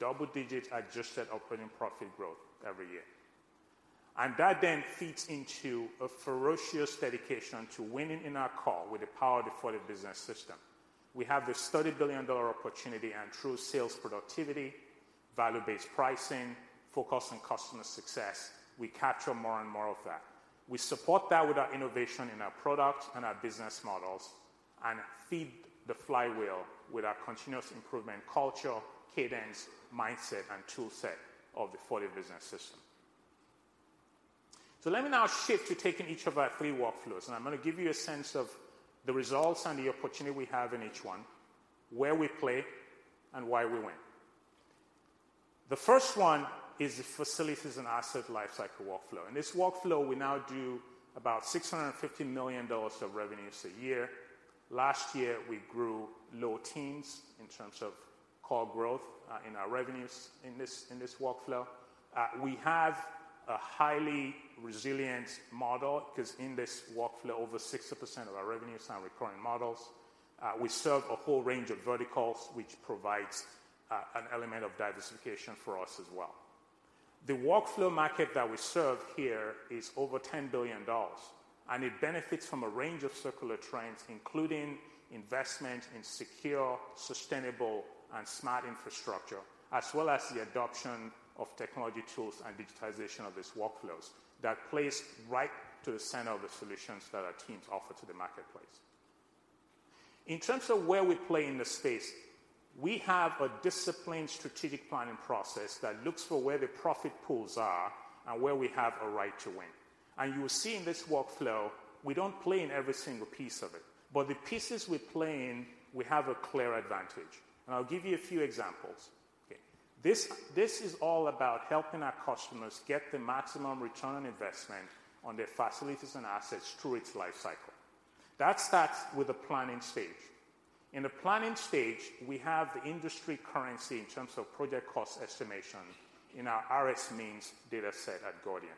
double-digit adjusted operating profit growth every year. That then feeds into a ferocious dedication to winning in our core with the power of the Fortive Business System. We have this $30 billion opportunity and through sales productivity, value-based pricing, focus on customer success, we capture more and more of that. We support that with our innovation in our products and our business models and feed the flywheel with our continuous improvement culture, cadence, mindset, and toolset of the Fortive Business System. Let me now shift to taking each of our three workflows, and I'm going to give you a sense of the results and the opportunity we have in each one, where we play and why we win. The first one is the Facilities and Asset Lifecycle workflow. In this workflow, we now do about $650 million of revenues a year. Last year, we grew low teens in terms of core growth, in our revenues in this, in this workflow. We have a highly resilient model because in this workflow, over 60% of our revenues are recurring models. We serve a whole range of verticals, which provides an element of diversification for us as well. The workflow market that we serve here is over $10 billion. It benefits from a range of circular trends, including investment in secure, sustainable, and smart infrastructure, as well as the adoption of technology tools and digitization of these workflows. That plays right to the center of the solutions that our teams offer to the marketplace. In terms of where we play in the space, we have a disciplined strategic planning process that looks for where the profit pools are and where we have a right to win. You will see in this workflow, we don't play in every single piece of it, but the pieces we play in, we have a clear advantage, and I'll give you a few examples. Okay. This is all about helping our customers get the maximum return on investment on their facilities and assets through its lifecycle. That starts with the planning stage. In the planning stage, we have the industry currency in terms of project cost estimation in our RSMeans data set at Gordian.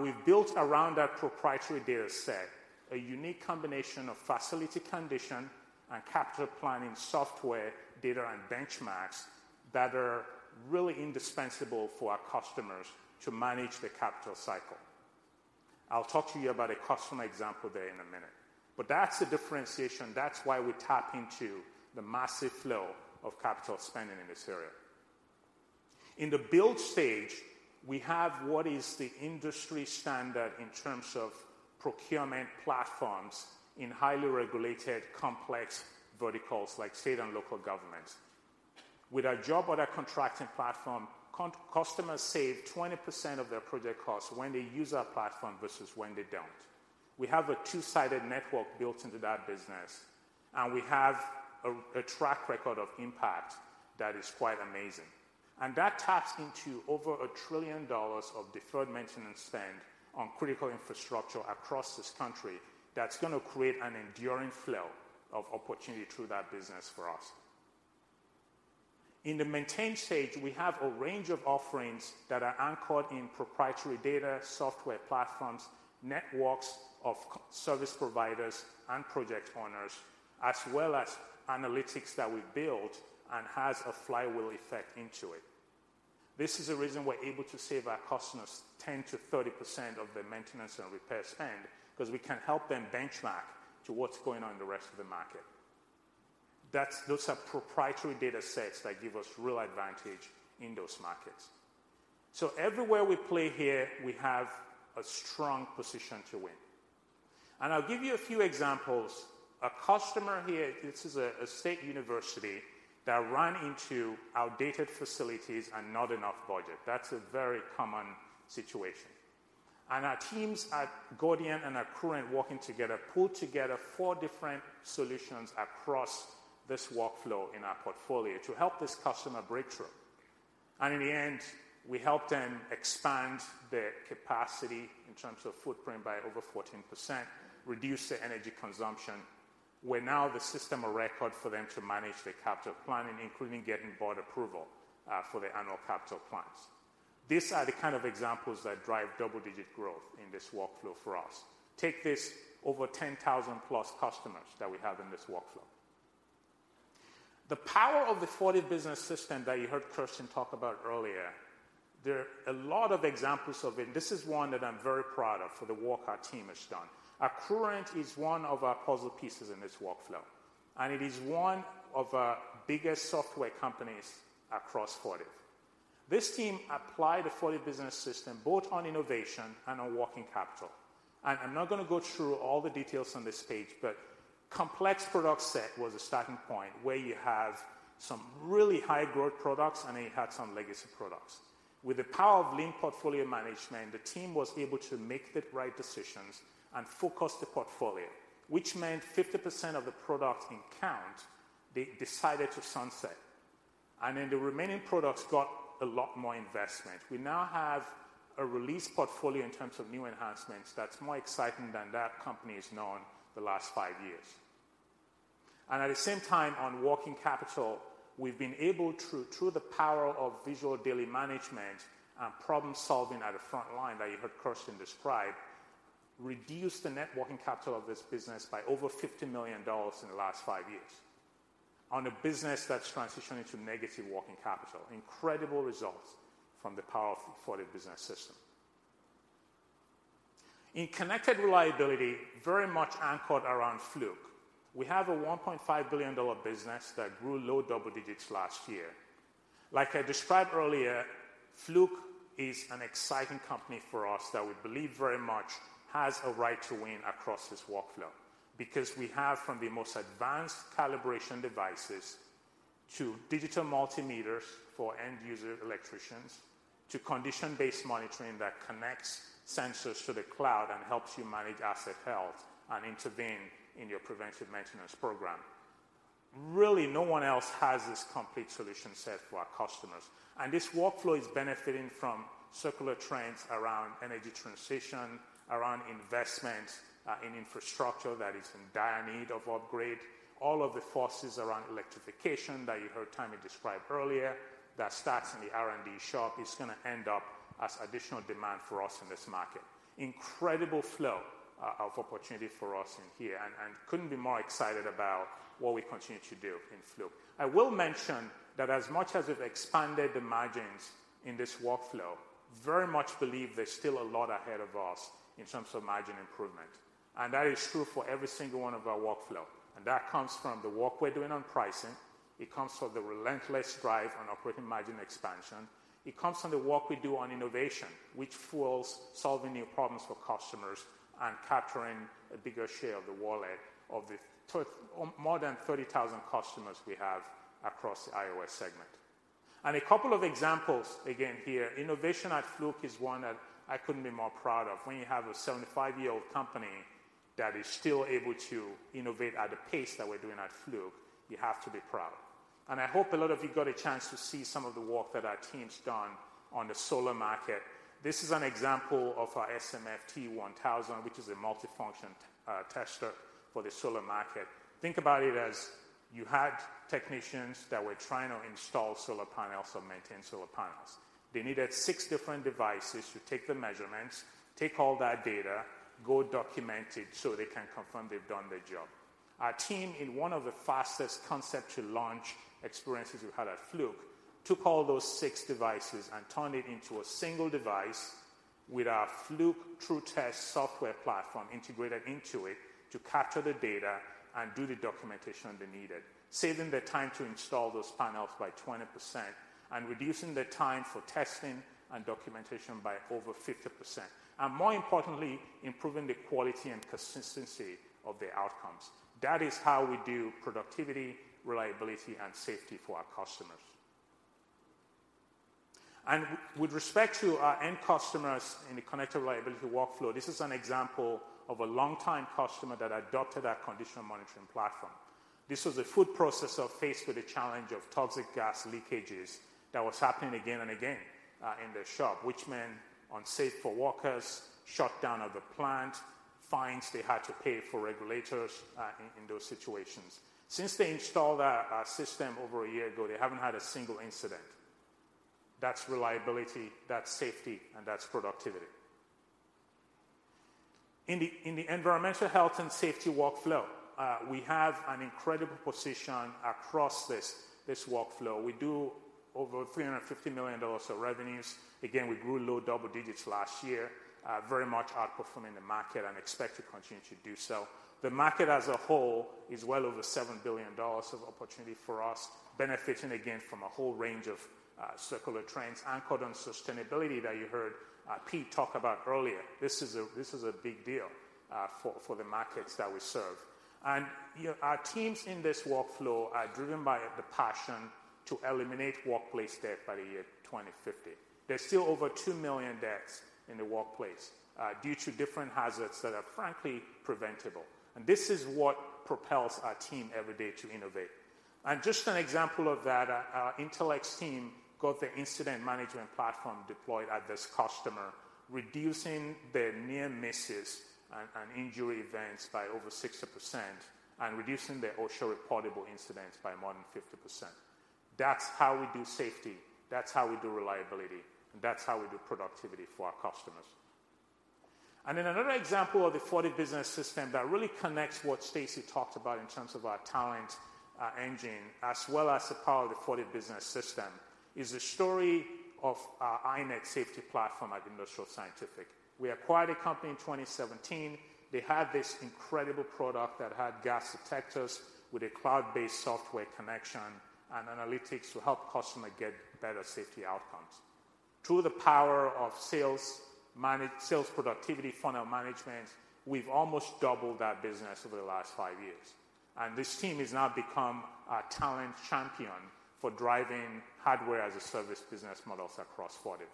We've built around that proprietary data set, a unique combination of facility condition and capital planning, software, data, and benchmarks that are really indispensable for our customers to manage their capital cycle. I'll talk to you about a customer example there in a minute. That's the differentiation. That's why we tap into the massive flow of capital spending in this area. In the build stage, we have what is the industry standard in terms of procurement platforms in highly regulated, complex verticals like state and local governments. With our Job Order Contracting platform, customers save 20% of their project costs when they use our platform versus when they don't. We have a two-sided network built into that business. We have a track record of impact that is quite amazing. That taps into over $1 trillion of deferred maintenance spend on critical infrastructure across this country that's going to create an enduring flow of opportunity through that business for us. In the maintain stage, we have a range of offerings that are anchored in proprietary data, software platforms, networks of service providers and project owners, as well as analytics that we built and has a flywheel effect into it. This is the reason we're able to save our customers 10%-30% of their maintenance and repair spend because we can help them benchmark to what's going on in the rest of the market. Those are proprietary data sets that give us real advantage in those markets. Everywhere we play here, we have a strong position to win. I'll give you a few examples. A customer here, this is a state university that ran into outdated facilities and not enough budget. That's a very common situation. Our teams at Gordian and Accruent working together, pulled together four different solutions across this workflow in our portfolio to help this customer break through. In the end, we helped them expand their capacity in terms of footprint by over 14%, reduce their energy consumption. We're now the system of record for them to manage their capital planning, including getting board approval for their annual capital plans. These are the kind of examples that drive double-digit growth in this workflow for us. Take this over 10,000+ customers that we have in this workflow. The power of the Fortive Business System that you heard Kirsten talk about earlier, there are a lot of examples of it, and this is one that I'm very proud of for the work our team has done. Accruent is one of our puzzle pieces in this workflow, and it is one of our biggest software companies across Fortive. This team applied the Fortive Business System both on innovation and on working capital. I'm not gonna go through all the details on this page, but complex product set was a starting point where you have some really high-growth products, and it had some legacy products. With the power of Lean Portfolio Management, the team was able to make the right decisions and focus the portfolio, which meant 50% of the product in count, they decided to sunset. The remaining products got a lot more investment. We now have a release portfolio in terms of new enhancements that's more exciting than that company has known the last five years. At the same time, on working capital, we've been able to, through the power of visual Daily Management and problem-solving at the front line that you heard Kirsten describe, reduce the net working capital of this business by over $50 million in the last five years, on a business that's transitioning to negative working capital. Incredible results from the power of Fortive Business System. In Connected Reliability, very much anchored around Fluke. We have a $1.5 billion business that grew low double digits last year. Like I described earlier, Fluke is an exciting company for us that we believe very much has a right to win across this workflow. We have from the most advanced calibration devices to digital multimeters for end-user electricians, to condition-based monitoring that connects sensors to the cloud and helps you manage asset health and intervene in your preventive maintenance program. Really, no one else has this complete solution set for our customers, and this workflow is benefiting from circular trends around energy transition, around investment in infrastructure that is in dire need of upgrade. All of the forces around electrification that you heard Tami describe earlier, that starts in the R&D shop, is gonna end up as additional demand for us in this market. Incredible flow of opportunity for us in here, and couldn't be more excited about what we continue to do in Fluke. I will mention that as much as we've expanded the margins in this workflow, very much believe there's still a lot ahead of us in terms of margin improvement, that is true for every single one of our workflow. That comes from the work we're doing on pricing, it comes from the relentless drive on operating margin expansion, it comes from the work we do on innovation, which fuels solving new problems for customers and capturing a bigger share of the wallet of the more than 30,000 customers we have across the IOS segment. A couple of examples again here, innovation at Fluke is one that I couldn't be more proud of. When you have a 75-year-old company that is still able to innovate at the pace that we're doing at Fluke, you have to be proud. I hope a lot of you got a chance to see some of the work that our team's done on the solar market. This is an example of our SMFT-1000, which is a multifunction tester for the solar market. Think about it as you had technicians that were trying to install solar panels or maintain solar panels. They needed six different devices to take the measurements, take all that data, go document it, so they can confirm they've done their job. Our team, in one of the fastest concept to launch experiences we've had at Fluke, took all those six devices and turned it into a single device with our Fluke TruTest software platform integrated into it to capture the data and do the documentation they needed, saving the time to install those panels by 20% and reducing the time for testing and documentation by over 50%. More importantly, improving the quality and consistency of the outcomes. That is how we do productivity, reliability, and safety for our customers. With respect to our end customers in the Connected Reliability workflow, this is an example of a long-time customer that adopted our conditional monitoring platform. This was a food processor faced with the challenge of toxic gas leakages that was happening again and again in the shop, which meant unsafe for workers, shutdown of the plant, fines they had to pay for regulators in those situations. Since they installed our system over a year ago, they haven't had a single incident. That's reliability, that's safety, and that's productivity. In the Environmental, Health and Safety workflow, we have an incredible position across this workflow. We do over $350 million of revenues. Again, we grew low double digits last year, very much outperforming the market and expect to continue to do so. The market as a whole is well over $7 billion of opportunity for us, benefiting again from a whole range of circular trends anchored on sustainability that you heard Pete talk about earlier. This is a big deal for the markets that we serve. You know, our teams in this workflow are driven by the passion to eliminate workplace death by the year 2050. There's still over 2 million deaths in the workplace due to different hazards that are frankly preventable, and this is what propels our team every day to innovate. Just an example of that, our Intelex team got the incident management platform deployed at this customer, reducing the near misses and injury events by over 60% and reducing the OSHA reportable incidents by more than 50%. That's how we do safety, that's how we do reliability, and that's how we do productivity for our customers. Another example of the Fortive Business System that really connects what Stacey talked about in terms of our talent engine, as well as the power of the Fortive Business System, is the story of our iNet safety platform at Industrial Scientific. We acquired a company in 2017. They had this incredible product that had gas detectors with a cloud-based software connection and analytics to help customer get better safety outcomes. Through the power of sales productivity funnel management, we've almost doubled that business over the last five years, and this team has now become a talent champion for driving hardware as a service business models across Fortive.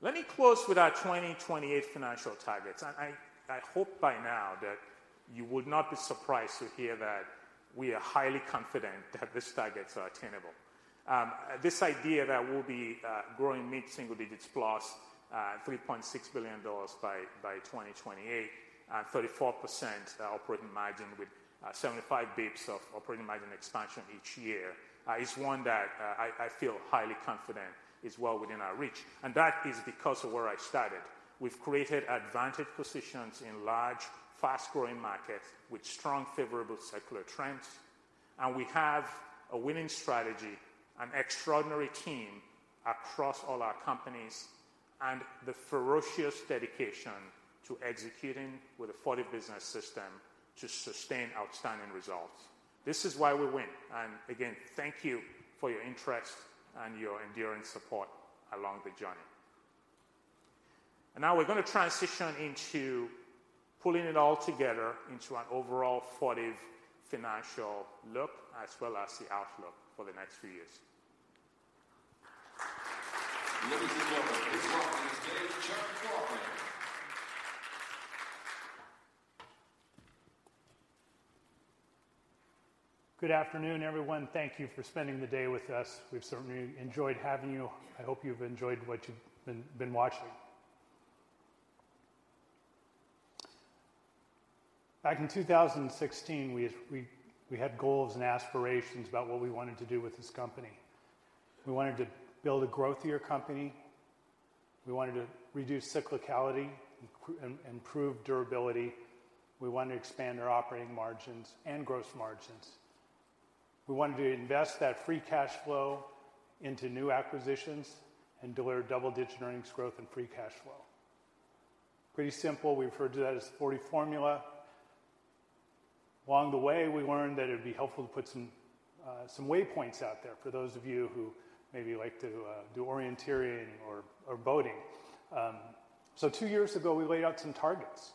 Let me close with our 2028 financial targets. I hope by now that you would not be surprised to hear that we are highly confident that these targets are attainable. This idea that we'll be growing mid-single digits plus $3.6 billion by 2028, and 34% operating margin with 75 basis points of operating margin expansion each year, is one that I feel highly confident is well within our reach, and that is because of where I started. We've created advantage positions in large, fast-growing markets with strong, favorable secular trends. We have a winning strategy, an extraordinary team across all our companies, and the ferocious dedication to executing with a Fortive Business System to sustain outstanding results. This is why we win. Again, thank you for your interest and your enduring support along the journey. Now we're going to transition into pulling it all together into an overall Fortive financial look, as well as the outlook for the next few years. Ladies and gentlemen, please welcome Mr. Charles McLaughlin. Good afternoon, everyone. Thank you for spending the day with us. We've certainly enjoyed having you. I hope you've enjoyed what you've been watching. Back in 2016, we had goals and aspirations about what we wanted to do with this company. We wanted to build a growthier company. We wanted to reduce cyclicality, improve durability. We wanted to expand our operating margins and gross margins. We wanted to invest that free cash flow into new acquisitions and deliver double-digit earnings growth and free cash flow. Pretty simple. We refer to that as the Fortive Formula. Along the way, we learned that it would be helpful to put some waypoints out there for those of you who maybe like to do orienteering or boating. Two years ago, we laid out some targets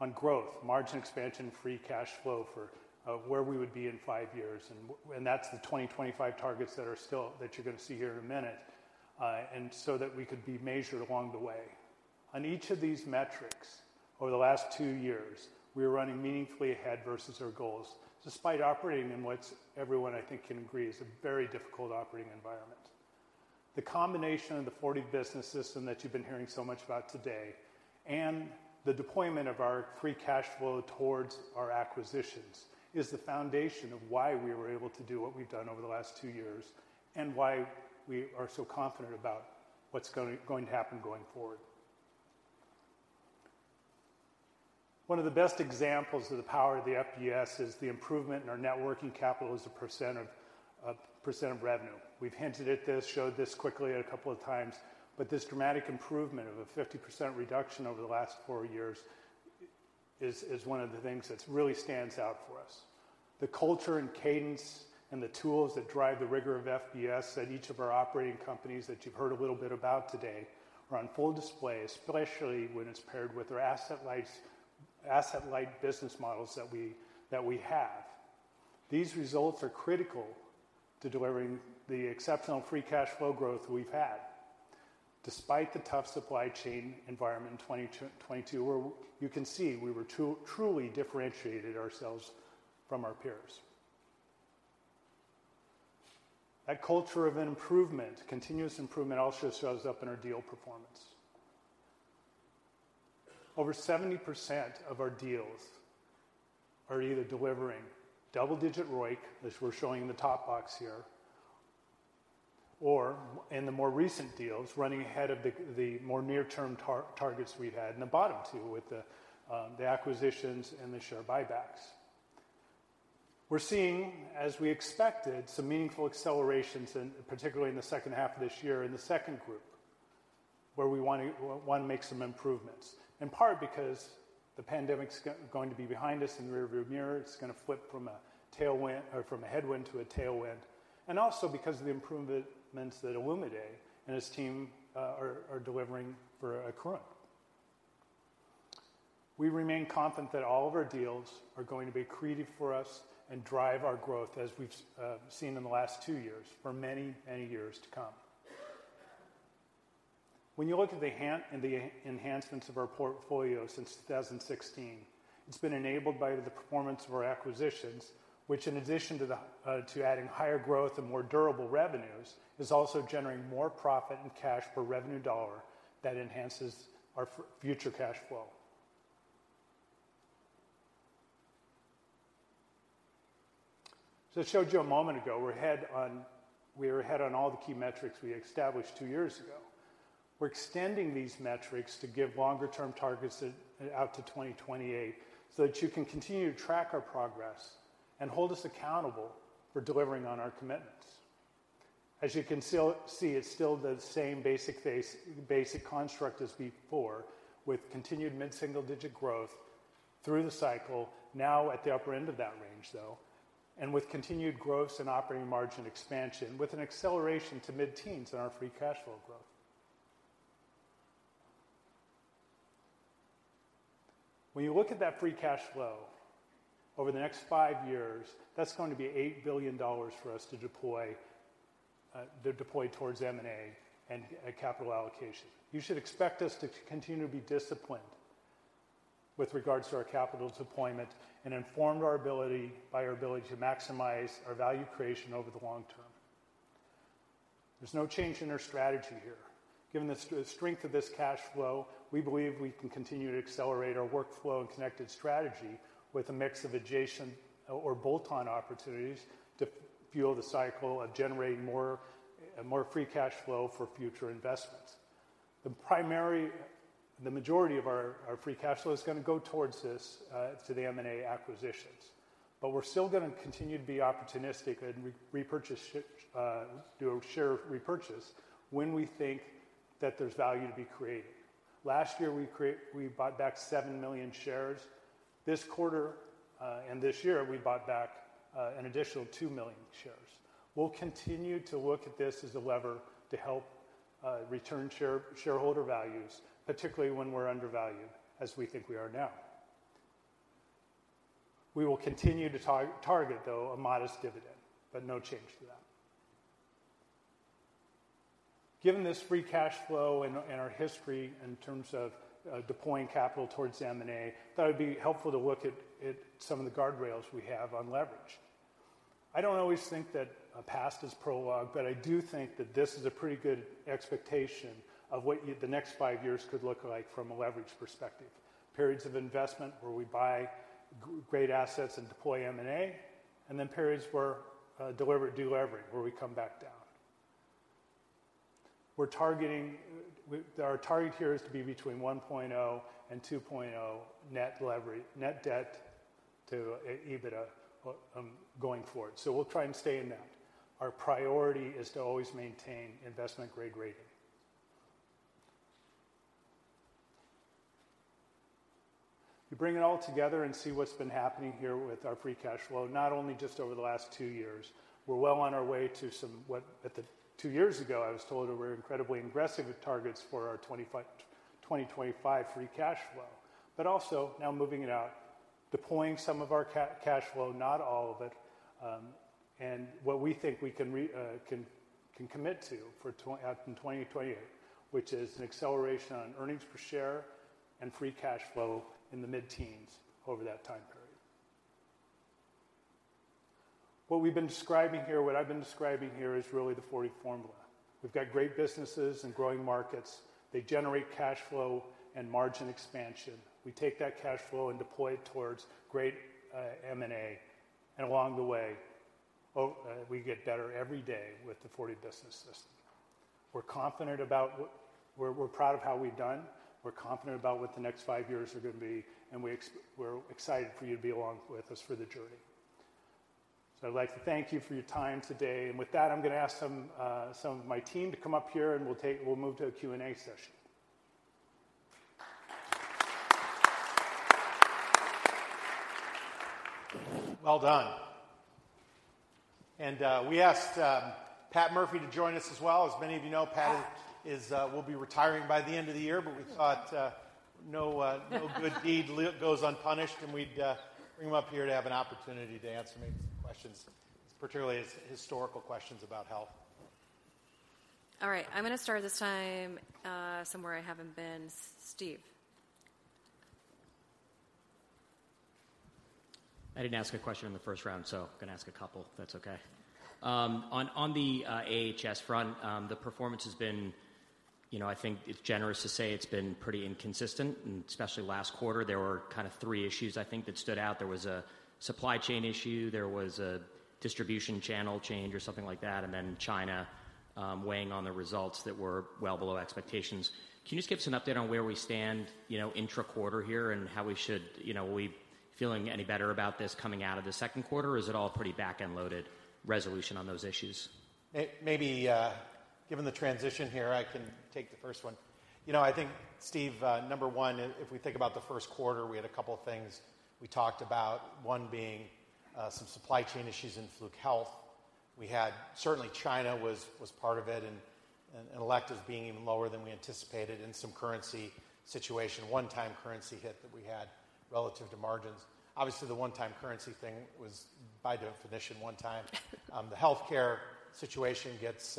on growth, margin expansion, free cash flow for where we would be in five years, that's the 2025 targets that are still that you're going to see here in a minute, so that we could be measured along the way. On each of these metrics, over the last two years, we were running meaningfully ahead versus our goals, despite operating in what everyone, I think, can agree is a very difficult operating environment. The combination of the Fortive Business System that you've been hearing so much about today, the deployment of our free cash flow towards our acquisitions, is the foundation of why we were able to do what we've done over the last two years and why we are so confident about what's going to happen going forward. One of the best examples of the power of the FBS is the improvement in our net working capital as a percent of revenue. We've hinted at this, showed this quickly a couple of times, but this dramatic improvement of a 50% reduction over the last four years is one of the things that really stands out for us. The culture and cadence and the tools that drive the rigor of FBS at each of our operating companies that you've heard a little bit about today, are on full display, especially when it's paired with our asset-light business models that we have. These results are critical to delivering the exceptional free cash flow growth we've had. Despite the tough supply chain environment in 2022, where you can see we were truly differentiated ourselves from our peers. That culture of improvement, continuous improvement, also shows up in our deal performance. Over 70% of our deals are either delivering double-digit ROIC, as we're showing in the top box here, or in the more recent deals, running ahead of the more near-term targets we've had in the bottom two with the acquisitions and the share buybacks. We're seeing, as we expected, some meaningful accelerations, and particularly in the second half of this year in the second group, where we want to make some improvements, in part because the pandemic's going to be behind us in the rearview mirror. It's going to flip from a headwind to a tailwind, and also because of the improvements that Olumide and his team are delivering for Accruent. We remain confident that all of our deals are going to be accretive for us and drive our growth, as we've seen in the last two years, for many, many years to come. When you look at the enhancements of our portfolio since 2016, it's been enabled by the performance of our acquisitions, which in addition to adding higher growth and more durable revenues, is also generating more profit and cash per revenue dollar that enhances our future cash flow. I showed you a moment ago, we are ahead on all the key metrics we established two years ago. We're extending these metrics to give longer-term targets out to 2028, so that you can continue to track our progress and hold us accountable for delivering on our commitments. As you can still see, it's still the same basic base, basic construct as before, with continued mid-single-digit growth through the cycle. Now at the upper end of that range, though, and with continued gross and operating margin expansion, with an acceleration to mid-teens in our free cash flow growth. When you look at that free cash flow over the next five years, that's going to be $8 billion for us to deploy, to deploy towards M&A and capital allocation. You should expect us to continue to be disciplined with regards to our capital deployment and informed by our ability to maximize our value creation over the long term. There's no change in our strategy here. Given the strength of this cash flow, we believe we can continue to accelerate our workflow and connected strategy with a mix of adjacent or bolt-on opportunities to fuel the cycle of generating more free cash flow for future investments. The primary, the majority of our free cash flow is going to go towards this to the M&A acquisitions, but we're still going to continue to be opportunistic and repurchase, do a share repurchase when we think that there's value to be created. Last year, we bought back 7 million shares. This quarter, and this year, we bought back an additional 2 million shares. We'll continue to look at this as a lever to help return shareholder values, particularly when we're undervalued, as we think we are now. We will continue to target, though, a modest dividend. No change to that. Given this free cash flow and our history in terms of deploying capital towards M&A, I thought it'd be helpful to look at some of the guardrails we have on leverage. I don't always think that a past is prologue, but I do think that this is a pretty good expectation of what the next five years could look like from a leverage perspective. Periods of investment, where we buy great assets and deploy M&A, and then periods where delevering, where we come back down. Our target here is to be between 1.0 and 2.0 net leverage, net debt to EBITDA, going forward. We'll try and stay in that. Our priority is to always maintain investment-grade rating. You bring it all together and see what's been happening here with our free cash flow, not only just over the last two years. We're well on our way to some, what... two years ago, I was told that we're incredibly aggressive with targets for our 2025 free cash flow, but also now moving it out, deploying some of our cash flow, not all of it, and what we think we can commit to for out in 2028, which is an acceleration on earnings per share and free cash flow in the mid-teens over that time period. What we've been describing here, what I've been describing here, is really the Fortive Formula. We've got great businesses and growing markets. They generate cash flow and margin expansion. We take that cash flow and deploy it towards great M&A. Along the way, we get better every day with the 40 businesses. We're confident about what. We're proud of how we've done, we're confident about what the next five years are going to be. We're excited for you to be along with us for the journey. I'd like to thank you for your time today. With that, I'm going to ask some of my team to come up here. We'll move to a Q&A session. Well done. We asked Pat Murphy to join us as well. As many of you know, Pat is will be retiring by the end of the year, but we thought no good deed goes unpunished, and we'd bring him up here to have an opportunity to answer maybe some questions, particularly historical questions about health. All right, I'm going to start this time, somewhere I haven't been. Steve. I didn't ask a question in the first round, so I'm going to ask a couple, if that's okay. On the AHS front, the performance has been, you know, I think it's generous to say it's been pretty inconsistent, and especially last quarter, there were kind of three issues I think that stood out. There was a supply chain issue, there was a distribution channel change or something like that, and then China, weighing on the results that were well below expectations. Can you just give us an update on where we stand, you know, intra-quarter here? Are we feeling any better about this coming out of the second quarter, or is it all pretty back-end-loaded resolution on those issues? Maybe given the transition here, I can take the first one. You know, I think, Steve, number one, if we think about the first quarter, we had a couple of things we talked about. One being some supply chain issues in Fluke Health. Certainly, China was part of it, and electives being even lower than we anticipated, and some currency situation, one-time currency hit that we had relative to margins. Obviously, the one-time currency thing was, by definition, one time. The healthcare situation gets,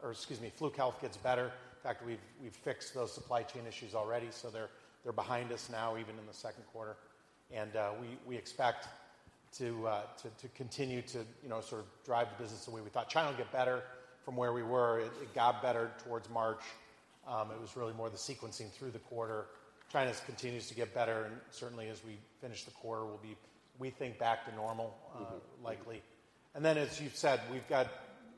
or excuse me, Fluke Health gets better. In fact, we've fixed those supply chain issues already, so they're behind us now, even in the second quarter. We expect to continue to, you know, sort of drive the business the way we thought. China will get better from where we were. It got better towards March. It was really more the sequencing through the quarter. China continues to get better, and certainly, as we finish the quarter, we'll be, we think, back to normal. Mm-hmm. likely. Then, as you've said, we've got,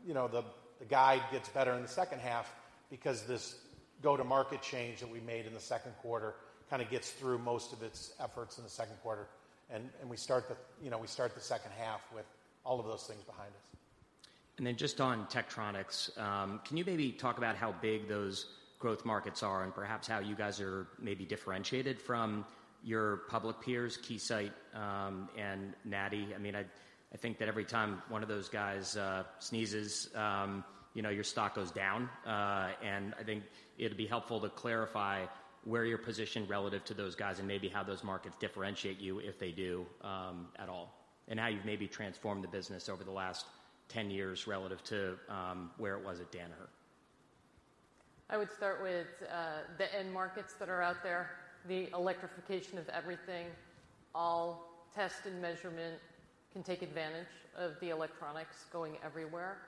you know, the guide gets better in the second half because this go-to-market change that we made in the second quarter kind of gets through most of its efforts in the second quarter, and we start the second half with all of those things behind us. Just on Tektronix, can you maybe talk about how big those growth markets are and perhaps how you guys are maybe differentiated from your public peers, Keysight, and NI? I mean, I think that every time one of those guys sneezes, you know, your stock goes down. I think it'd be helpful to clarify where you're positioned relative to those guys and maybe how those markets differentiate you, if they do at all, and how you've maybe transformed the business over the last 10 years relative to where it was at Danaher. I would start with the end markets that are out there, the electrification of everything. All test and measurement can take advantage of the electronics going everywhere.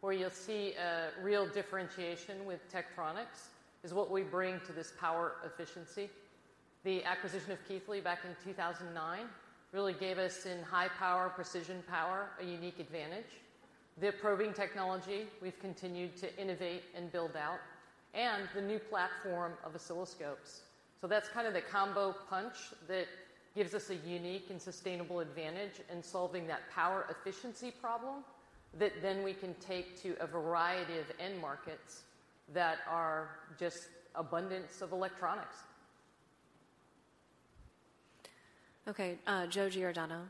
Where you'll see a real differentiation with Tektronix is what we bring to this power efficiency. The acquisition of Keithley back in 2009 really gave us, in high power, precision power, a unique advantage. The probing technology, we've continued to innovate and build out, and the new platform of oscilloscopes. That's kind of the combo punch that gives us a unique and sustainable advantage in solving that power efficiency problem, that then we can take to a variety of end markets that are just abundance of electronics. Okay, Joseph Giordano.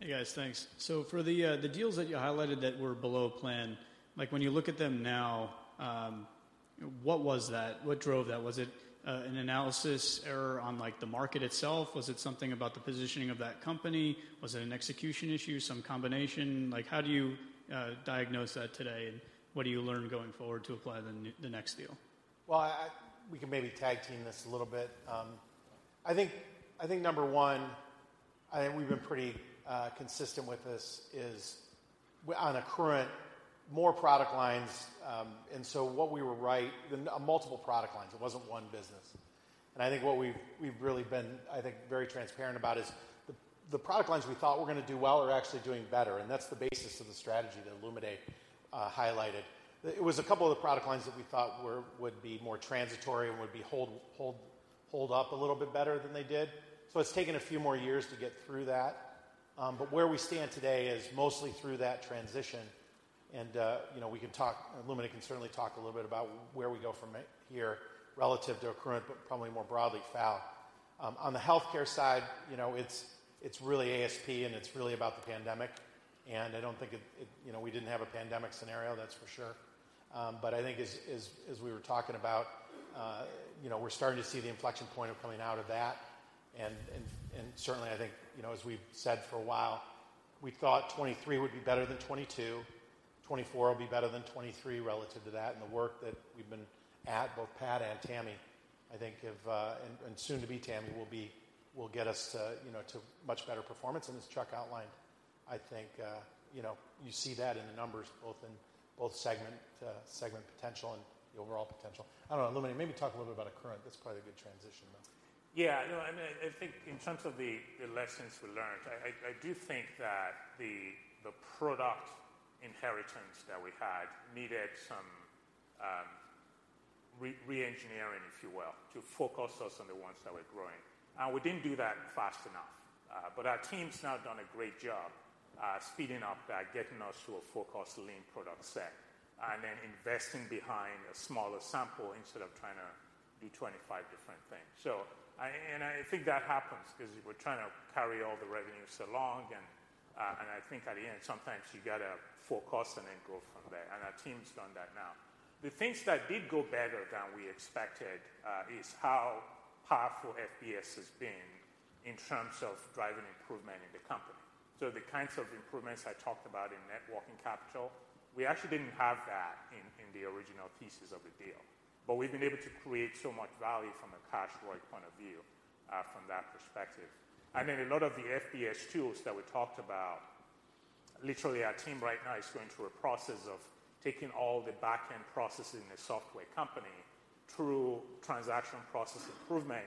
Hey, guys, thanks. For the deals that you highlighted that were below plan, like when you look at them now, what was that? What drove that? Was it an analysis error on like the market itself? Was it something about the positioning of that company? Was it an execution issue, some combination? Like, how do you diagnose that today, and what do you learn going forward to apply the next deal? Well, I... We can maybe tag-team this a little bit. I think, I think number one, I think we've been pretty consistent with this, is on Accruent, more product lines, and so what we were right, multiple product lines, it wasn't one business. I think what we've really been, I think, very transparent about is the product lines we thought were gonna do well are actually doing better, and that's the basis of the strategy that Illuminae highlighted. It was a couple of the product lines that we thought would be more transitory and would be hold up a little bit better than they did. It's taken a few more years to get through that. Where we stand today is mostly through that transition, you know, we can talk, and Illuminae can certainly talk a little bit about where we go from here relative to Accruent, but probably more broadly, Fortive. On the healthcare side, you know, it's really ASP, and it's really about the pandemic. You know, we didn't have a pandemic scenario, that's for sure. I think as we were talking about, you know, we're starting to see the inflection point of coming out of that, and certainly, I think, you know, as we've said for a while, we thought 2023 would be better than 2022, 2024 will be better than 2023 relative to that. The work that we've been at, both Pat and Tami, I think, have, and soon to be Tami, will get us to, you know, to much better performance. As Chuck outlined, I think, you know, you see that in the numbers, both in, both segment potential and the overall potential. I don't know, Illuminae, maybe talk a little bit about Accruent. That's probably a good transition, though. Yeah, you know, I mean, I think in terms of the lessons we learned, I do think that the product inheritance that we had needed some reengineering, if you will, to focus us on the ones that were growing. We didn't do that fast enough, but our team's now done a great job speeding up getting us to a focused lean product set and then investing behind a smaller sample instead of trying to do 25 different things. I think that happens because we're trying to carry all the revenues along, and I think at the end, sometimes you gotta focus and then go from there, and our team's done that now. The things that did go better than we expected, is how powerful FBS has been in terms of driving improvement in the company. The kinds of improvements I talked about in net working capital, we actually didn't have that in the original pieces of the deal, but we've been able to create so much value from a cash flow point of view, from that perspective. A lot of the FBS tools that we talked about, literally, our team right now is going through a process of taking all the back-end processes in the software company through Transactional Process Improvement,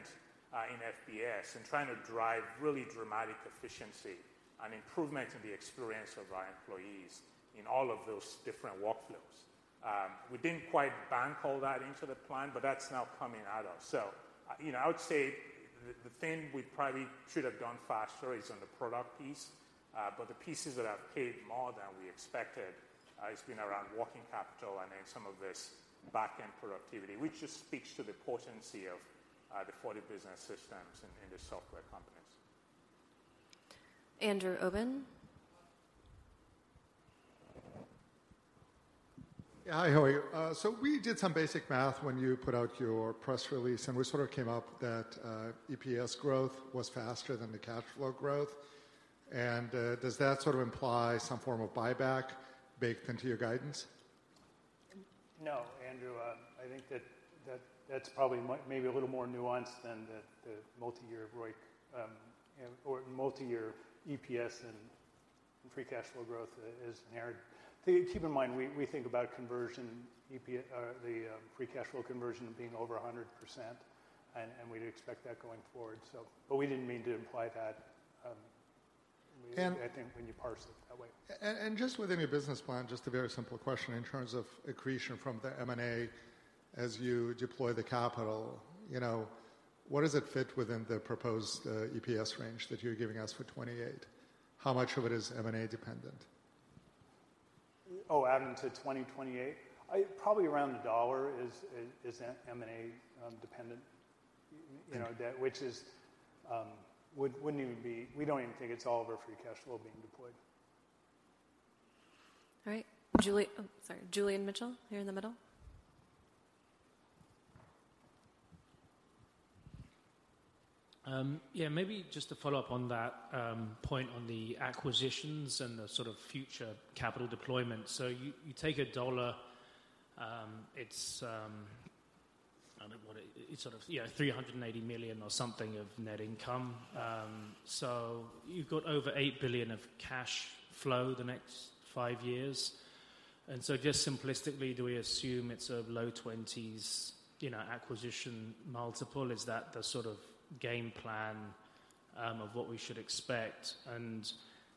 in FBS and trying to drive really dramatic efficiency and improvement in the experience of our employees in all of those different workflows. We didn't quite bank all that into the plan, but that's now coming at us. You know, I would say the thing we probably should have done faster is on the product piece, but the pieces that have paid more than we expected, has been around working capital and then some of this back-end productivity, which just speaks to the potency of the Fortive Business System in the software companies. Yeah, hi, how are you? We did some basic math when you put out your press release, and we sort of came up that, EPS growth was faster than the cash flow growth. Does that sort of imply some form of buyback baked into your guidance? Andrew, I think that's probably maybe a little more nuanced than the multi-year ROIC, and or multi-year EPS and free cash flow growth is narrowed. Keep in mind, we think about conversion, free cash flow conversion of being over 100%, and we'd expect that going forward. We didn't mean to imply that. And- I think when you parse it that way. Just within your business plan, just a very simple question in terms of accretion from the M&A as you deploy the capital. You know, what does it fit within the proposed EPS range that you're giving us for 2028? How much of it is M&A dependent? Oh, out into 2028? Probably around $1 is M&A dependent. Okay. You know, that which is, we don't even think it's all of our free cash flow being deployed. All right. Julian, oh, sorry, Julian Mitchell, here in the middle. Yeah, maybe just to follow up on that point on the acquisitions and the sort of future capital deployment. You, you take a dollar, it's $380 million or something of net income. You've got over $8 billion of cash flow the next five years. Just simplistically, do we assume it's a low 20s, you know, acquisition multiple? Is that the sort of game plan of what we should expect?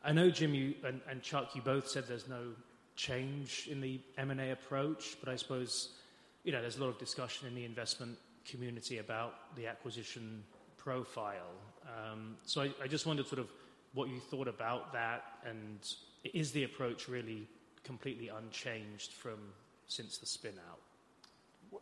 I know, Jim, you and Chuck, you both said there's no change in the M&A approach, but I suppose, you know, there's a lot of discussion in the investment community about the acquisition profile. I just wondered sort of what you thought about that. Is the approach really completely unchanged from since the spinout?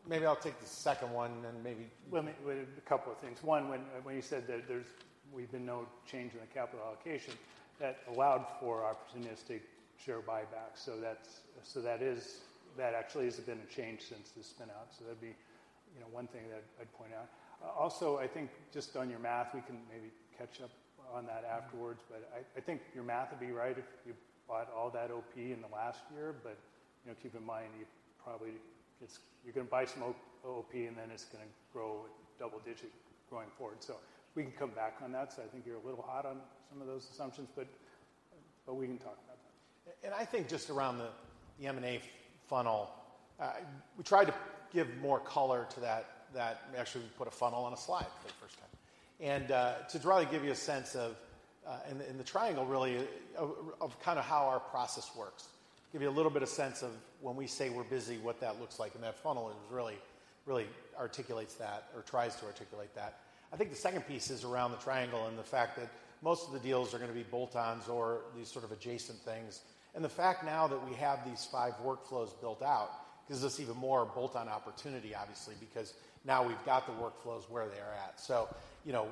maybe I'll take the second one, and then maybe... Well, let me, a couple of things. One, when you said that there's, we've been no change in the capital allocation, that allowed for opportunistic share buybacks. That is, that actually has been a change since the spinout. That'd be, you know, one thing that I'd point out. I think just on your math, we can maybe catch up on that afterwards. Mm-hmm. I think your math would be right if you bought all that OP in the last year. You know, keep in mind, you probably you're going to buy some OP, and then it's going to grow double digits going forward. We can come back on that. I think you're a little hot on some of those assumptions, but we can talk about that. I think just around the M&A funnel, we tried to give more color to that actually, we put a funnel on a slide for the first time. to try to give you a sense of and the triangle really of kind of how our process works. Give you a little bit of sense of when we say we're busy, what that looks like, and that funnel is really articulates that or tries to articulate that. I think the second piece is around the triangle and the fact that most of the deals are going to be bolt-ons or these sort of adjacent things. The fact now that we have these five workflows built out, gives us even more bolt-on opportunity, obviously, because now we've got the workflows where they're at. You know,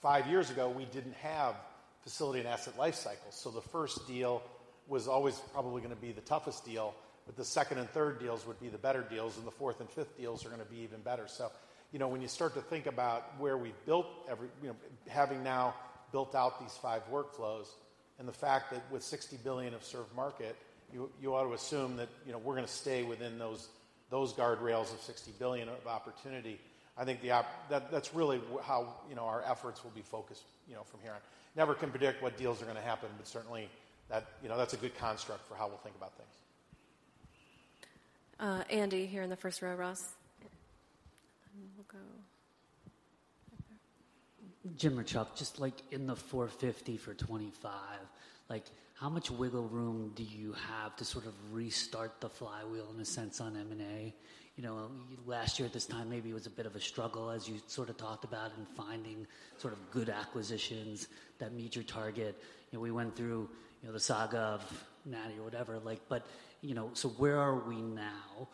five years ago, we didn't have facility and asset life cycles. The first deal was always probably gonna be the toughest deal, but the second and third deals would be the better deals, and the fourth and fifth deals are gonna be even better. You know, when you start to think about where we've built every, you know, having now built out these five workflows and the fact that with $60 billion of served market, you ought to assume that, you know, we're gonna stay within those guardrails of $60 billion of opportunity. I think that's really how, you know, our efforts will be focused, you know, from here on. Never can predict what deals are going to happen, but certainly that, you know, that's a good construct for how we'll think about things. Andy, here in the first row, Ross. Then we'll go... Jim or Chuck, just like in the $450 for $25, like, how much wiggle room do you have to sort of restart the flywheel in a sense on M&A? You know, last year at this time, maybe it was a bit of a struggle, as you sort of talked about, in finding sort of good acquisitions that meet your target. You know, we went through, you know, the saga of NI or whatever, like, but, you know, so where are we now?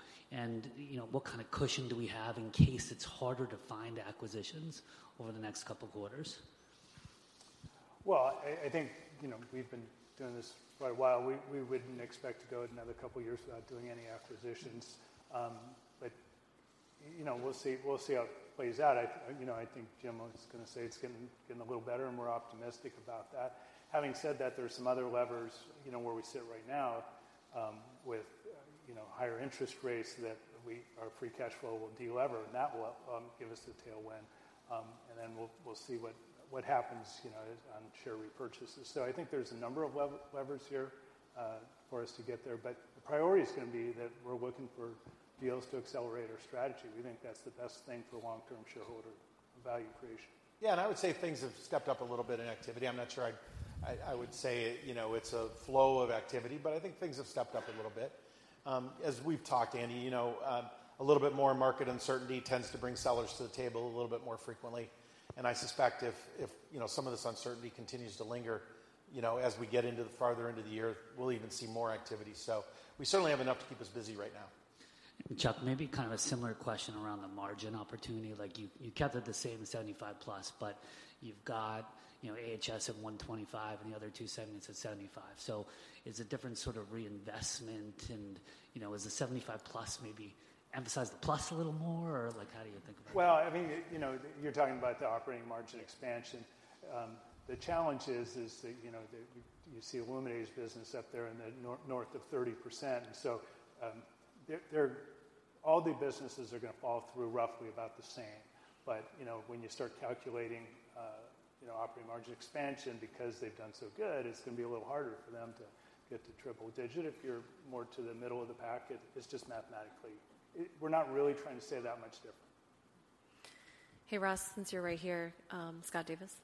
What kind of cushion do we have in case it's harder to find acquisitions over the next couple of quarters? I think, you know, we've been doing this for a while. We, we wouldn't expect to go another couple of years without doing any acquisitions. You know, we'll see, we'll see how it plays out. I, you know, I think Jim was gonna say it's getting a little better, and we're optimistic about that. Having said that, there are some other levers, you know, where we sit right now, with, you know, higher interest rates that we, our free cash flow will de-lever, and that will give us the tailwind, and then we'll see what happens, you know, on share repurchases. I think there's a number of levers here for us to get there, but the priority is gonna be that we're looking for deals to accelerate our strategy. We think that's the best thing for long-term shareholder value creation. I would say things have stepped up a little bit in activity. I'm not sure I would say, you know, it's a flow of activity, but I think things have stepped up a little bit. As we've talked, Andy, you know, a little bit more market uncertainty tends to bring sellers to the table a little bit more frequently. I suspect if, you know, some of this uncertainty continues to linger, you know, as we get into the farther end of the year, we'll even see more activity. We certainly have enough to keep us busy right now. Chuck, maybe kind of a similar question around the margin opportunity. Like, you kept it the same, 75%+, you've got, you know, AHS at 125% and the other two segments at 75%. Is it different sort of reinvestment and, you know, is the 75%+ maybe emphasize the plus a little more, or like, how do you think about it? Well, I mean, you know, you're talking about the operating margin expansion. The challenge is that, you know, that you see Intelligent Operating Solutions up there in the north of 30%. There.... all the businesses are going to fall through roughly about the same. You know, when you start calculating, you know, operating margin expansion because they've done so good, it's going to be a little harder for them to get to triple digit. If you're more to the middle of the pack, it's just mathematically. We're not really trying to say that much different. Hey, Russ, since you're right here, Scott Davis?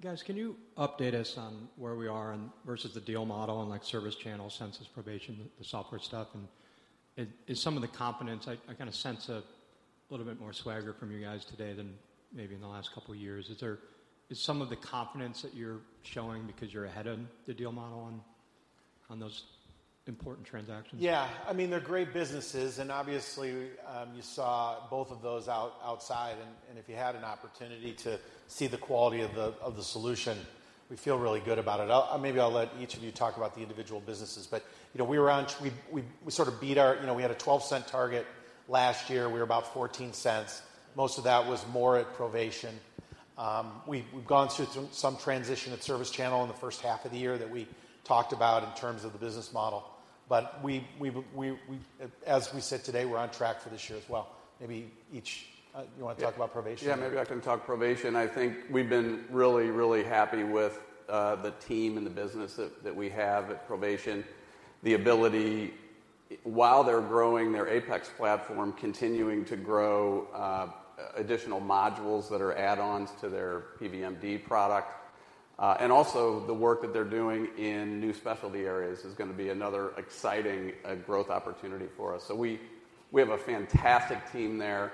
Guys, can you update us on where we are in versus the deal model and like ServiceChannel, Censis, Provation, the software stuff? I kind of sense a little bit more swagger from you guys today than maybe in the last couple of years. Is some of the confidence that you're showing because you're ahead of the deal model on those important transactions? Yeah. I mean, they're great businesses, and obviously, you saw both of those outside, and if you had an opportunity to see the quality of the solution, we feel really good about it. Maybe I'll let each of you talk about the individual businesses, but, you know, we sort of beat our. You know, we had a $0.12 target last year. We were about $0.14. Most of that was more at Provation. We've gone through some transition at ServiceChannel in the first half of the year that we talked about in terms of the business model. We've, as we said today, we're on track for this year as well. Maybe each, you want to talk about Provation? Maybe I can talk Provation. I think we've been really, really happy with the team and the business that we have at Provation. The ability, while they're growing their Apex platform, continuing to grow additional modules that are add-ons to their PVMD product. Also the work that they're doing in new specialty areas is going to be another exciting growth opportunity for us. We have a fantastic team there.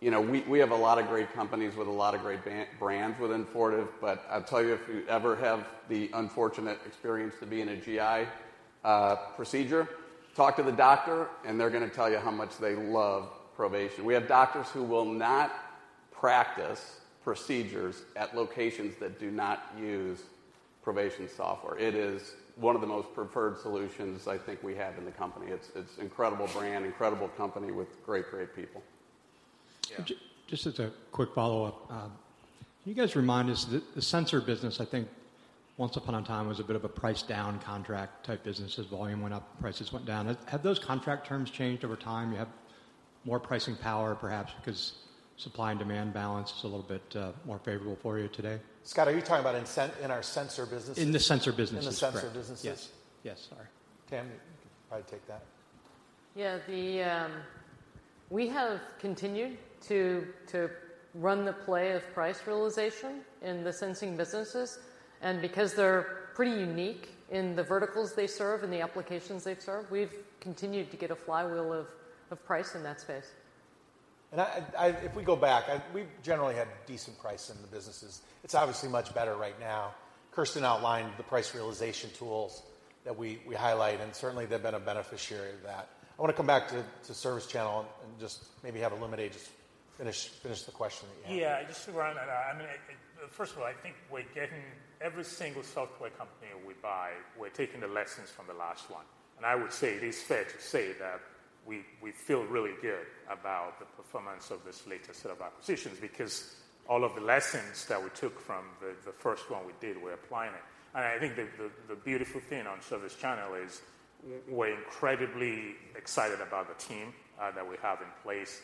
You know, we have a lot of great companies with a lot of great brands within Fortive, but I'll tell you, if you ever have the unfortunate experience to be in a GI procedure, talk to the doctor, and they're going to tell you how much they love Provation. We have doctors who will not practice procedures at locations that do not use Provation software. It is one of the most preferred solutions I think we have in the company. It's incredible brand, incredible company with great people. Yeah. just as a quick follow-up, can you guys remind us the sensor business, I think once upon a time, was a bit of a price down contract type business. As volume went up, prices went down. Have those contract terms changed over time? You have more pricing power, perhaps because supply and demand balance is a little bit more favorable for you today? Scott, are you talking about in our sensor business? In the sensor business. In the sensor businesses? Yes. Yes, sorry. Tam, you can probably take that. We have continued to run the play of Price Realization in the sensing businesses, and because they're pretty unique in the verticals they serve and the applications they serve, we've continued to get a flywheel of price in that space. I've generally had decent price in the businesses. It's obviously much better right now. Kirsten outlined the price realization tools that we highlight, and certainly, they've been a beneficiary of that. I want to come back to ServiceChannel and just maybe have Iluminae just finish the question that you had. Yeah, just to run that, I mean, first of all, I think we're getting every single software company we buy, we're taking the lessons from the last one. I would say it is fair to say that we feel really good about the performance of this latest set of acquisitions because all of the lessons that we took from the first one we did, we're applying it. I think the beautiful thing on ServiceChannel is we're incredibly excited about the team that we have in place.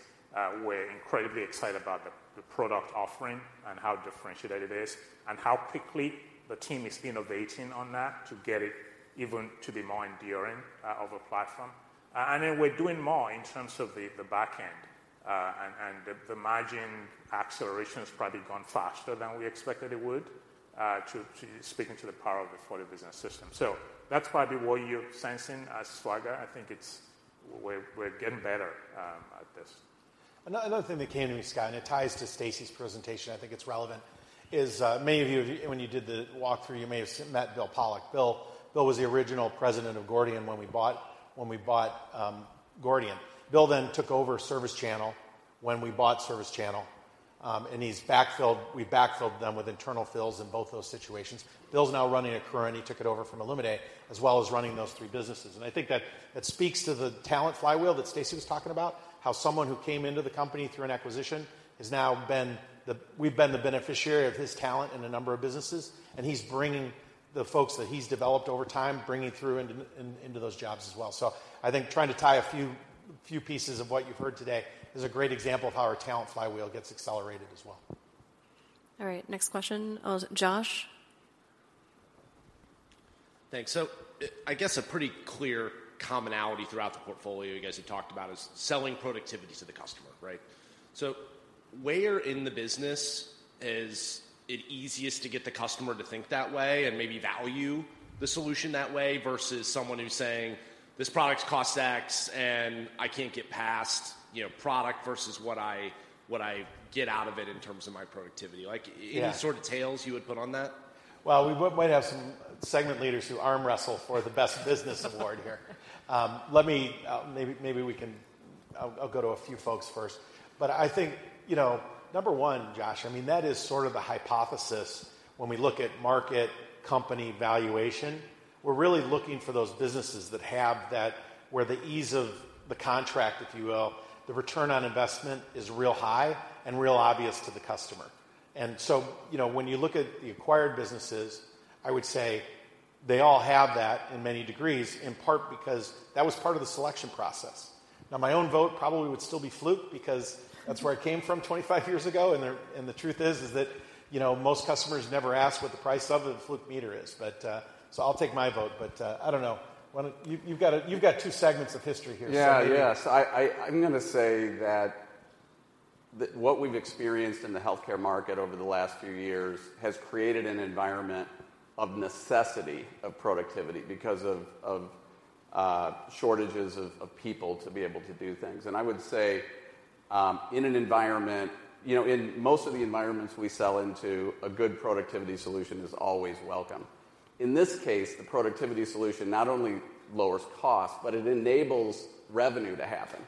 We're incredibly excited about the product offering and how differentiated it is, and how quickly the team is innovating on that to get it even to be more enduring of a platform. We're doing more in terms of the back end, and the margin acceleration has probably gone faster than we expected it would, speaking to the power of the Fortive Business System. That's probably what you're sensing as swagger. I think it's. We're getting better at this. Another thing that came to me, Scott, and it ties to Stacey's presentation, I think it's relevant, is many of you, when you did the walkthrough, you may have met Bill Pollock. Bill was the original president of Gordian when we bought Gordian. Bill took over ServiceChannel when we bought ServiceChannel, and we backfilled them with internal fills in both those situations. Bill's now running Accruent, he took it over from Illuminae, as well as running those three businesses. I think that speaks to the talent flywheel that Stacey was talking about, how someone who came into the company through an acquisition has now been we've been the beneficiary of his talent in a number of businesses, and he's bringing the folks that he's developed over time, bringing through into those jobs as well. I think trying to tie a few pieces of what you've heard today is a great example of how our talent flywheel gets accelerated as well. All right, next question. Josh? Thanks. I guess a pretty clear commonality throughout the portfolio you guys have talked about is selling productivity to the customer, right? Where in the business is it easiest to get the customer to think that way and maybe value the solution that way versus someone who's saying: "This product costs X, and I can't get past, you know, product versus what I get out of it in terms of my productivity? Yeah. Any sort of tales you would put on that? Well, we might have some segment leaders who arm wrestle for the best business award here. Let me, maybe we can, I'll go to a few folks first. I think, you know, number one, Josh, I mean, that is sort of the hypothesis when we look at market company valuation. We're really looking for those businesses that have that, where the ease of the contract, if you will, the return on investment is real high and real obvious to the customer. You know, when you look at the acquired businesses, I would say, they all have that in many degrees, in part because that was part of the selection process. My own vote probably would still be Fluke, because that's where I came from 25 years ago, and the truth is that, you know, most customers never ask what the price of the Fluke meter is. So I'll take my vote, I don't know. You've got a, you've got two segments of history here. Yeah. Yes. I'm gonna say that what we've experienced in the healthcare market over the last few years has created an environment of necessity of productivity because of shortages of people to be able to do things. I would say, you know, in most of the environments we sell into, a good productivity solution is always welcome. In this case, the productivity solution not only lowers cost, but it enables revenue to happen.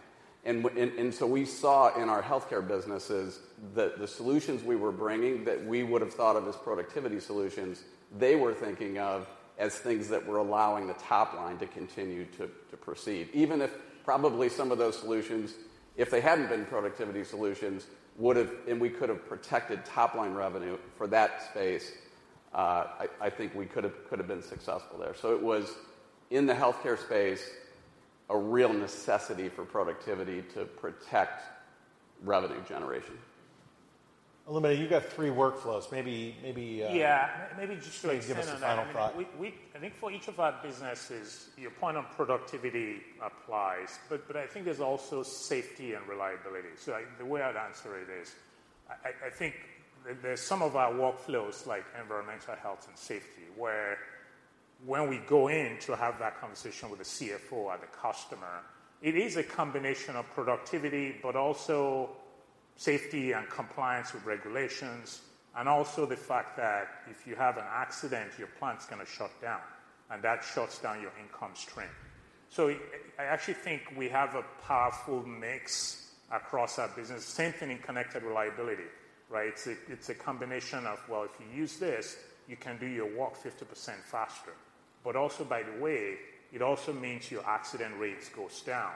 we saw in our healthcare businesses that the solutions we were bringing that we would have thought of as productivity solutions, they were thinking of as things that were allowing the top line to continue to proceed. Even if probably some of those solutions, if they hadn't been productivity solutions, would have... We could have protected top-line revenue for that space, I think we could have been successful there. It was, in the healthcare space, a real necessity for productivity to protect revenue generation. Olumide, you've got three workflows. Maybe... Yeah, maybe just to extend on that. Give us a final thought. We think for each of our businesses, your point on productivity applies, but I think there's also safety and reliability. The way I'd answer it is, I think there's some of our workflows, like Environmental, Health, and Safety, where when we go in to have that conversation with the CFO or the customer, it is a combination of productivity, but also safety and compliance with regulations, and also the fact that if you have an accident, your plant's gonna shut down, and that shuts down your income stream. I actually think we have a powerful mix across our business. Same thing in Connected Reliability, right? It's a combination of, well, if you use this, you can do your work 50% faster. Also, by the way, it also means your accident rates goes down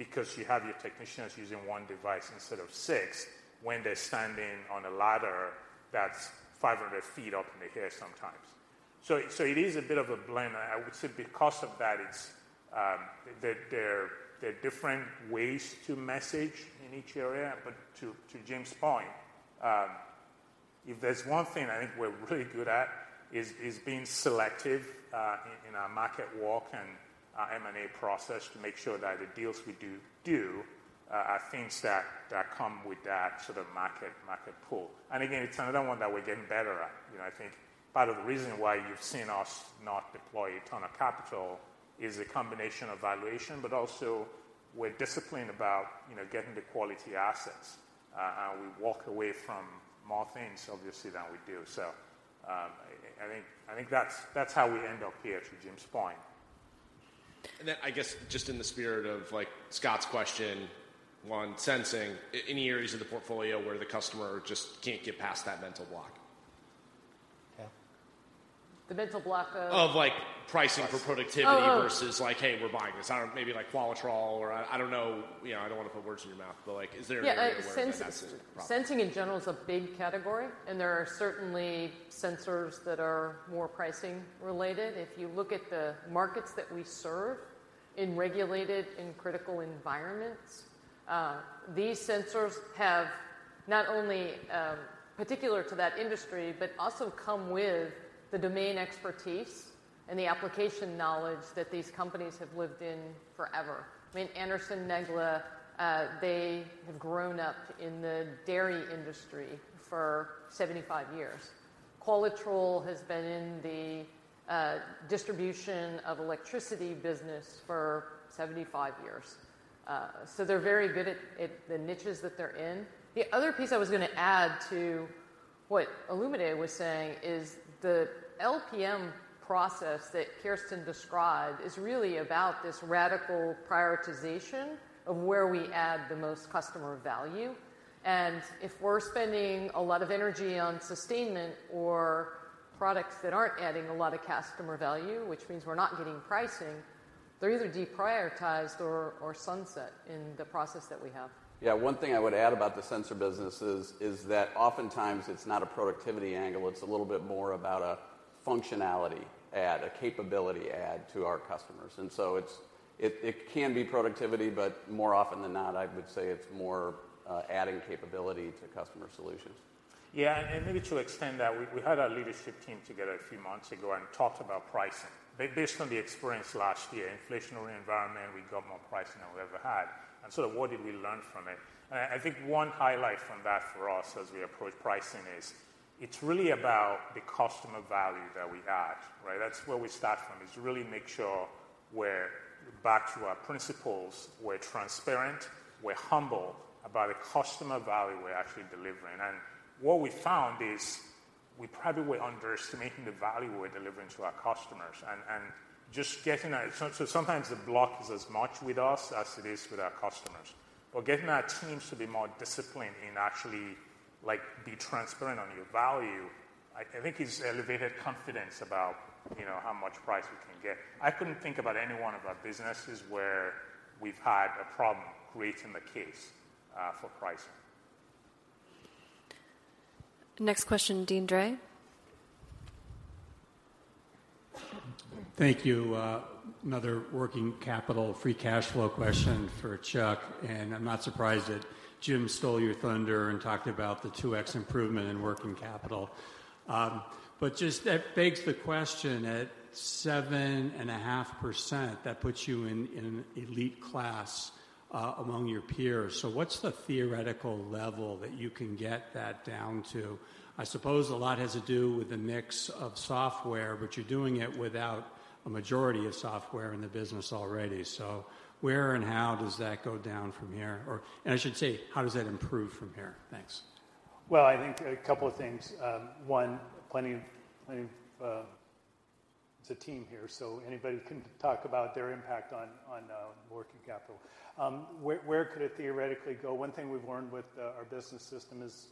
because you have your technicians using one device instead of six when they're standing on a ladder that's 500 ft up in the air sometimes. So it is a bit of a blend, and I would say because of that, it's, that there are different ways to message in each area. To Jim's point, if there's one thing I think we're really good at, is being selective in our market work and our M&A process to make sure that the deals we do, are things that come with that sort of market pull. Again, it's another one that we're getting better at. You know, I think part of the reason why you've seen us not deploy a ton of capital is a combination of valuation, but also we're disciplined about, you know, getting the quality assets, and we walk away from more things, obviously, than we do. I think that's how we end up here, to Jim's point. I guess just in the spirit of, like, Scott's question on sensing, any areas of the portfolio where the customer just can't get past that mental block? Kath? The mental block of? Of, like, pricing for productivity- Oh. -versus, like, "Hey, we're buying this." I don't know, maybe like Qualitrol or I don't know, you know, I don't want to put words in your mouth, but, like, is there an area where that's a problem? Yeah, sensing in general is a big category, and there are certainly sensors that are more pricing related. If you look at the markets that we serve in regulated and critical environments, these sensors have not only particular to that industry, but also come with the domain expertise and the application knowledge that these companies have lived in forever. I mean, Anderson-Negele, they have grown up in the dairy industry for 75 years. Qualitrol has been in the distribution of electricity business for 75 years. They're very good at the niches that they're in. The other piece I was gonna add to what Illuminae was saying is the LPM process that Kirsten described is really about this radical prioritization of where we add the most customer value. If we're spending a lot of energy on sustainment or products that aren't adding a lot of customer value, which means we're not getting pricing, they're either deprioritized or sunset in the process that we have. Yeah. One thing I would add about the sensor business is that oftentimes it's not a productivity angle, it's a little bit more about a functionality add, a capability add to our customers. It can be productivity, but more often than not, I would say it's more adding capability to customer solutions. Yeah, maybe to extend that, we had our leadership team together a few months ago and talked about pricing. Based on the experience last year, inflationary environment, we got more pricing than we ever had. What did we learn from it? I think one highlight from that for us as we approach pricing is, it's really about the customer value that we add, right? That's where we start from, is really make sure we're back to our principles, we're transparent, we're humble about the customer value we're actually delivering. What we found is we probably were underestimating the value we're delivering to our customers, and just getting a. Sometimes the block is as much with us as it is with our customers. Getting our teams to be more disciplined and actually, like, be transparent on your value, I think it's elevated confidence about, you know, how much price we can get. I couldn't think about any one of our businesses where we've had a problem creating the case for pricing. Next question, Deane Dray. Thank you. Another working capital free cash flow question for Chuck, and I'm not surprised that Jim stole your thunder and talked about the 2x improvement in working capital. Just that begs the question, at 7.5%, that puts you in an elite class among your peers. What's the theoretical level that you can get that down to? I suppose a lot has to do with the mix of software, but you're doing it without a majority of software in the business already. Where and how does that go down from here? I should say, how does that improve from here? Thanks. I think a couple of things. One, plenty of... It's a team here, so anybody can talk about their impact on working capital. Where, where could it theoretically go? One thing we've learned with our Fortive Business System is,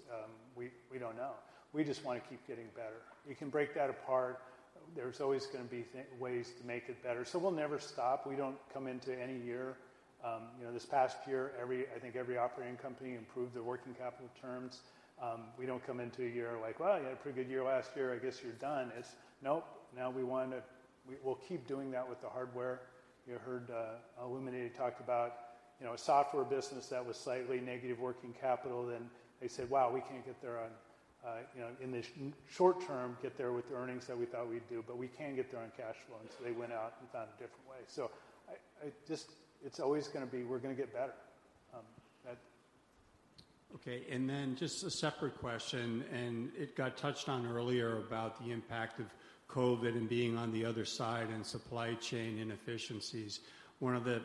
we don't know. We just want to keep getting better. You can break that apart. There's always going to be ways to make it better. We'll never stop. We don't come into any year. You know, this past year, every, I think every operating company improved their working capital terms. We don't come into a year like, "Well, you had a pretty good year last year, I guess you're done." It's, "Nope, now we want to." We'll keep doing that with the hardware. You heard Olumide talked about, you know, a software business that was slightly negative working capital, then they said, "Wow, we can't get there on, you know, in the short term, get there with the earnings that we thought we'd do, but we can get there on cash flows." They went out and found a different way. I just, it's always gonna be, we're gonna get better. Ed? Just a separate question, it got touched on earlier about the impact of COVID and being on the other side and supply chain inefficiencies. One of the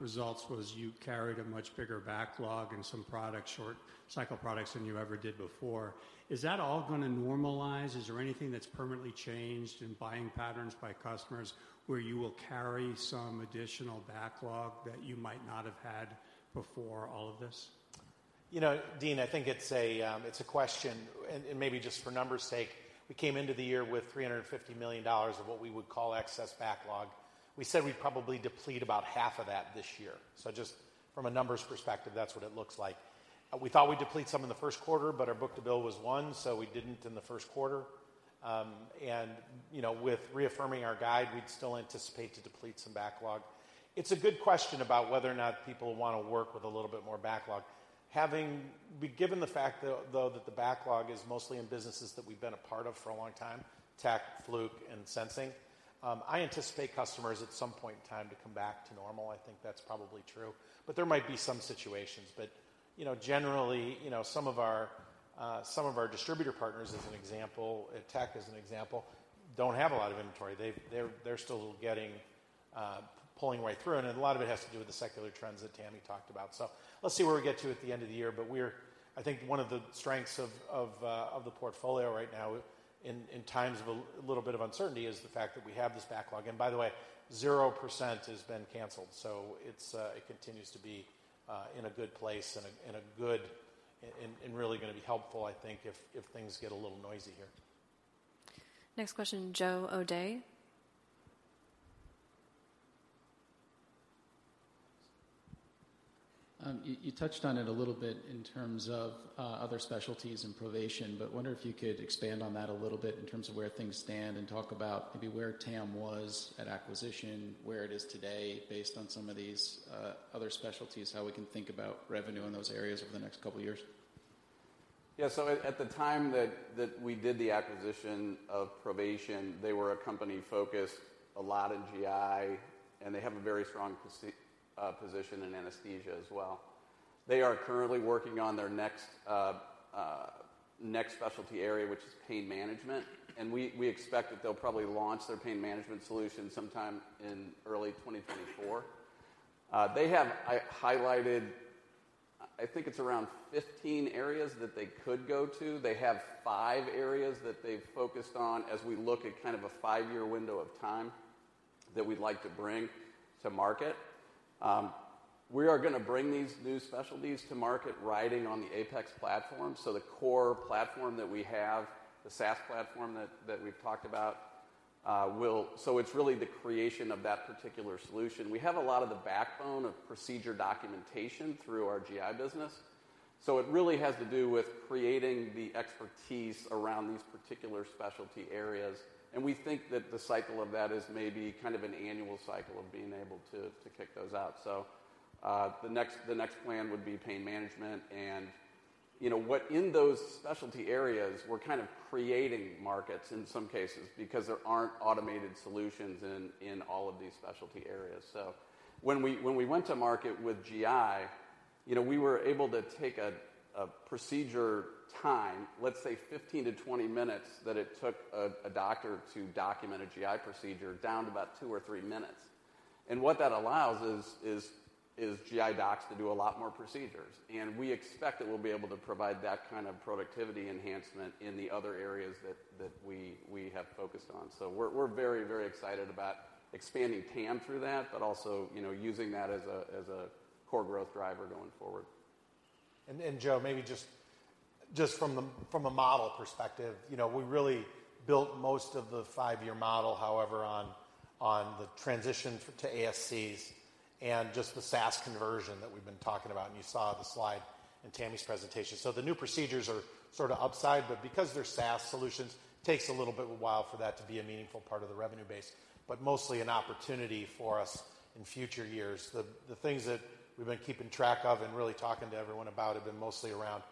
results was you carried a much bigger backlog in some product, short cycle products than you ever did before. Is that all going to normalize? Is there anything that's permanently changed in buying patterns by customers, where you will carry some additional backlog that you might not have had before all of this? You know, Deane, I think it's a question, and maybe just for numbers' sake, we came into the year with $350 million of what we would call excess backlog. We said we'd probably deplete about half of that this year. Just from a numbers perspective, that's what it looks like. We thought we'd deplete some in the first quarter, but our book-to-bill was one, so we didn't in the first quarter. You know, with reaffirming our guide, we'd still anticipate to deplete some backlog. It's a good question about whether or not people want to work with a little bit more backlog. Having... Given the fact, though, that the backlog is mostly in businesses that we've been a part of for a long time, Tek, Fluke, and Sensing, I anticipate customers at some point in time to come back to normal. I think that's probably true. There might be some situations. You know, generally, you know, some of our distributor partners, as an example, Tek, as an example, don't have a lot of inventory. They're still getting pulling right through, and a lot of it has to do with the secular trends that Tami talked about. Let's see where we get to at the end of the year. I think one of the strengths of the portfolio right now, in times of little bit of uncertainty, is the fact that we have this backlog. By the way, 0% has been canceled, so it continues to be in a good place and really gonna be helpful, I think, if things get a little noisy here. Next question, Joe O'Dea. You touched on it a little bit in terms of other specialties and Provation, but wonder if you could expand on that a little bit in terms of where things stand and talk about maybe where TAM was at acquisition, where it is today, based on some of these other specialties, how we can think about revenue in those areas over the next two years? At the time that we did the acquisition of Provation, they were a company focused a lot in GI, and they have a very strong position in anesthesia as well. They are currently working on their next specialty area, which is pain management. We expect that they'll probably launch their pain management solution sometime in early 2024. They have highlighted, I think it's around 15 areas that they could go to. They have five areas that they've focused on as we look at kind of a five-year window of time that we'd like to bring to market. We are gonna bring these new specialties to market riding on the Apex platform. The core platform that we have, the SaaS platform that we've talked about, it's really the creation of that particular solution. We have a lot of the backbone of procedure documentation through our GI business, it really has to do with creating the expertise around these particular specialty areas, and we think that the cycle of that is maybe kind of an annual cycle of being able to kick those out. The next plan would be pain management, and, you know what, in those specialty areas, we're kind of creating markets in some cases because there aren't automated solutions in all of these specialty areas. When we went to market with GI, you know, we were able to take a procedure time, let's say, 15 to 20 minutes, that it took a doctor to document a GI procedure down to about two or three minutes. What that allows is GI docs to do a lot more procedures, and we expect that we'll be able to provide that kind of productivity enhancement in the other areas that we have focused on. We're very, very excited about expanding Tam through that, but also, you know, using that as a core growth driver going forward. Joe, maybe just from a model perspective, you know, we really built most of the five-year model, however, on the transition to ASCs. And just the SaaS conversion that we've been talking about, and you saw the slide in Tami's presentation. The new procedures are sort of upside, but because they're SaaS solutions, takes a little bit of a while for that to be a meaningful part of the revenue base, but mostly an opportunity for us in future years. The things that we've been keeping track of and really talking to everyone about have been mostly around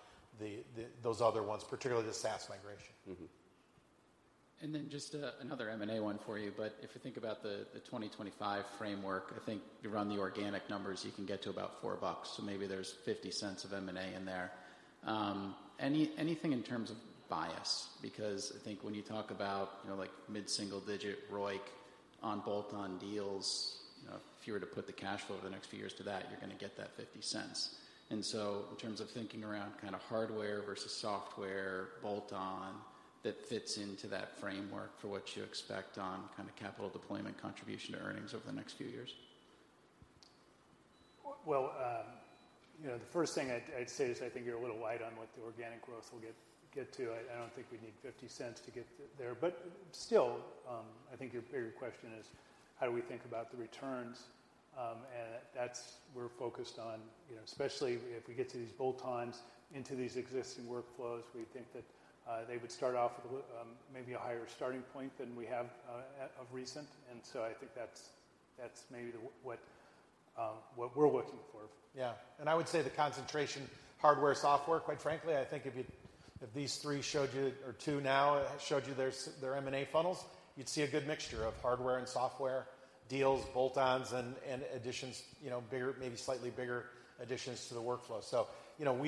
those other ones, particularly the SaaS migration. Mm-hmm. Just another M&A one for you, but if you think about the 2025 framework, I think you run the organic numbers, you can get to about $4. Maybe there's $0.50 of M&A in there. Anything in terms of bias? Because I think when you talk about, you know, like, mid-single-digit ROIC on bolt-on deals, you know, if you were to put the cash flow over the next few years to that, you're gonna get that $0.50. In terms of thinking around kind of hardware versus software, bolt-on, that fits into that framework for what you expect on kind of capital deployment contribution to earnings over the next few years. Well, you know, the first thing I'd say is I think you're a little light on what the organic growth will get to. I don't think we need $0.50 to get there. Still, I think your bigger question is: how do we think about the returns? That's we're focused on, you know, especially if we get to these bolt-ons into these existing workflows, we think that they would start off with a maybe a higher starting point than we have at of recent. I think that's maybe what we're looking for. Yeah. I would say the concentration, hardware, software, quite frankly, I think if these three showed you or two now showed you their M&A funnels, you'd see a good mixture of hardware and software deals, bolt-ons, and additions, you know, bigger, maybe slightly bigger additions to the workflow. You know,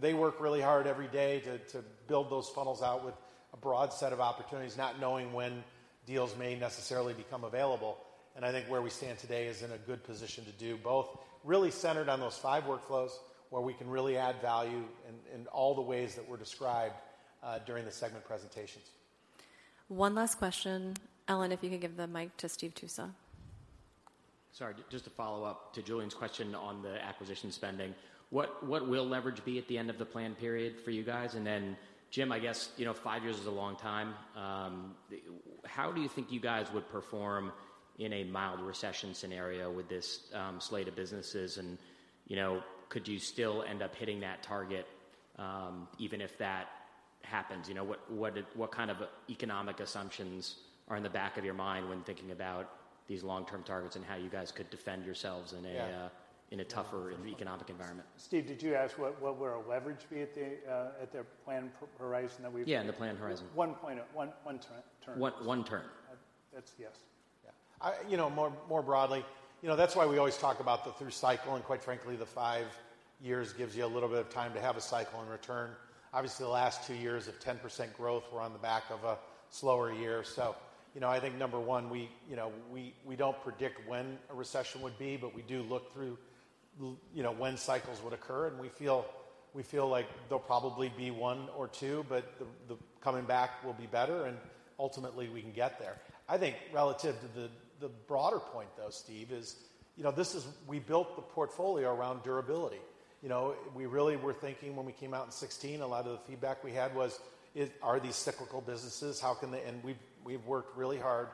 they work really hard every day to build those funnels out with a broad set of opportunities, not knowing when deals may necessarily become available. I think where we stand today is in a good position to do both, really centered on those five workflows, where we can really add value in all the ways that were described during the segment presentations. One last question. Ellen, if you could give the mic to Steve Tusa. Sorry, just to follow up to Julian's question on the acquisition spending. What will leverage be at the end of the plan period for you guys? Jim, I guess, you know, five years is a long time. How do you think you guys would perform in a mild recession scenario with this slate of businesses, and, you know, could you still end up hitting that target even if that happens? You know, what kind of economic assumptions are in the back of your mind when thinking about these long-term targets and how you guys could defend yourselves in a? Yeah... in a tougher economic environment? Steve, did you ask what would our leverage be at the, at the plan horizon that we-? Yeah, in the plan horizon. 1.11 term. One term. That's, yes. Yeah. You know, more, more broadly, you know, that's why we always talk about the through cycle, and quite frankly, the five years gives you a little bit of time to have a cycle and return. Obviously, the last two years of 10% growth were on the back of a slower year. You know, I think number one, we, you know, we don't predict when a recession would be, but we do look through, you know, when cycles would occur, and we feel like there'll probably be one or two, but the coming back will be better, and ultimately, we can get there. I think relative to the broader point, though, Steve, is, you know, this is we built the portfolio around durability. You know, we really were thinking when we came out in 2016, a lot of the feedback we had was, is, "Are these cyclical businesses? How can they?" And we've worked really hard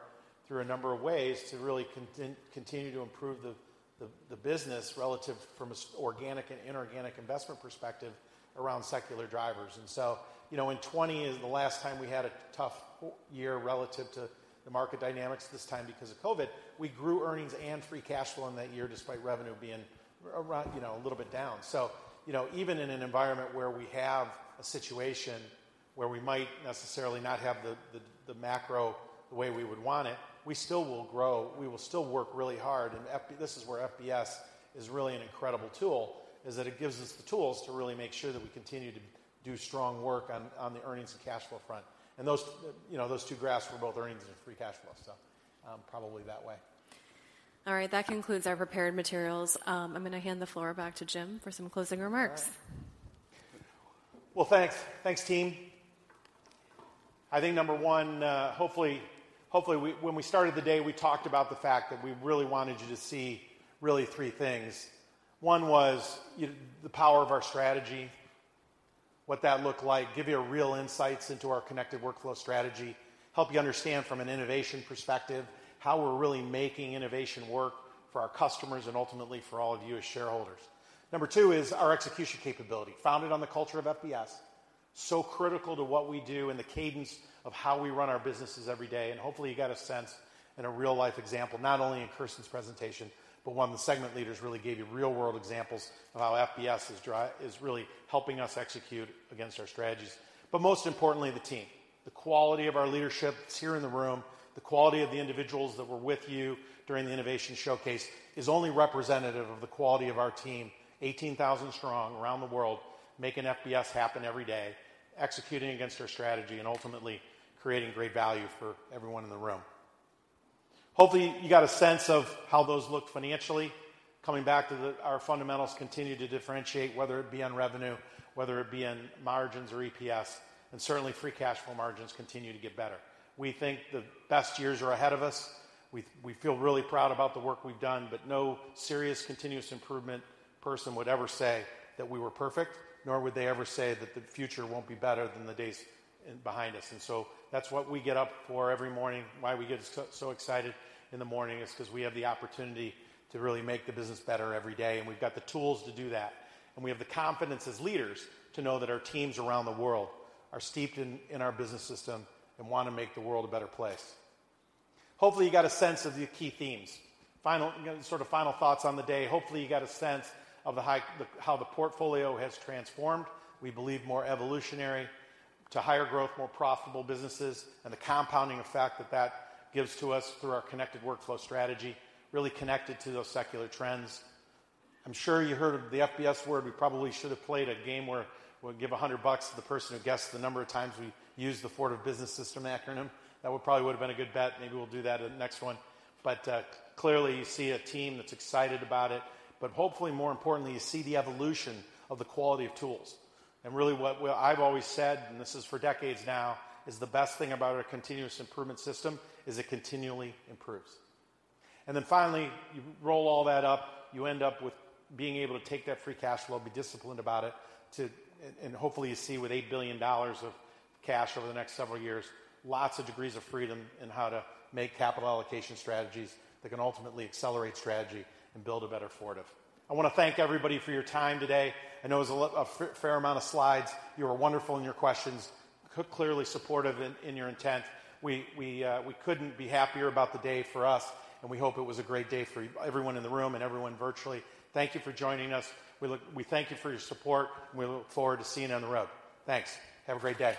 through a number of ways to really continue to improve the business relative from a organic and inorganic investment perspective around secular drivers. And so, you know, in 2020 is the last time we had a tough year relative to the market dynamics, this time because of COVID. We grew earnings and free cash flow in that year, despite revenue being around, you know, a little bit down. So, you know, even in an environment where we have a situation where we might necessarily not have the macro the way we would want it, we still will grow. We will still work really hard. This is where FBS is really an incredible tool, is that it gives us the tools to really make sure that we continue to do strong work on the earnings and cash flow front. Those, you know, those two graphs were both earnings and free cash flow, so, probably that way. All right, that concludes our prepared materials. I'm going to hand the floor back to Jim for some closing remarks. All right. Well, thanks. Thanks, team. I think number one, hopefully, when we started the day, we talked about the fact that we really wanted you to see really three things. One was the power of our strategy, what that looked like, give you a real insights into our Connected Workflow Strategy, help you understand from an innovation perspective, how we're really making innovation work for our customers and ultimately for all of you as shareholders. Number two is our execution capability, founded on the culture of FBS, so critical to what we do and the cadence of how we run our businesses every day. Hopefully, you got a sense in a real-life example, not only in Kirsten's presentation, but one, the segment leaders really gave you real-world examples of how FBS is really helping us execute against our strategies. Most importantly, the team. The quality of our leadership that's here in the room, the quality of the individuals that were with you during the innovation showcase is only representative of the quality of our team, 18,000 strong around the world, making FBS happen every day, executing against our strategy, and ultimately, creating great value for everyone in the room. Hopefully, you got a sense of how those look financially. Coming back to our fundamentals continue to differentiate, whether it be on revenue, whether it be in margins or EPS, and certainly free cash flow margins continue to get better. We think the best years are ahead of us. We feel really proud about the work we've done, but no serious continuous improvement person would ever say that we were perfect, nor would they ever say that the future won't be better than the days behind us. So that's what we get up for every morning. Why we get so excited in the morning is because we have the opportunity to really make the business better every day, and we've got the tools to do that. We have the confidence as leaders to know that our teams around the world are steeped in our business system and want to make the world a better place. Hopefully, you got a sense of the key themes. Final, you know, sort of final thoughts on the day. Hopefully, you got a sense of the how the portfolio has transformed. We believe more evolutionary to higher growth, more profitable businesses, the compounding effect that that gives to us through our connected workflow strategy, really connected to those secular trends. I'm sure you heard of the FBS word. We probably should have played a game where we'd give $100 to the person who guessed the number of times we used the Fortive Business System acronym. That probably would have been a good bet. Maybe we'll do that at the next one. Clearly, you see a team that's excited about it, but hopefully, more importantly, you see the evolution of the quality of tools. Really, what I've always said, and this is for decades now, is the best thing about our continuous improvement system is it continually improves. Finally, you roll all that up, you end up with being able to take that free cash flow, be disciplined about it, to and hopefully, you see with $8 billion of cash over the next several years, lots of degrees of freedom in how to make capital allocation strategies that can ultimately accelerate strategy and build a better Fortive. I want to thank everybody for your time today. I know it was a fair amount of slides. You were wonderful in your questions, clearly supportive in your intent. We couldn't be happier about the day for us, and we hope it was a great day for everyone in the room and everyone virtually. Thank you for joining us. We thank you for your support, and we look forward to seeing you on the road. Thanks. Have a great day.